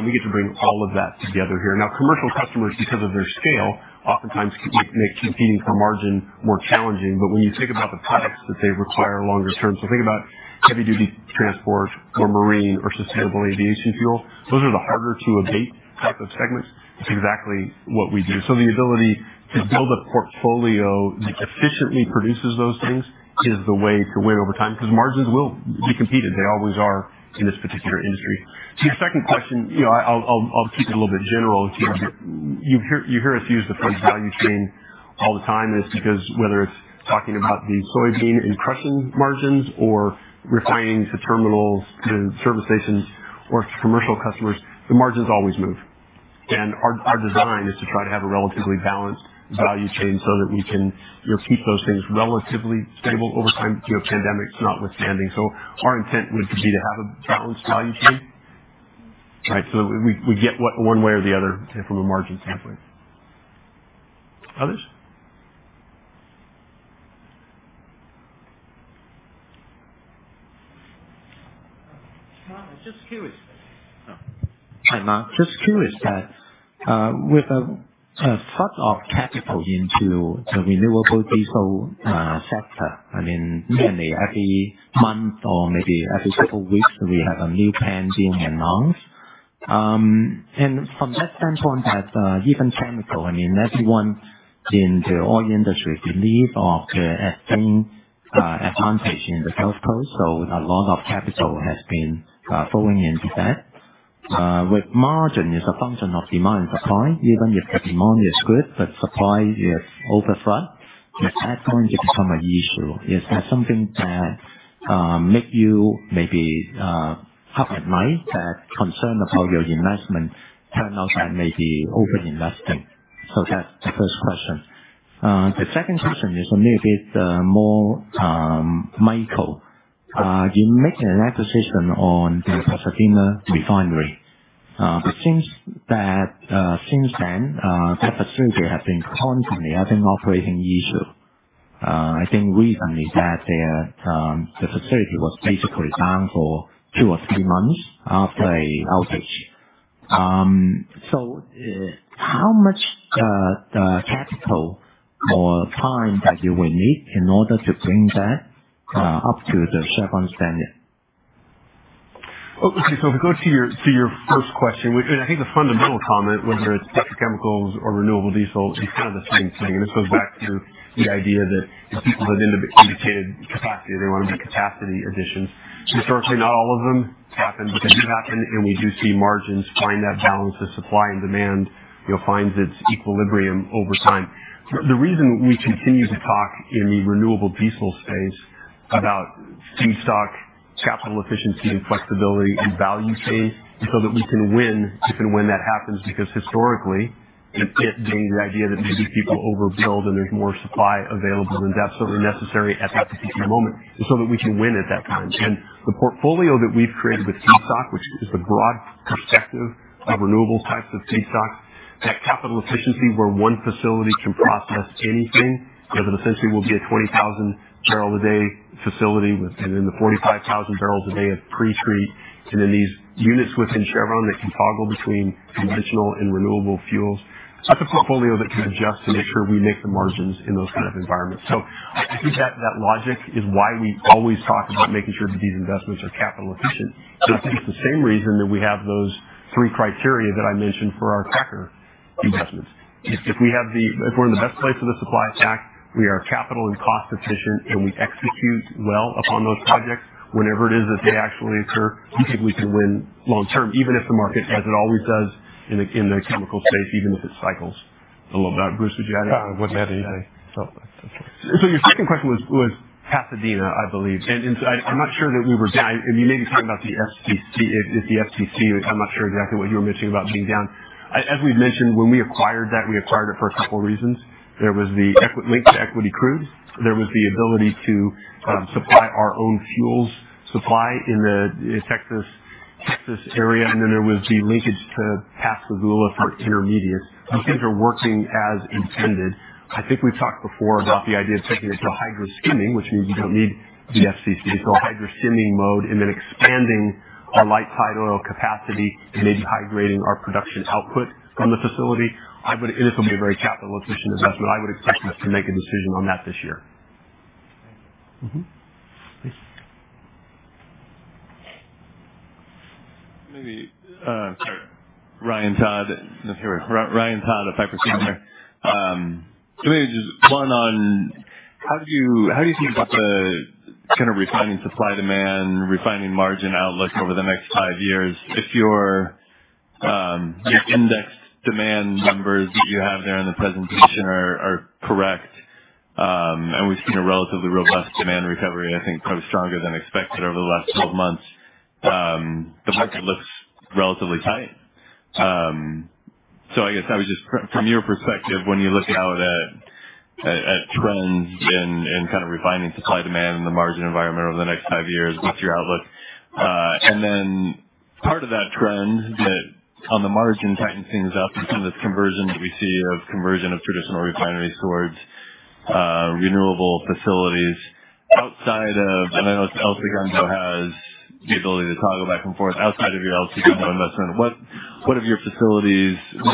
We get to bring all of that together here. Now, commercial customers, because of their scale, oftentimes make competing for margin more challenging. But when you think about the products that they require longer term, think about heavy duty transport or marine or sustainable aviation fuel, those are the harder to abate type of segments. It's exactly what we do. The ability to build a portfolio that efficiently produces those things is the way to win over time, because margins will be competed. They always are in this particular industry. To your second question I'll keep it a little bit general. You hear us use the phrase value chain all the time is because whether it's talking about the soybean and crushing margins or refining to terminals to service stations or to commercial customers, the margins always move. Our design is to try to have a relatively balanced value chain so that we can keep those things relatively stable over time pandemics notwithstanding. Our intent would be to have a balanced value chain, right? We get one way or the other from a margin standpoint. Others? Mark, just curious. Hi, Mark. Just curious that with a flood of capital into the renewable diesel sector nearly every month or every several weeks, we have a new plant being announced. From that standpoint, even in chemicals, everyone in the oil industry believes in the big advantage in the West Coast. A lot of capital has been flowing into that. Margins are a function of demand and supply. Even if the demand is good, but supply oversupplies, at what point does it become an issue? Is that something that makes you stay up at night, the concern about your investment turning out to be maybe over-investing? That's the first question. The second question is a little bit more micro. You making an acquisition of the Pasadena refinery. Since then, that facility have been constantly having operating issues. I think recently that there, the facility was basically down for two or three months after an outage. How much capital or time that you will need in order to bring that up to the Chevron standard? Okay. If I go to your first question, which I think the fundamental comment, whether it's petrochemicals or renewable diesel, is the same thing. This goes back to the idea that if people have indicated capacity, they want to do capacity additions. Historically, not all of them happen, but they do happen. We do see margins find that balance of supply and demand finds its equilibrium over time. The reason we continue to talk in the renewable diesel space about feedstock, capital efficiency and flexibility and value chain is so that we can win if and when that happens. Because historically, it being the idea that maybe people overbuild and there's more supply available than is absolutely necessary at that particular moment is so that we can win at that time. The portfolio that we've created with feedstock, which is a broad perspective of renewable types of feedstock, that capital efficiency where one facility can process anything. That essentially will be a 20,000-barrel-a-day facility with, and then the 45,000 barrels a day of pre-treat. Then these units within Chevron that can toggle between conventional and renewable fuels. That's a portfolio that can adjust to make sure we make the margins in those kinds of environments. I think that logic is why we always talk about making sure that these investments are capital efficient. I think it's the same reason that we have those three criteria that I mentioned for our cracker investments. If we're in the best place for the supply stack, we are capital and cost efficient, and we execute well upon those projects whenever it is that they actually occur, I think we can win long term, even if the market, as it always does in the chemical space, even if it cycles a little bit. Bruce, would you add anything? No, I wouldn't add anything. Your second question was Pasadena, I believe. I'm not sure that we were down. You may be talking about the FCC. If the FCC, I'm not sure exactly what you were mentioning about being down. As we've mentioned, when we acquired that, we acquired it for a couple reasons. There was the equity link to our equity crudes. There was the ability to supply our own fuel supply in the Texas area. Then there was the linkage to Pascagoula for intermediates. Those things are working as intended. I think we've talked before about the idea of taking it to hydroskimming, which means you don't need the FCC. Hydroskimming mode and then expanding our light tight oil capacity and maybe hydrotreating our production output from the facility. It would be a very capital-efficient investment. I would expect us to make a decision on that this year. Thank you. Ryan Todd at Piper Sandler. Maybe just one on how do you think about the refining supply demand, refining margin outlook over the next five years? If your index demand numbers that you have there in the presentation are correct, and we've seen a relatively robust demand recovery, I think probably stronger than expected over the last 12 months, the market looks relatively tight.I was just curious. From your perspective, when you look out at trends in refining supply demand and the margin environment over the next five years, what's your outlook? Part of that trend that on the margin tightens things up is some of this conversion of traditional refineries towards renewable facilities. I know El Segundo has the ability to toggle back and forth. Outside of your El Segundo investment, what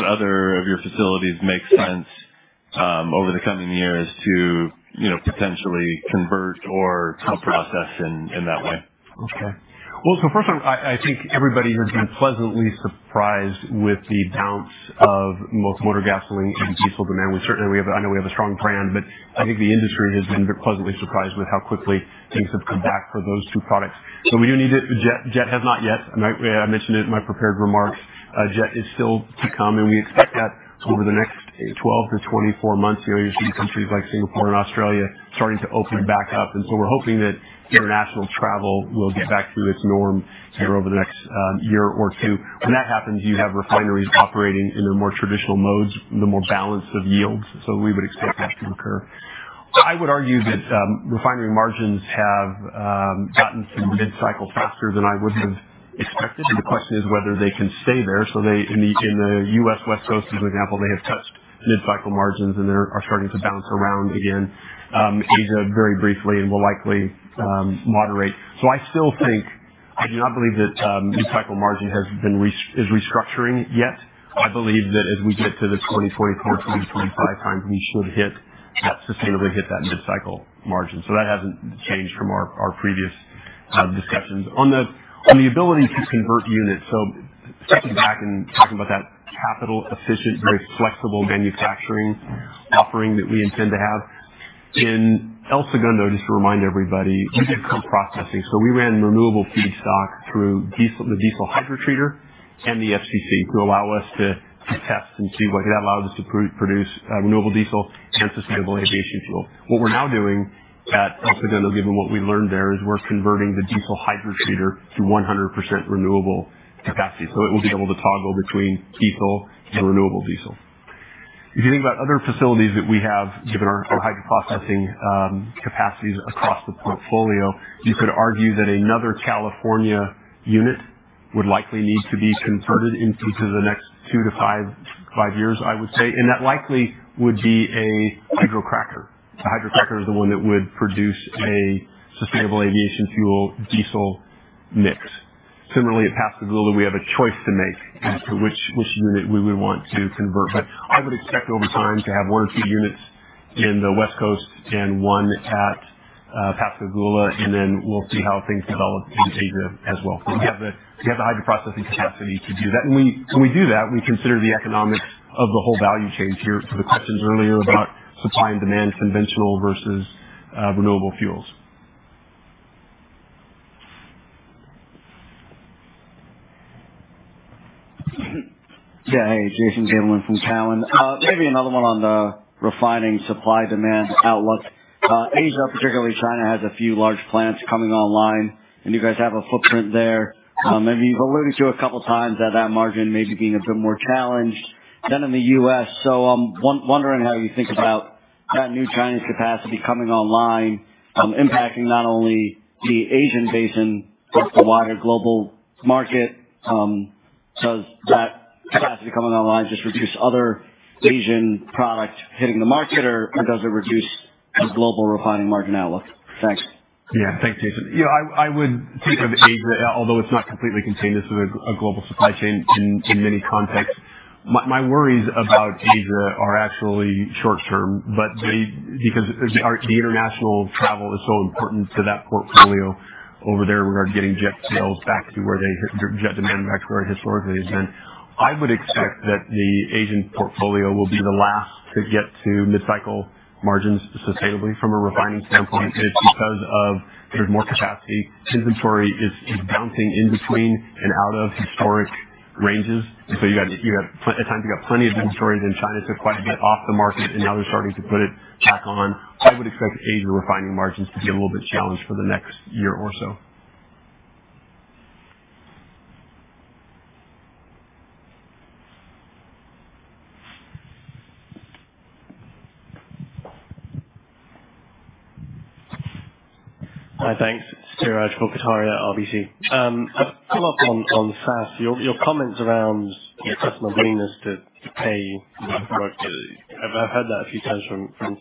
other of your facilities make sense over the coming years to potentially convert or co-process in that way? Okay. Well, first of all, I think everybody has been pleasantly surprised with the bounce back of both motor gasoline and diesel demand. We certainly have a strong brand, but I think the industry has been pleasantly surprised with how quickly things have come back for those two products. We do need it. Jet has not yet. I mentioned it in my prepared remarks. Jet is still to come, and we expect that over the next 12-24 months. You see countries like Singapore and Australia starting to open back up, and we're hoping that international travel will get back to its norm here over the next year or two. When that happens, you have refineries operating in their more traditional modes, a more balanced set of yields. We would expect that to occur. I would argue that refinery margins have gotten to mid-cycle faster than I would have expected, and the question is whether they can stay there. In the U.S. West Coast, as an example, they have touched mid-cycle margins, and they are starting to bounce around again. Asia very briefly and will likely moderate. I do not believe that mid-cycle margin is restructuring yet. I believe that as we get to the 2024, 2025 times, we should sustainably hit that mid-cycle margin. That hasn't changed from our previous discussions. On the ability to convert units. Stepping back and talking about that capital efficient, very flexible manufacturing offering that we intend to have. In El Segundo, just to remind everybody, we did co-processing. We ran renewable feedstock through the diesel hydrotreater and the FCC to allow us to test and see whether that allows us to produce renewable diesel and sustainable aviation fuel. What we're now doing at El Segundo, given what we've learned there, is we're converting the diesel hydrotreater to 100% renewable capacity. It will be able to toggle between diesel and renewable diesel. If you think about other facilities that we have, given our hydroprocessing capacities across the portfolio, you could argue that another California unit would likely need to be converted in the next two to five years, I would say. That likely would be a hydrocracker. A hydrocracker is the one that would produce a sustainable aviation fuel diesel mix. Similarly, at Pascagoula, we have a choice to make as to which unit we would want to convert. I would expect over time to have one or two units in the West Coast and one at Pascagoula, and then we'll see how things develop in Asia as well. We have the hydroprocessing capacity to do that. When we do that, we consider the economics of the whole value chain. To the questions earlier about supply and demand, conventional versus renewable fuels. Hey, Jason Gabelman from Cowen.Another one on the refining supply demand outlook. Asia, particularly China, has a few large plants coming online and you guys have a footprint there. You've alluded to a couple times that margin may be being a bit more challenged than in the US. I'm wondering how you think about that new Chinese capacity coming online, impacting not only the Asian basin, but the wider global market. Does that capacity coming online just reduce other Asian product hitting the market, or does it reduce the global refining margin outlook? Thanks. Yeah. Thanks, Jason. Yeah, I would think of Asia, although it's not completely contained. This is a global supply chain in many contexts. My worries about Asia are actually short-term, but that's because the international travel is so important to that portfolio over there regarding getting jet demand back to where it historically has been. I would expect that the Asian portfolio will be the last to get to mid-cycle margins sustainably from a refining standpoint, and it's because there's more capacity. Inventory is bouncing in between and out of historic ranges. You have plenty of inventories at times in China that get kept off the market, and now they're starting to put it back on. I would expect Asia refining margins to be a little bit challenged for the next year or so. Hi. Thanks. It's Biraj Borkhataria at RBC. A follow-up on SAF. Your comments around your customer willingness to pay for it. I've heard that a few times from some of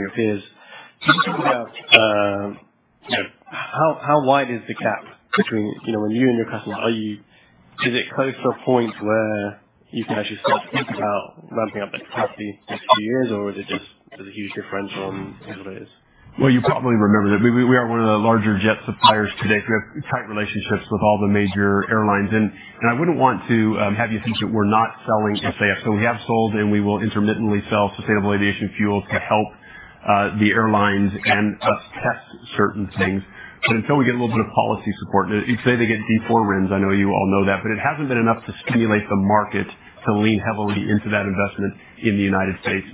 your peers. How wide is the gap between when you and your customers? Is it close to a point where you can actually start to think about ramping up the capacity next few years or is it just there's a huge differential in the way it is? Well, you probably remember that we are one of the larger jet suppliers today. We have tight relationships with all the major airlines. I wouldn't want to have you think that we're not selling SAF. We have sold, and we will intermittently sell sustainable aviation fuels to help the airlines and us test certain things. But until we get a little bit of policy support, they get D4 RINs. I know you all know that. It hasn't been enough to stimulate the market to lean heavily into that investment in the United States.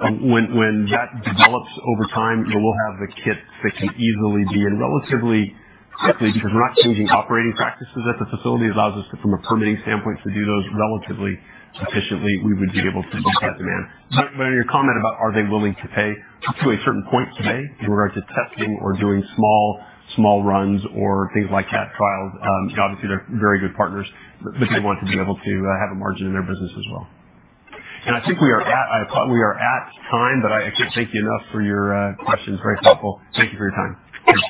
When that develops over time, we'll have the kit that can easily be in place relatively quickly because we're not changing operating practices if the facility allows us to, from a permitting standpoint, to do those relatively efficiently, we would be able to meet that demand. Your comment about, are they willing to pay? To a certain point today in regards to testing or doing small runs or things like cat trials, obviously they're very good partners, but they want to be able to have a margin in their business as well. I think we are at time, but I can't thank you enough for your questions. Very helpful. Thank you for your time. Good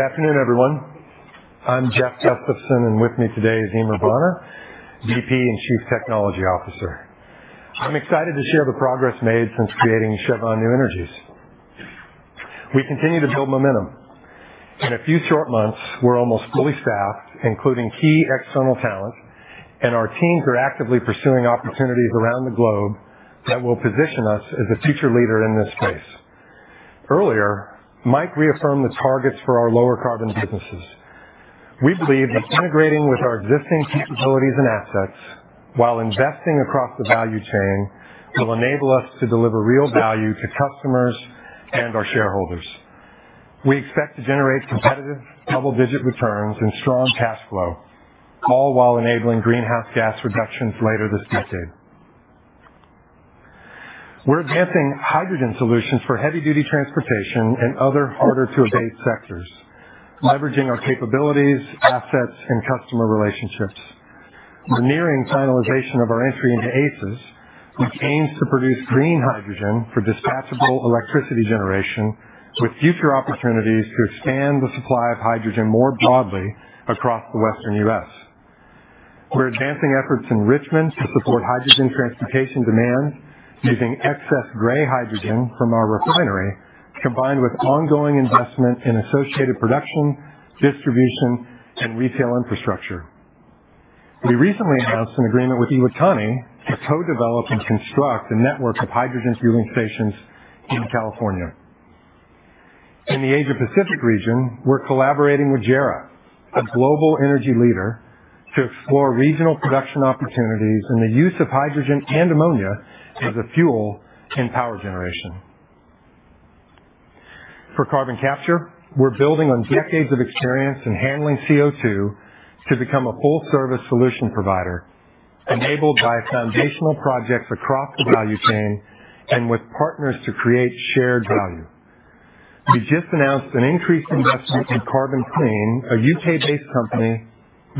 afternoon, everyone. I'm Jeff Gustavson, and with me today is Eimear Bonner, Vice President and Chief Technology Officer. I'm excited to share the progress made since creating Chevron New Energies. We continue to build momentum. In a few short months, we're almost fully staffed, including key external talent, and our teams are actively pursuing opportunities around the globe that will position us as a future leader in this space. Earlier, Mike reaffirmed the targets for our lower carbon businesses. We believe that integrating with our existing capabilities and assets while investing across the value chain will enable us to deliver real value to customers and our shareholders. We expect to generate competitive double-digit returns and strong cash flow, all while enabling greenhouse gas reductions later this decade. We're advancing hydrogen solutions for heavy-duty transportation and other harder to abate sectors, leveraging our capabilities, assets, and customer relationships. We're nearing finalization of our entry into ACES, which aims to produce green hydrogen for dispatchable electricity generation, with future opportunities to expand the supply of hydrogen more broadly across the Western U.S. We're advancing efforts in Richmond to support hydrogen transportation demand using excess gray hydrogen from our refinery, combined with ongoing investment in associated production, distribution, and retail infrastructure. We recently announced an agreement with Iwatani to co-develop and construct a network of hydrogen fueling stations in California. In the Asia Pacific region, we're collaborating with JERA, a global energy leader, to explore regional production opportunities and the use of hydrogen and ammonia as a fuel in power generation. For carbon capture, we're building on decades of experience in handling CO2 to become a full service solution provider enabled by foundational projects across the value chain and with partners to create shared value. We just announced an increased investment in Carbon Clean, a U.K.-based company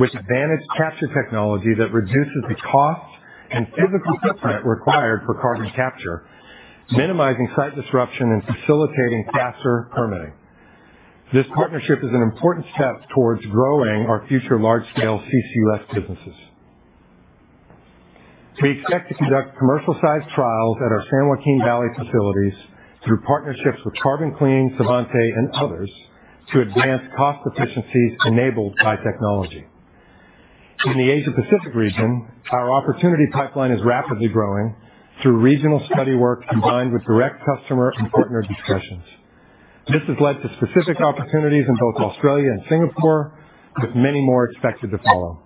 with advanced capture technology that reduces the cost and physical footprint required for carbon capture, minimizing site disruption and facilitating faster permitting. This partnership is an important step towards growing our future large-scale CCUS businesses. We expect to conduct commercial-sized trials at our San Joaquin Valley facilities through partnerships with Carbon Clean, Svante, and others to advance cost efficiencies enabled by technology. In the Asia Pacific region, our opportunity pipeline is rapidly growing through regional study work combined with direct customer and partner discussions. This has led to specific opportunities in both Australia and Singapore, with many more expected to follow.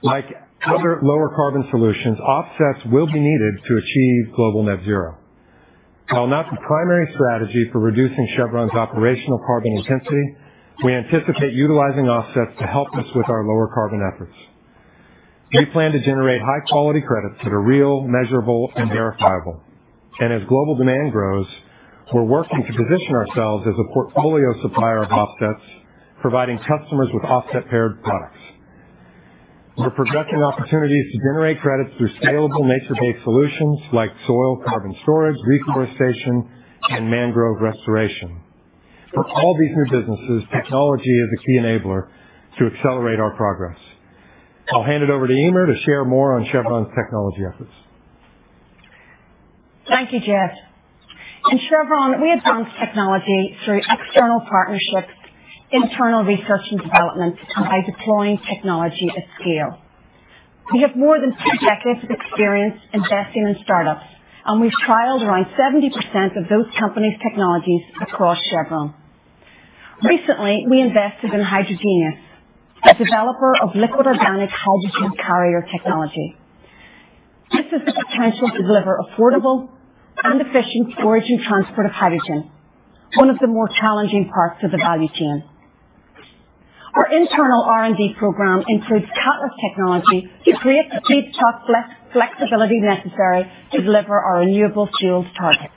Like other lower carbon solutions, offsets will be needed to achieve global net zero. While not the primary strategy for reducing Chevron's operational carbon intensity, we anticipate utilizing offsets to help us with our lower carbon efforts. We plan to generate high quality credits that are real, measurable and verifiable. As global demand grows, we're working to position ourselves as a portfolio supplier of offsets, providing customers with offset paired products. We're progressing opportunities to generate credits through scalable nature-based solutions like soil carbon storage, reforestation, and mangrove restoration. For all these new businesses, technology is a key enabler to accelerate our progress. I'll hand it over to Eimear to share more on Chevron's technology efforts. Thank you, Jeff. In Chevron, we advance technology through external partnerships, internal research and development by deploying technology at scale. We have more than two decades of experience investing in startups, and we've trialed around 70% of those companies' technologies across Chevron. Recently, we invested in Hydrogenious, a developer of liquid organic hydrogen carrier technology. This has the potential to deliver affordable and efficient storage and transport of hydrogen, one of the more challenging parts of the value chain. Our internal R&D program includes catalyst technology to create the cheap flexibility necessary to deliver our renewable fuels targets.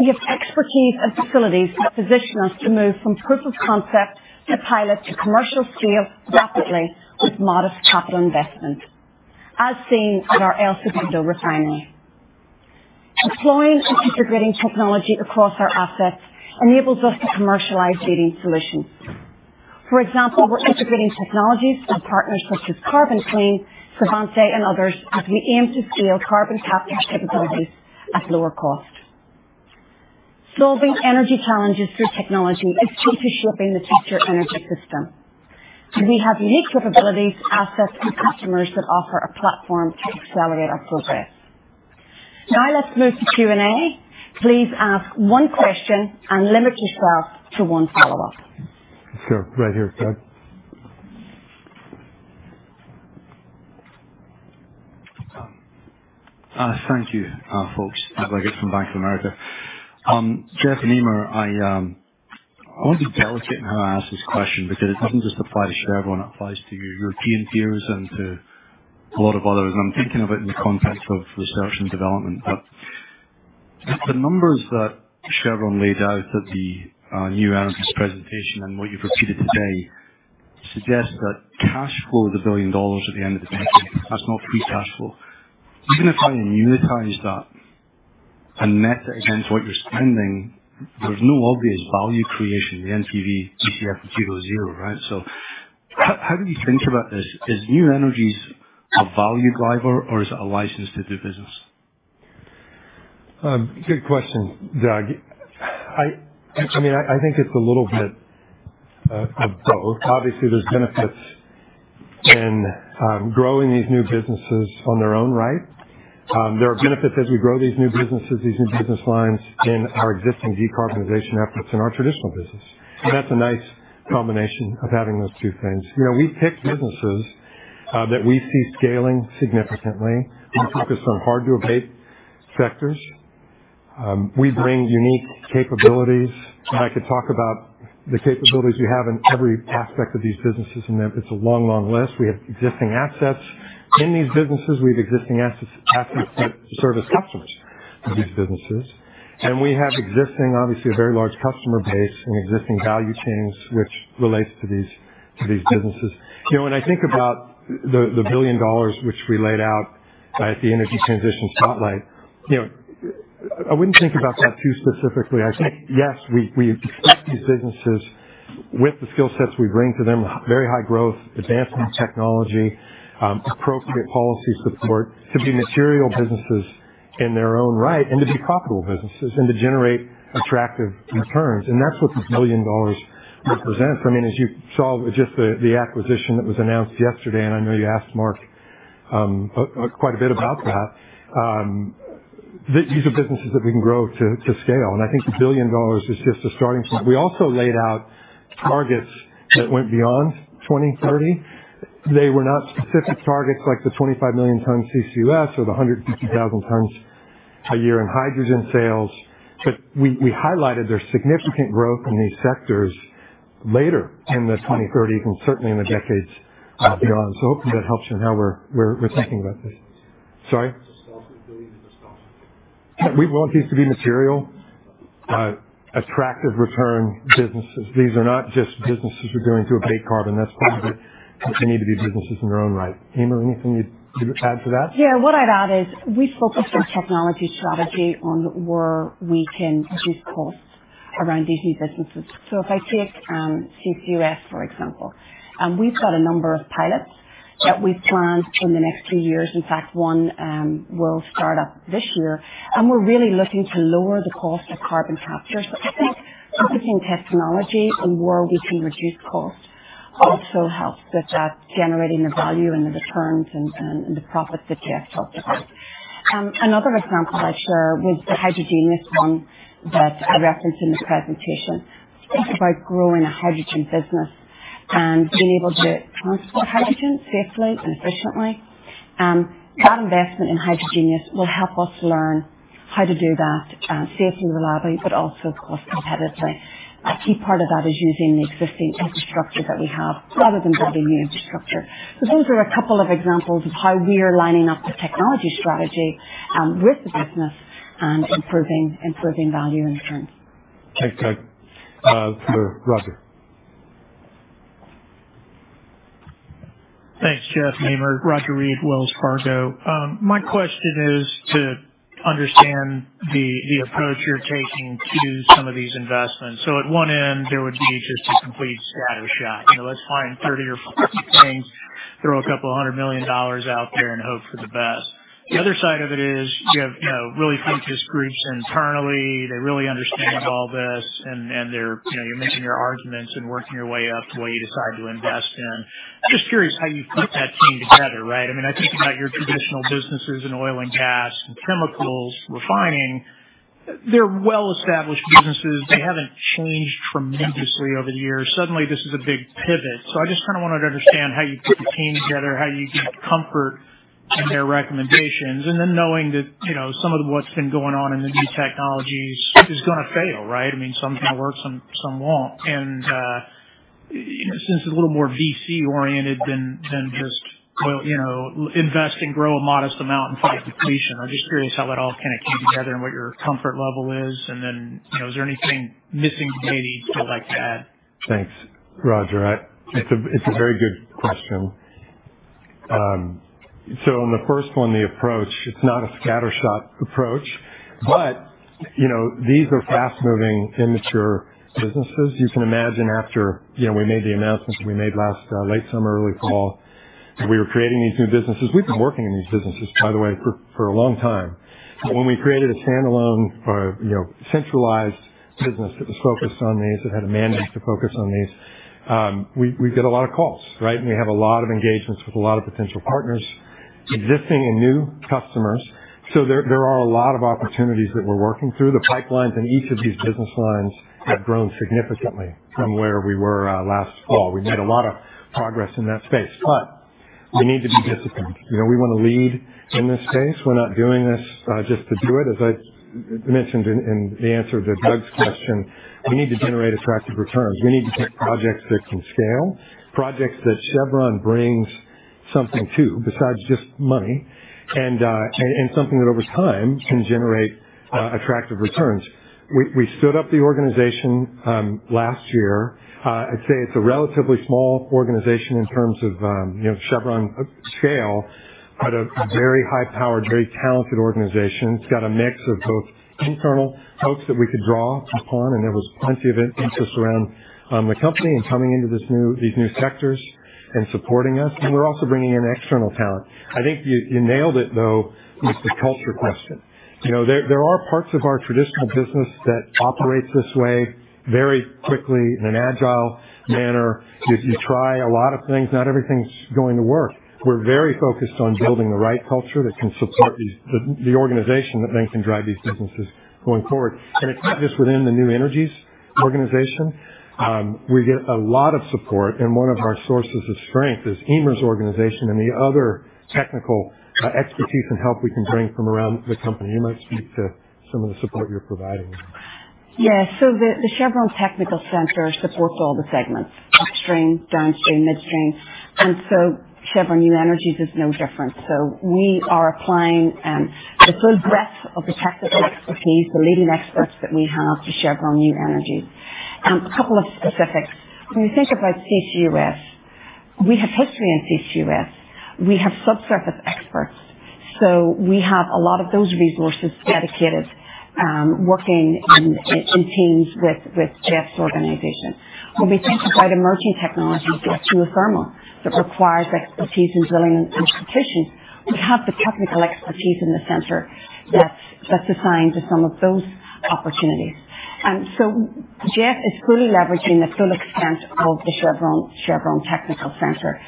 We have expertise and facilities that position us to move from proof of concept to pilot to commercial scale rapidly with modest capital investment, as seen at our El Segundo refinery. Deploying and integrating technology across our assets enables us to commercialize leading solutions. For example, we're integrating technologies with partners such as Carbon Clean, Svante and others as we aim to scale carbon capture capabilities at lower cost. Solving energy challenges through technology is key to shaping the future energy system. We have unique capabilities, assets and customers that offer a platform to accelerate our progress. Now let's move to Q&A. Please ask one question and limit yourself to one follow-up. Sure. Right here, Doug. Thank you, folks. Douglas Leggate from Bank of America. Jeff and Eimear, I want to be delicate in how I ask this question because it doesn't just apply to Chevron, it applies to your European peers and to a lot of others. I'm thinking of it in the context of research and development. The numbers that Chevron laid out at the New Energies presentation and what you've repeated today suggests that cash flow is $1 billion at the end of the decade. That's not free cash flow. Even if I annuitize that and net that against what you're spending, there's no obvious value creation. The NPV, DCF is zero, right? How do you think about this? Is New Energies a value driver or is it a license to do business? Good question, Doug. I think it's a little bit of both. Obviously, there's benefits in growing these new businesses on their own right. There are benefits as we grow these new businesses, these new business lines in our existing decarbonization efforts in our traditional business. That's a nice combination of having those two things. We've picked businesses that we see scaling significantly. We're focused on hard to abate sectors. We bring unique capabilities, and I could talk about the capabilities we have in every aspect of these businesses, and it's a long list. We have existing assets in these businesses, assets that service customers of these businesses. We have existing, obviously a very large customer base and existing value chains which relates to these businesses. When I think about the $1 billion which we laid out at the energy transition spotlight I wouldn't think about that too specifically. I'd say yes, we expect these businesses with the skill sets we bring to them, very high growth, advancement in technology, appropriate policy support, to be material businesses in their own right and to be profitable businesses and to generate attractive returns. That's what this $1 billion represents. As you saw with just the acquisition that was announced yesterday, and I know you asked Mark quite a bit about that, these are businesses that we can grow to scale, and I think a $1 billion is just a starting point. We also laid out targets that went beyond 2030. They were not specific targets like the 25 million tons CCUS or the 150,000 tons a year in hydrogen sales. We highlighted there's significant growth in these sectors later in the 2030 and certainly in the decades beyond. Hopefully that helps you in how we're thinking about this. Sorry? We want these to be material, attractive return businesses. These are not just businesses we're doing to abate carbon. That's part of it. They need to be businesses in their own right. Eimear, anything you'd add to that? Yeah. What I'd add is, we focus our technology strategy on where we can reduce costs around these new businesses. If I take CCUS, for example, we've got a number of pilots that we've planned in the next few years. In fact, one will start up this year, and we're really looking to lower the cost of carbon capture. I think focusing technology and where we can reduce costs also helps with that, generating the value and the returns and the profits that Jeff talked about. Another example I'd share was the Hydrogenious one that I referenced in the presentation. Think about growing a hydrogen business and being able to transport hydrogen safely and efficiently. That investment in Hydrogenious will help us learn how to do that safely, reliably, but also cost competitively. A key part of that is using the existing infrastructure that we have rather than building new infrastructure. Those are a couple of examples of how we are lining up the technology strategy with the business and improving value and returns. Thanks, Jeff, Eimear. Roger Read, Wells Fargo. My question is to understand the approach you're taking to some of these investments. At one end, there would be just a complete scattershot. Let's find 30 or 40 things, throw a couple hundred million dollars out there and hope for the best. The other side of it is you have, really focused groups internally. They really understand all this, and they're, you're making your arguments and working your way up to what you decide to invest in. I'm just curious how you put that team together, right?I think about your traditional businesses in oil and gas and chemicals, refining. They're well-established businesses. They haven't changed tremendously over the years. Suddenly this is a big pivot. I just kinda wanted to understand how you put the team together, how you get comfort in their recommendations, and then knowing that, some of what's been going on in the new technologies is gonna fail, right? Some will work, some won't. Since it's a little more VC oriented than just oil, invest and grow a modest amount and fight depletion. I'm just curious how that all came together and what your comfort level is. Is there anything missing you maybe feel like to add? Thanks, Roger. It's a very good question. On the first one, the approach, it's not a scattershot approach, but these are fast-moving, immature businesses. You can imagine after we made the announcements we made last late summer, early fall, we were creating these new businesses. We've been working in these businesses, by the way, for a long time. But when we created a standalone or centralized business that was focused on these, that had a mandate to focus on these, we get a lot of calls, right? We have a lot of engagements with a lot of potential partners, existing and new customers. There are a lot of opportunities that we're working through. The pipelines in each of these business lines have grown significantly from where we were last fall. We've made a lot of progress in that space, but we need to be disciplined. We wanna lead in this space. We're not doing this, just to do it. As I mentioned in the answer to Doug's question, we need to generate attractive returns. We need to pick projects that can scale, projects that Chevron brings something to besides just money and something that over time can generate attractive returns. We stood up the organization last year. I'd say it's a relatively small organization in terms of Chevron scale, but a very high-powered, very talented organization. It's got a mix of both internal folks that we could draw upon, and there was plenty of interest around the company in coming into these new sectors and supporting us. We're also bringing in external talent. I think you nailed it, though, with the culture question. There are parts of our traditional business that operates this way very quickly in an agile manner. You try a lot of things. Not everything's going to work. We're very focused on building the right culture that can support these, the organization that then can drive these businesses going forward. It's not just within the New Energies organization. We get a lot of support, and one of our sources of strength is Eimear's organization and the other technical expertise and help we can bring from around the company. You might speak to some of the support you're providing. The Chevron Technical Center supports all the segments, Upstream, Downstream, Midstream. Chevron New Energies is no different. We are applying the full breadth of the technical expertise, the leading experts that we have to Chevron New Energies. A couple of specifics. When you think about CCUS, we have history in CCUS. We have subsurface experts. We have a lot of those resources dedicated, working in teams with Jeff's organization. When we think about emerging technologies like geothermal that requires expertise in drilling and heat extraction, we have the technical expertise in the center that's assigned to some of those opportunities. Jeff is fully leveraging the full extent of the Chevron Technical Center.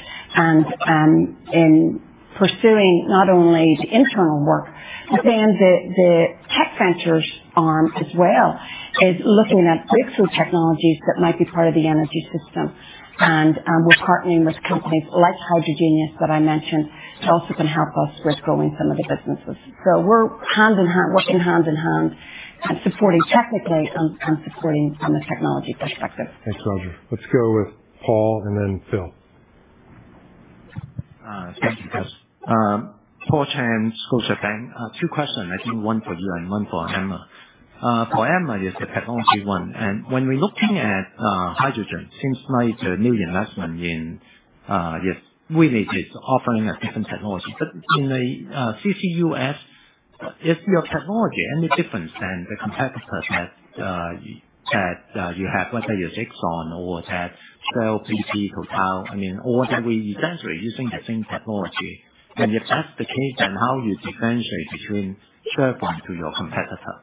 In pursuing not only the internal work, but then the tech ventures arm as well is looking at breakthrough technologies that might be part of the energy system. We're partnering with companies like Hydrogenious that I mentioned, that also can help us with growing some of the businesses. We're hand in hand, working hand in hand and supporting technically and supporting from a technology perspective. Thanks, Roger. Let's go with Paul and then Phil. Thank you, guys. Paul Cheng, Scotiabank. Two questions. I think one for you and one for Eimear Bonner. The one for Eimear is the technology one. When we're looking at hydrogen, seems like the new investment in hydrogen is offering a different technology. In the CCUS, is your technology any different than the competitors that you have, let's say Exxon or Shell, BP, Total? Or are we essentially using the same technology? If that's the case, then how do you differentiate between Chevron and your competitors?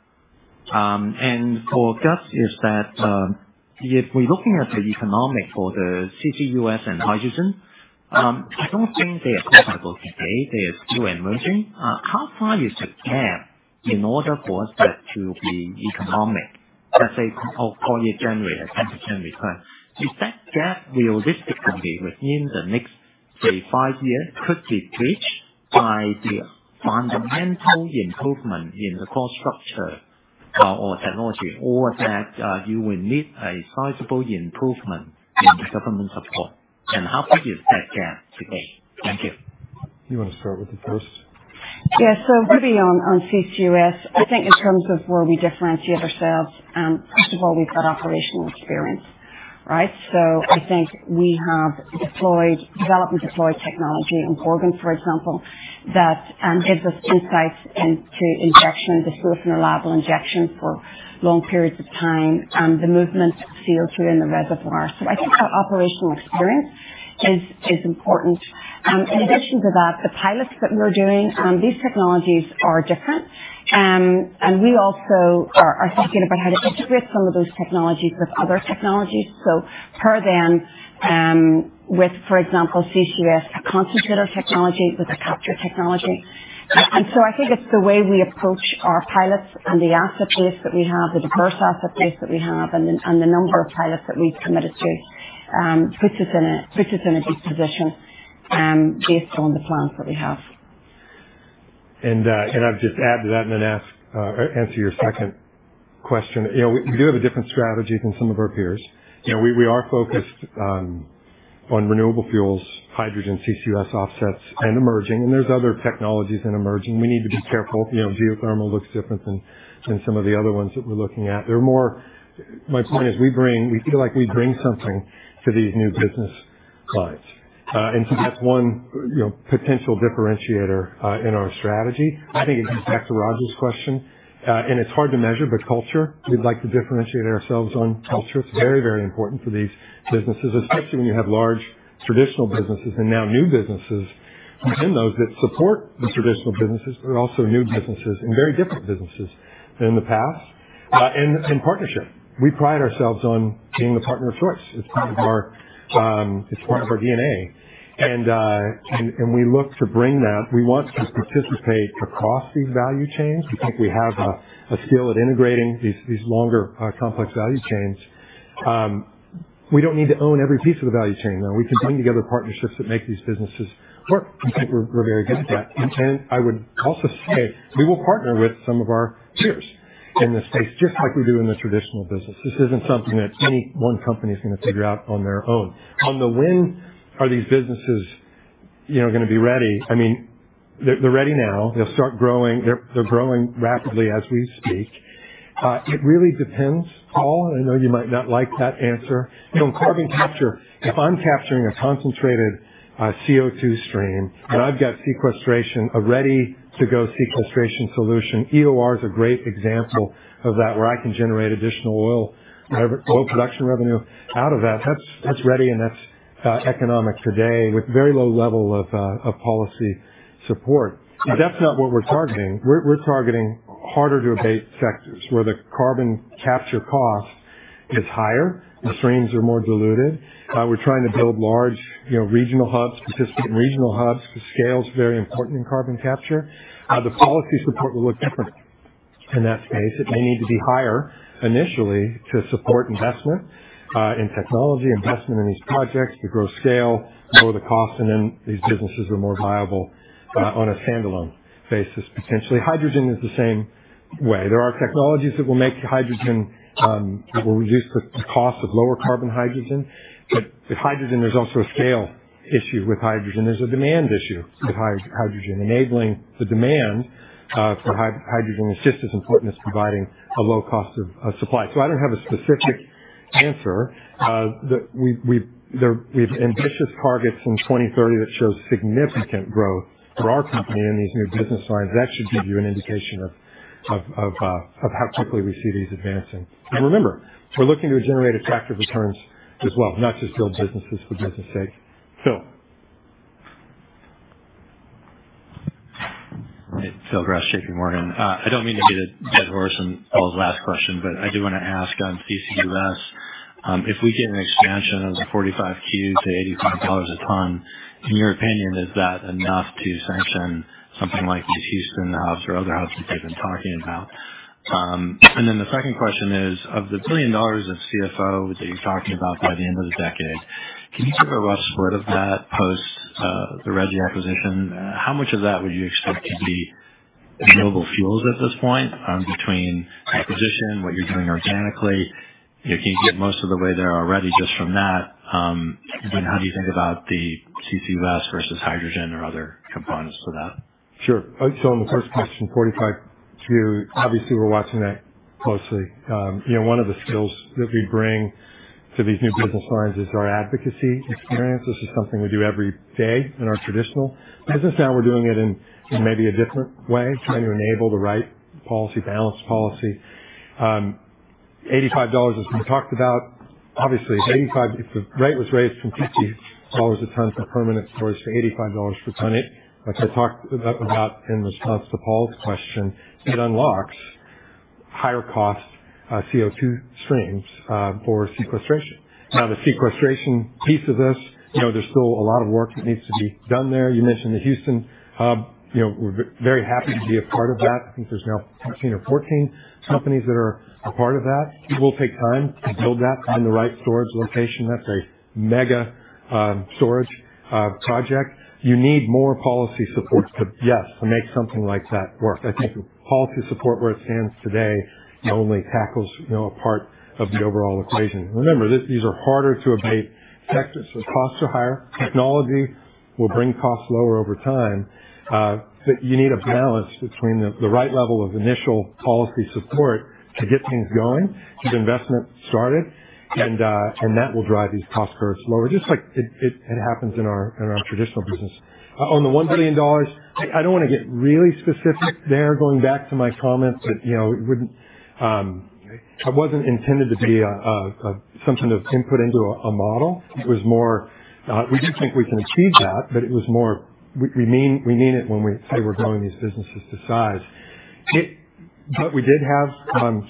For Gus, if we're looking at the economics for the CCUS and hydrogen, I don't think they are comparable today. They are still emerging. How far is the gap in order for that to be economic, let's say, of four-year generator, 10% return? Is that gap realistically within the next, say, five years could be bridged by the fundamental improvement in the cost structure or technology? Or that you will need a sizable improvement in the government support. How big is that gap today? Thank you. You wanna start with it first? On CCUS, I think in terms of where we differentiate ourselves, first of all, we've got operational experience, right? I think we have developed and deployed technology in Gorgon for example, that gives us insights into injection, the sourcing and reliable injection for long periods of time, and the movement of CO2 in the reservoir. I think our operational experience is important. In addition to that, the pilots that we're doing, these technologies are different. We also are thinking about how to integrate some of those technologies with other technologies. Pair them, with, for example, CCUS concentrator technology with a capture technology. I think it's the way we approach our pilots and the asset base that we have, the diverse asset base that we have and the number of pilots that we've committed to puts us in a good position based on the plans that we have. I'll just add to that and then answer your second question. We do have a different strategy than some of our peers. We are focused on renewable fuels, hydrogen, CCUS offsets and emerging, and there's other technologies in emerging. We need to be careful. Geothermal looks different than some of the other ones that we're looking at. My point is we feel like we bring something to these new business clients. That's one potential differentiator in our strategy. I think it comes back to Roger's question. It's hard to measure, but culture, we'd like to differentiate ourselves on culture. It's very, very important for these businesses, especially when you have large traditional businesses and now new businesses within those that support the traditional businesses, but also new businesses and very different businesses than in the past and partnership. We pride ourselves on being the partner of choice. It's our, it's part of our DNA. We look to bring that. We want to participate across these value chains. We think we have a skill at integrating these longer complex value chains. We don't need to own every piece of the value chain. We can bring together partnerships that make these businesses work. We think we're very good at that. I would also say we will partner with some of our peers in this space, just like we do in the traditional business. This isn't something that any one company is gonna figure out on their own. On the when are these businesses gonna be ready they're ready now. They'll start growing. They're growing rapidly as we speak. It really depends, Paul. I know you might not like that answer.In carbon capture, if I'm capturing a concentrated CO2 stream, and I've got sequestration, a ready-to-go sequestration solution. EOR is a great example of that, where I can generate additional oil production revenue out of that. That's ready and that's economic today with very low level of policy support. That's not what we're targeting. We're targeting harder to abate sectors where the carbon capture cost is higher, the streams are more diluted. We're trying to build larg regional hubs, consistent regional hubs. The scale is very important in carbon capture. The policy support will look different in that space. It may need to be higher initially to support investment in technology, investment in these projects to grow scale, lower the cost, and then these businesses are more viable on a standalone basis, potentially. Hydrogen is the same way. There are technologies that will make hydrogen that will reduce the cost of lower carbon hydrogen. But with hydrogen, there's also a scale issue with hydrogen. There's a demand issue with hydrogen. Enabling the demand for hydrogen is just as important as providing a low cost of supply. So I don't have a specific answer. We have ambitious targets in 2030 that shows significant growth for our company in these new business lines. That should give you an indication of how quickly we see these advancing. Remember, we're looking to generate attractive returns as well, not just build businesses for business sake. Phil. Phil Gresh, JP Morgan. I don't mean to beat a dead horse on Paul's last question, but I do wanna ask on CCUS, if we get an expansion of the 45Q to $85 a ton, in your opinion, is that enough to sanction something like the Houston hubs or other hubs that they've been talking about? And then the second question is, of the $1 billion of CFO that you're talking about by the end of the decade, can you give a rough split of that post the REG acquisition? How much of that would you expect to be renewable fuels at this point, between acquisition and what you're doing organically? can you get most of the way there already just from that? And how do you think about the CCUS versus hydrogen or other components to that? Sure. On the first question, 45Q, obviously we're watching that closely. One of the skills that we bring to these new business lines is our advocacy experience. This is something we do every day in our traditional business. Now we're doing it in maybe a different way, trying to enable the right policy, balanced policy. $85, as we talked about, obviously. If the rate was raised from $50 a ton for permanent storage to $85 per ton, as I talked about in response to Paul's question, it unlocks higher cost CO2 streams for sequestration. Now, the sequestration piece of this there's still a lot of work that needs to be done there. You mentioned the Houston hub. We're very happy to be a part of that. I think there's now 13 or 14 companies that are a part of that. It will take time to build that in the right storage location. That's a mega storage project. You need more policy support to yes to make something like that work. I think the policy support where it stands today only tackles, a part of the overall equation. Remember, these are harder to abate sectors, so costs are higher. Technology will bring costs lower over time. But you need a balance between the right level of initial policy support to get things going, get investment started, and that will drive these cost curves lower, just like it happens in our traditional business. On the $1 billion, I don't wanna get really specific there, going back to my comments that it wouldn't, it wasn't intended to be something that was input into a model. It was more. We do think we can achieve that, but it was more we mean it when we say we're growing these businesses to size. We did have some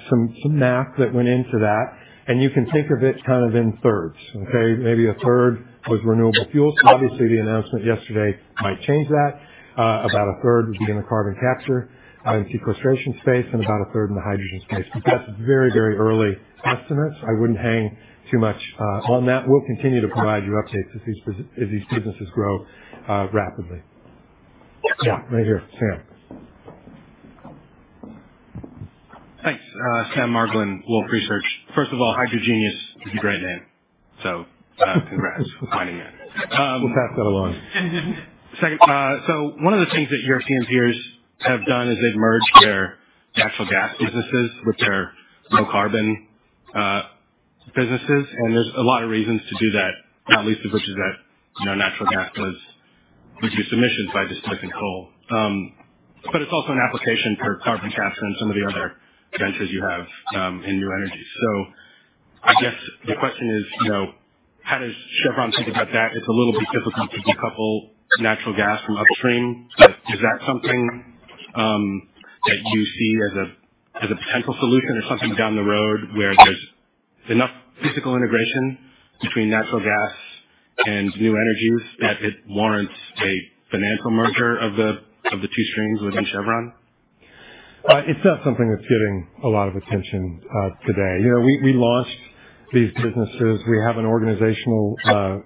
math that went into that, and you can think of it in thirds, okay? A third was renewable fuels. Obviously, the announcement yesterday might change that. About a third would be in the carbon capture and sequestration space and about a third in the hydrogen space. That's very early estimates. I wouldn't hang too much on that. We'll continue to provide you updates as these businesses grow rapidly. Yeah, right here. Sam. Thanks. Sam Margolin, Wolfe Research. First of all, Hydrogenious is a great name. Congrats on finding that. We'll pass that along. Second, one of the things that European peers have done is they've merged their natural gas businesses with their low carbon businesses, and there's a lot of reasons to do that, not least of which is that natural gas has reduced emissions by displacing coal. But it's also an application for carbon capture and some of the other ventures you have in New Energies. The question is how does Chevron think about that? It's a little bit difficult to decouple natural gas from Upstream, but is that something that you see as a potential solution or something down the road where there's enough physical integration between natural gas and New Energies that it warrants a financial merger of the two streams within Chevron? It's not something that's getting a lot of attention today. We launched these businesses. We have an organizational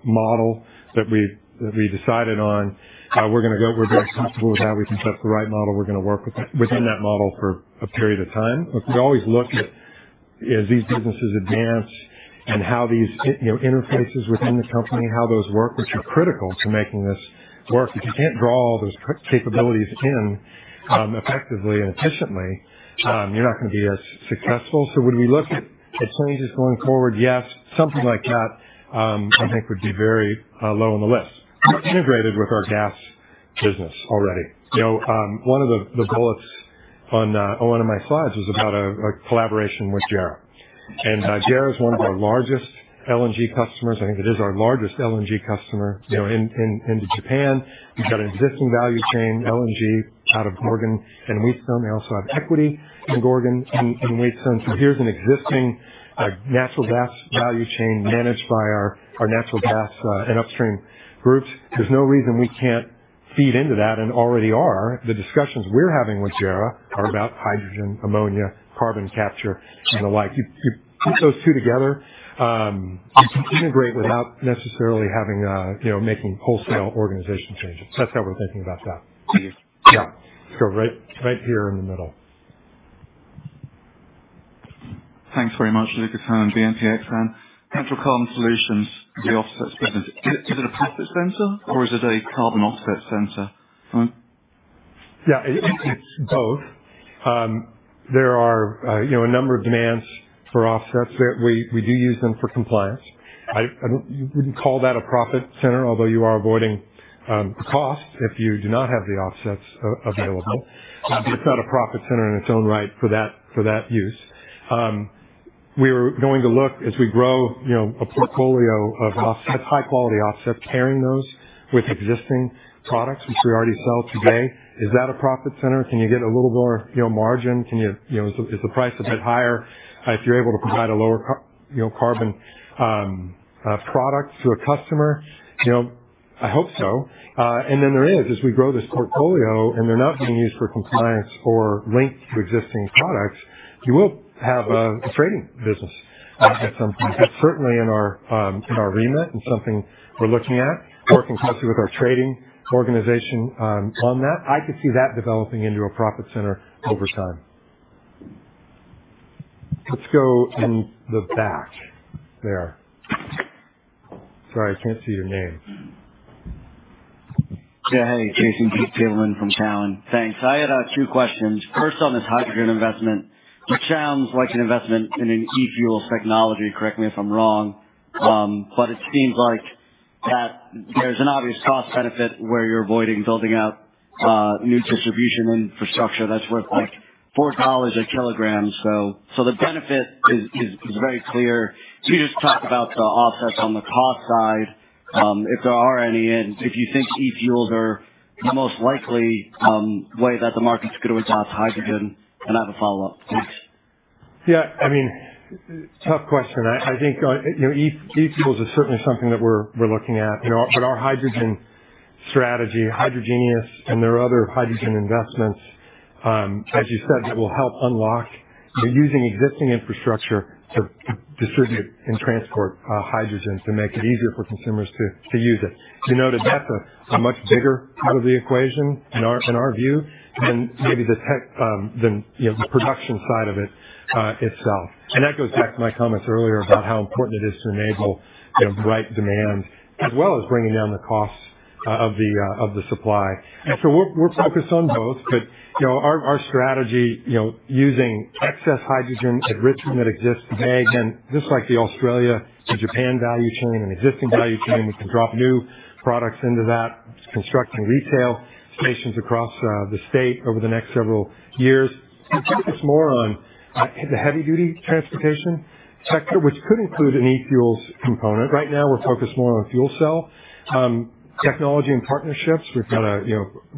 model that we decided on. We're very comfortable with that. We think that's the right model. We're gonna work within that model for a period of time. Look, we always look at as these businesses advance and how these interfaces within the company and how those work, which are critical to making this work. If you can't draw all those capabilities in effectively and efficiently, you're not gonna be as successful. When we look at changes going forward, yes, something like that, I think would be very low on the list. We're integrated with our gas business already. One of the bullets on one of my slides was about a collaboration with JERA. JERA is one of our largest LNG customers. I think it is our largest LNG customer into Japan. We've got an existing value chain, LNG, out of Gorgon and Wheatstone. We also have equity in Gorgon and Wheatstone. Here's an existing natural gas value chain managed by our natural gas and upstream groups. There's no reason we can't feed into that and already are. The discussions we're having with JERA are about hydrogen, ammonia, carbon capture, and the like. You put those two together, you can integrate without necessarily having making wholesale organization changes. That's how we're thinking about that. Thank you. Yeah. Let's go right here in the middle. Thanks very much. Lucas Herrmann, BNP Exane. Central Carbon Solutions, the offset center, is it a profit center or is it a carbon offset center? Yeah, it's both. There are a number of demands for offsets that we do use them for compliance. I wouldn't call that a profit center, although you are avoiding costs if you do not have the offsets available. It's not a profit center in its own right for that use. We're going to look as we grow, a portfolio of offsets, high quality offsets, pairing those with existing products which we already sell today. Is that a profit center? Can you get a little more margin? Can you know, is the price a bit higher if you're able to provide a lower carbon product to a customer? I hope so. There is, as we grow this portfolio, and they're not being used for compliance or linked to existing products, you will have a trading business at some point. That's certainly in our remit and something we're looking at, working closely with our trading organization on that. I could see that developing into a profit center over time. Let's go in the back there. Sorry, I can't see your name. Yeah, hey, Jason Gabelman from Cowen. Thanks. I had two questions. First, on this hydrogen investment, which sounds like an investment in an e-fuel technology, correct me if I'm wrong. It seems like that there's an obvious cost benefit where you're avoiding building out new distribution infrastructure that's worth, like, $4 a kilogram. The benefit is very clear. Can you just talk about the offsets on the cost side, if there are any, and if you think e-fuels are the most likely way that the market's gonna adopt hydrogen? I have a follow-up. Thanks. Tough question. I think, e-fuels are certainly something that we're looking at our hydrogen strategy, Hydrogenious, and there are other hydrogen investments, as you said, that will help unlock. We're using existing infrastructure to distribute and transport hydrogen to make it easier for consumers to use it. We know that that's a much bigger part of the equation in our view than the tech, the production side of it itself. That goes back to my comments earlier about how important it is to enable right demand as well as bringing down the costs of the supply. We're focused on both. Our strategy using excess hydrogen at Richmond that exists today. Again, just like the Australia to Japan value chain, an existing value chain, we can drop new products into that. It's constructing retail stations across the state over the next several years. We're focused more on the heavy duty transportation sector, which could include an e-fuels component. Right now we're focused more on fuel cell technology and partnerships. We've got a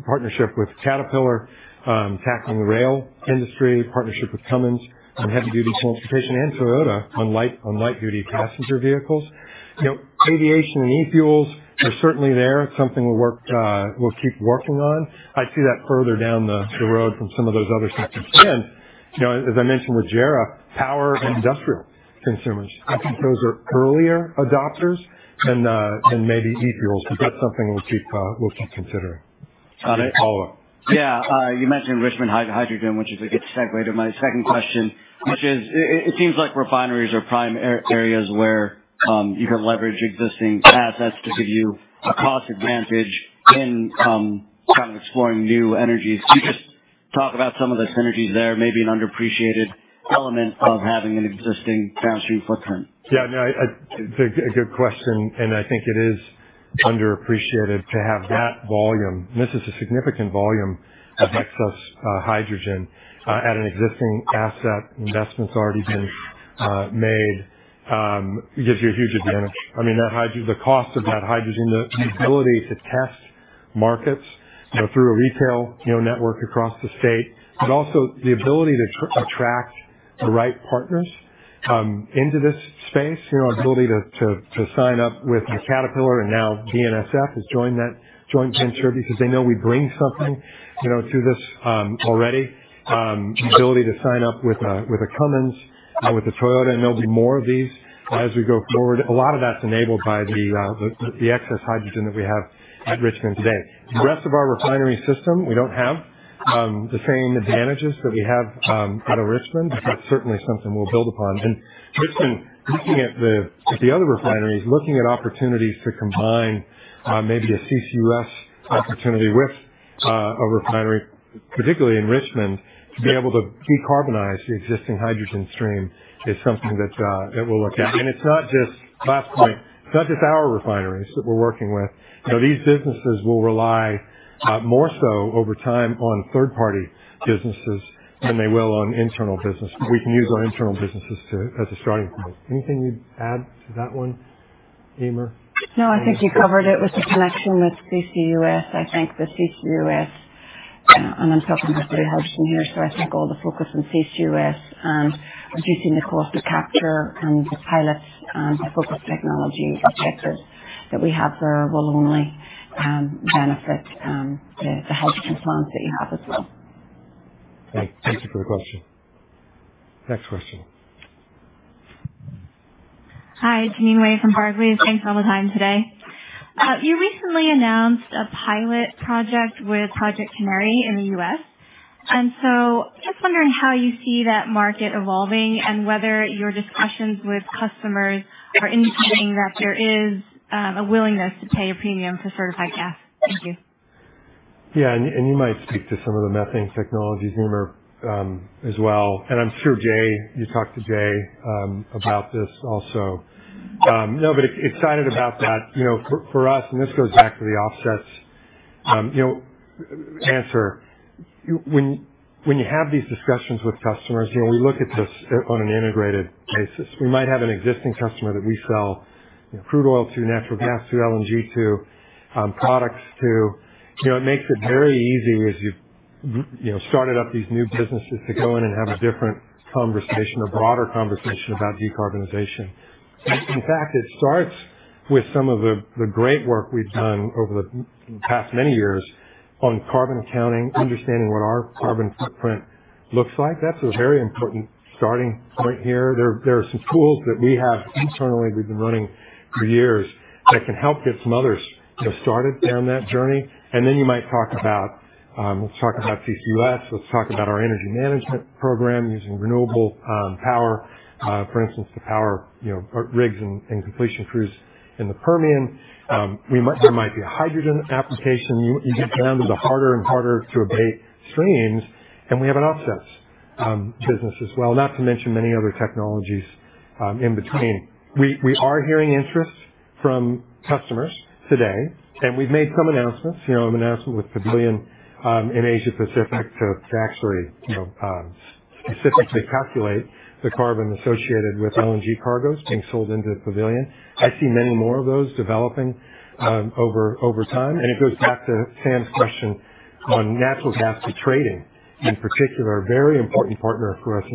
partnership with Caterpillar tackling the rail industry, partnership with Cummins on heavy duty transportation, and Toyota on light duty passenger vehicles. Aviation and e-fuels are certainly there. It's something we'll keep working on. I see that further down the road from some of those other sectors. As I mentioned with JERA, power and industrial consumers, I think those are earlier adopters than maybe e-fuels. That's something we'll keep considering. Got it. Follow-up. Yeah. You mentioned Richmond Hydrogen, which is a good segue to my second question, which is, it seems like refineries are prime areas where you can leverage existing assets to give you a cost advantage in exploring New Energies. Can you just talk about some of the synergies there, maybe an underappreciated element of having an existing downstream footprint? Yeah, no, a good question, and I think it is underappreciated to have that volume. This is a significant volume of excess hydrogen at an existing asset. Investment's already been made. Gives you a huge advantage. The cost of that hydrogen, the ability to test markets through a retail network across the state. But also the ability to attract the right partners into this space. Ability to sign up with a Caterpillar and now BNSF has joined that joint venture because they know we bring something, to this already. Ability to sign up with a Cummins, with a Toyota, and there'll be more of these as we go forward. A lot of that's enabled by the excess hydrogen that we have at Richmond today. The rest of our refinery system, we don't have the same advantages that we have out of Richmond, but that's certainly something we'll build upon. Richmond, looking at the other refineries, looking at opportunities to combine maybe a CCUS opportunity with a refinery, particularly in Richmond, to be able to decarbonize the existing hydrogen stream is something that we'll look at. It's not just our refineries that we're working with. These businesses will rely more so over time on third-party businesses than they will on internal business. We can use our internal businesses as a starting point. Anything you'd add to that one, Eimear? No, I think you covered it with the connection with CCUS. I think the CCUS, and I'm talking hopefully hydrogen here. I think all the focus on CCUS and reducing the cost of capture and the pilots and the focus technology objectives that we have there will only benefit the hydrogen plans that you have as well. Okay. Thank you for the question. Next question. Hi, Jeanine Wai from Barclays. Thanks for all the time today. You recently announced a pilot project with Project Canary in the U.S. Just wondering how you see that market evolving and whether your discussions with customers are indicating that there is a willingness to pay a premium for certified gas. Thank you. You might speak to some of the methane technologies, Eimear, as well. I'm sure Jay, you talked to Jay, about this also. No, but excited about that. For us, and this goes back to the offsets answer. When you have these discussions with customers we look at this on an integrated basis. We might have an existing customer that we sell crude oil to, natural gas to, LNG to, products to. It makes it very easy as you've, started up these new businesses to go in and have a different conversation, a broader conversation about decarbonization. In fact, it starts with some of the great work we've done over the past many years on carbon accounting, understanding what our carbon footprint looks like. That's a very important starting point here. There are some tools that we have internally we've been running for years that can help get some others started down that journey. You might talk about, let's talk about CCUS. Let's talk about our energy management program using renewable power. For instance, to power our rigs and completion crews in the Permian. There might be a hydrogen application. You get down to the harder and harder to abate streams, and we have an offsets business as well, not to mention many other technologies in between. We are hearing interest from customers today, and we've made some announcements. An announcement with Pavilion in Asia-Pacific to actually specifically calculate the carbon associated with LNG cargoes being sold into the Pavilion. I see many more of those developing over time. It goes back to Sam's question on natural gas trading in particular. A very important partner for us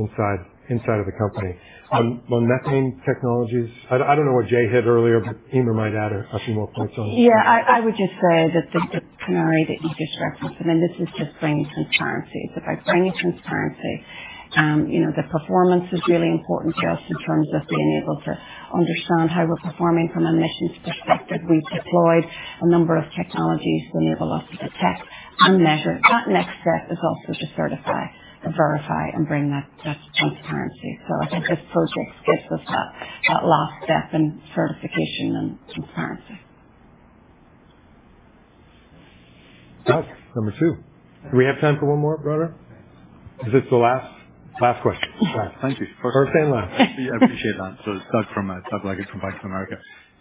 inside of the company. On methane technologies, I don't know what Jay hit earlier, but Eimear might add a few more points on that. Yeah, I would just say that the scenario that you just referenced this is just bringing transparency. It's about bringing transparency. The performance is really important to us in terms of being able to understand how we're performing from an emissions perspective. We've deployed a number of technologies to enable us to detect and measure. That next step is also to certify and verify and bring that transparency. I think this project gives us that last step in certification and transparency. Doug, number two. Do we have time for one more, Brother? Is this the last question. Thank you. First and last. I appreciate that. Doug Leggate from Bank of America.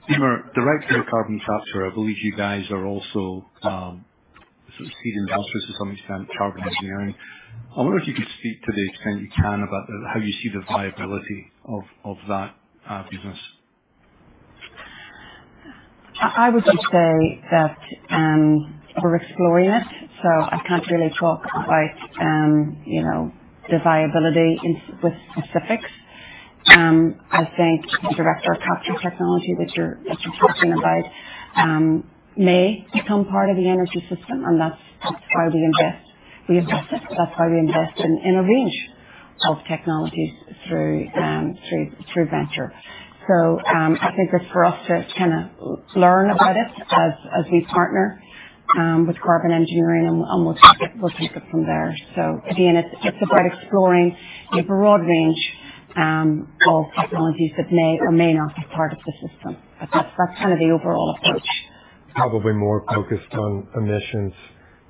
Eimear, direct air carbon capture, I believe you guys are also seed investors to some extent, Carbon Engineering. I wonder if you could speak to the extent you can about how you see the viability of that business. I would just say that we're exploring it, so I can't really talk about, the viability with specifics. I think direct air capture technology, which you're talking about, may become part of the energy system, and that's how we invest. We invest it. That's why we invest in a range of technologies through venture. I think it's for us to kinda learn about it as we partner with Carbon Engineering, and we'll take it from there. So again, it's about exploring a broad range of technologies that may or may not be part of the system. But that's the overall approach. Probably more focused on emissions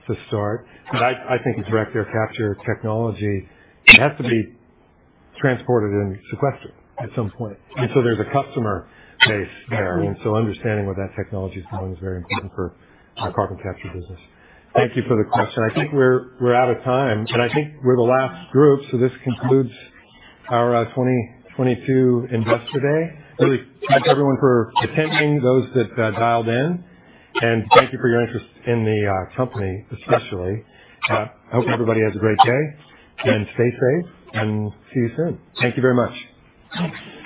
to start. I think with direct air capture technology, it has to be transported and sequestered at some point. There's a customer base there. Understanding what that technology is doing is very important for our carbon capture business. Thank you for the question. I think we're out of time, and I think we're the last group. This concludes our 2022 Investor Day. We really thank everyone for attending, those that dialed in. Thank you for your interest in the company, especially. I hope everybody has a great day. Stay safe. See you soon. Thank you very much.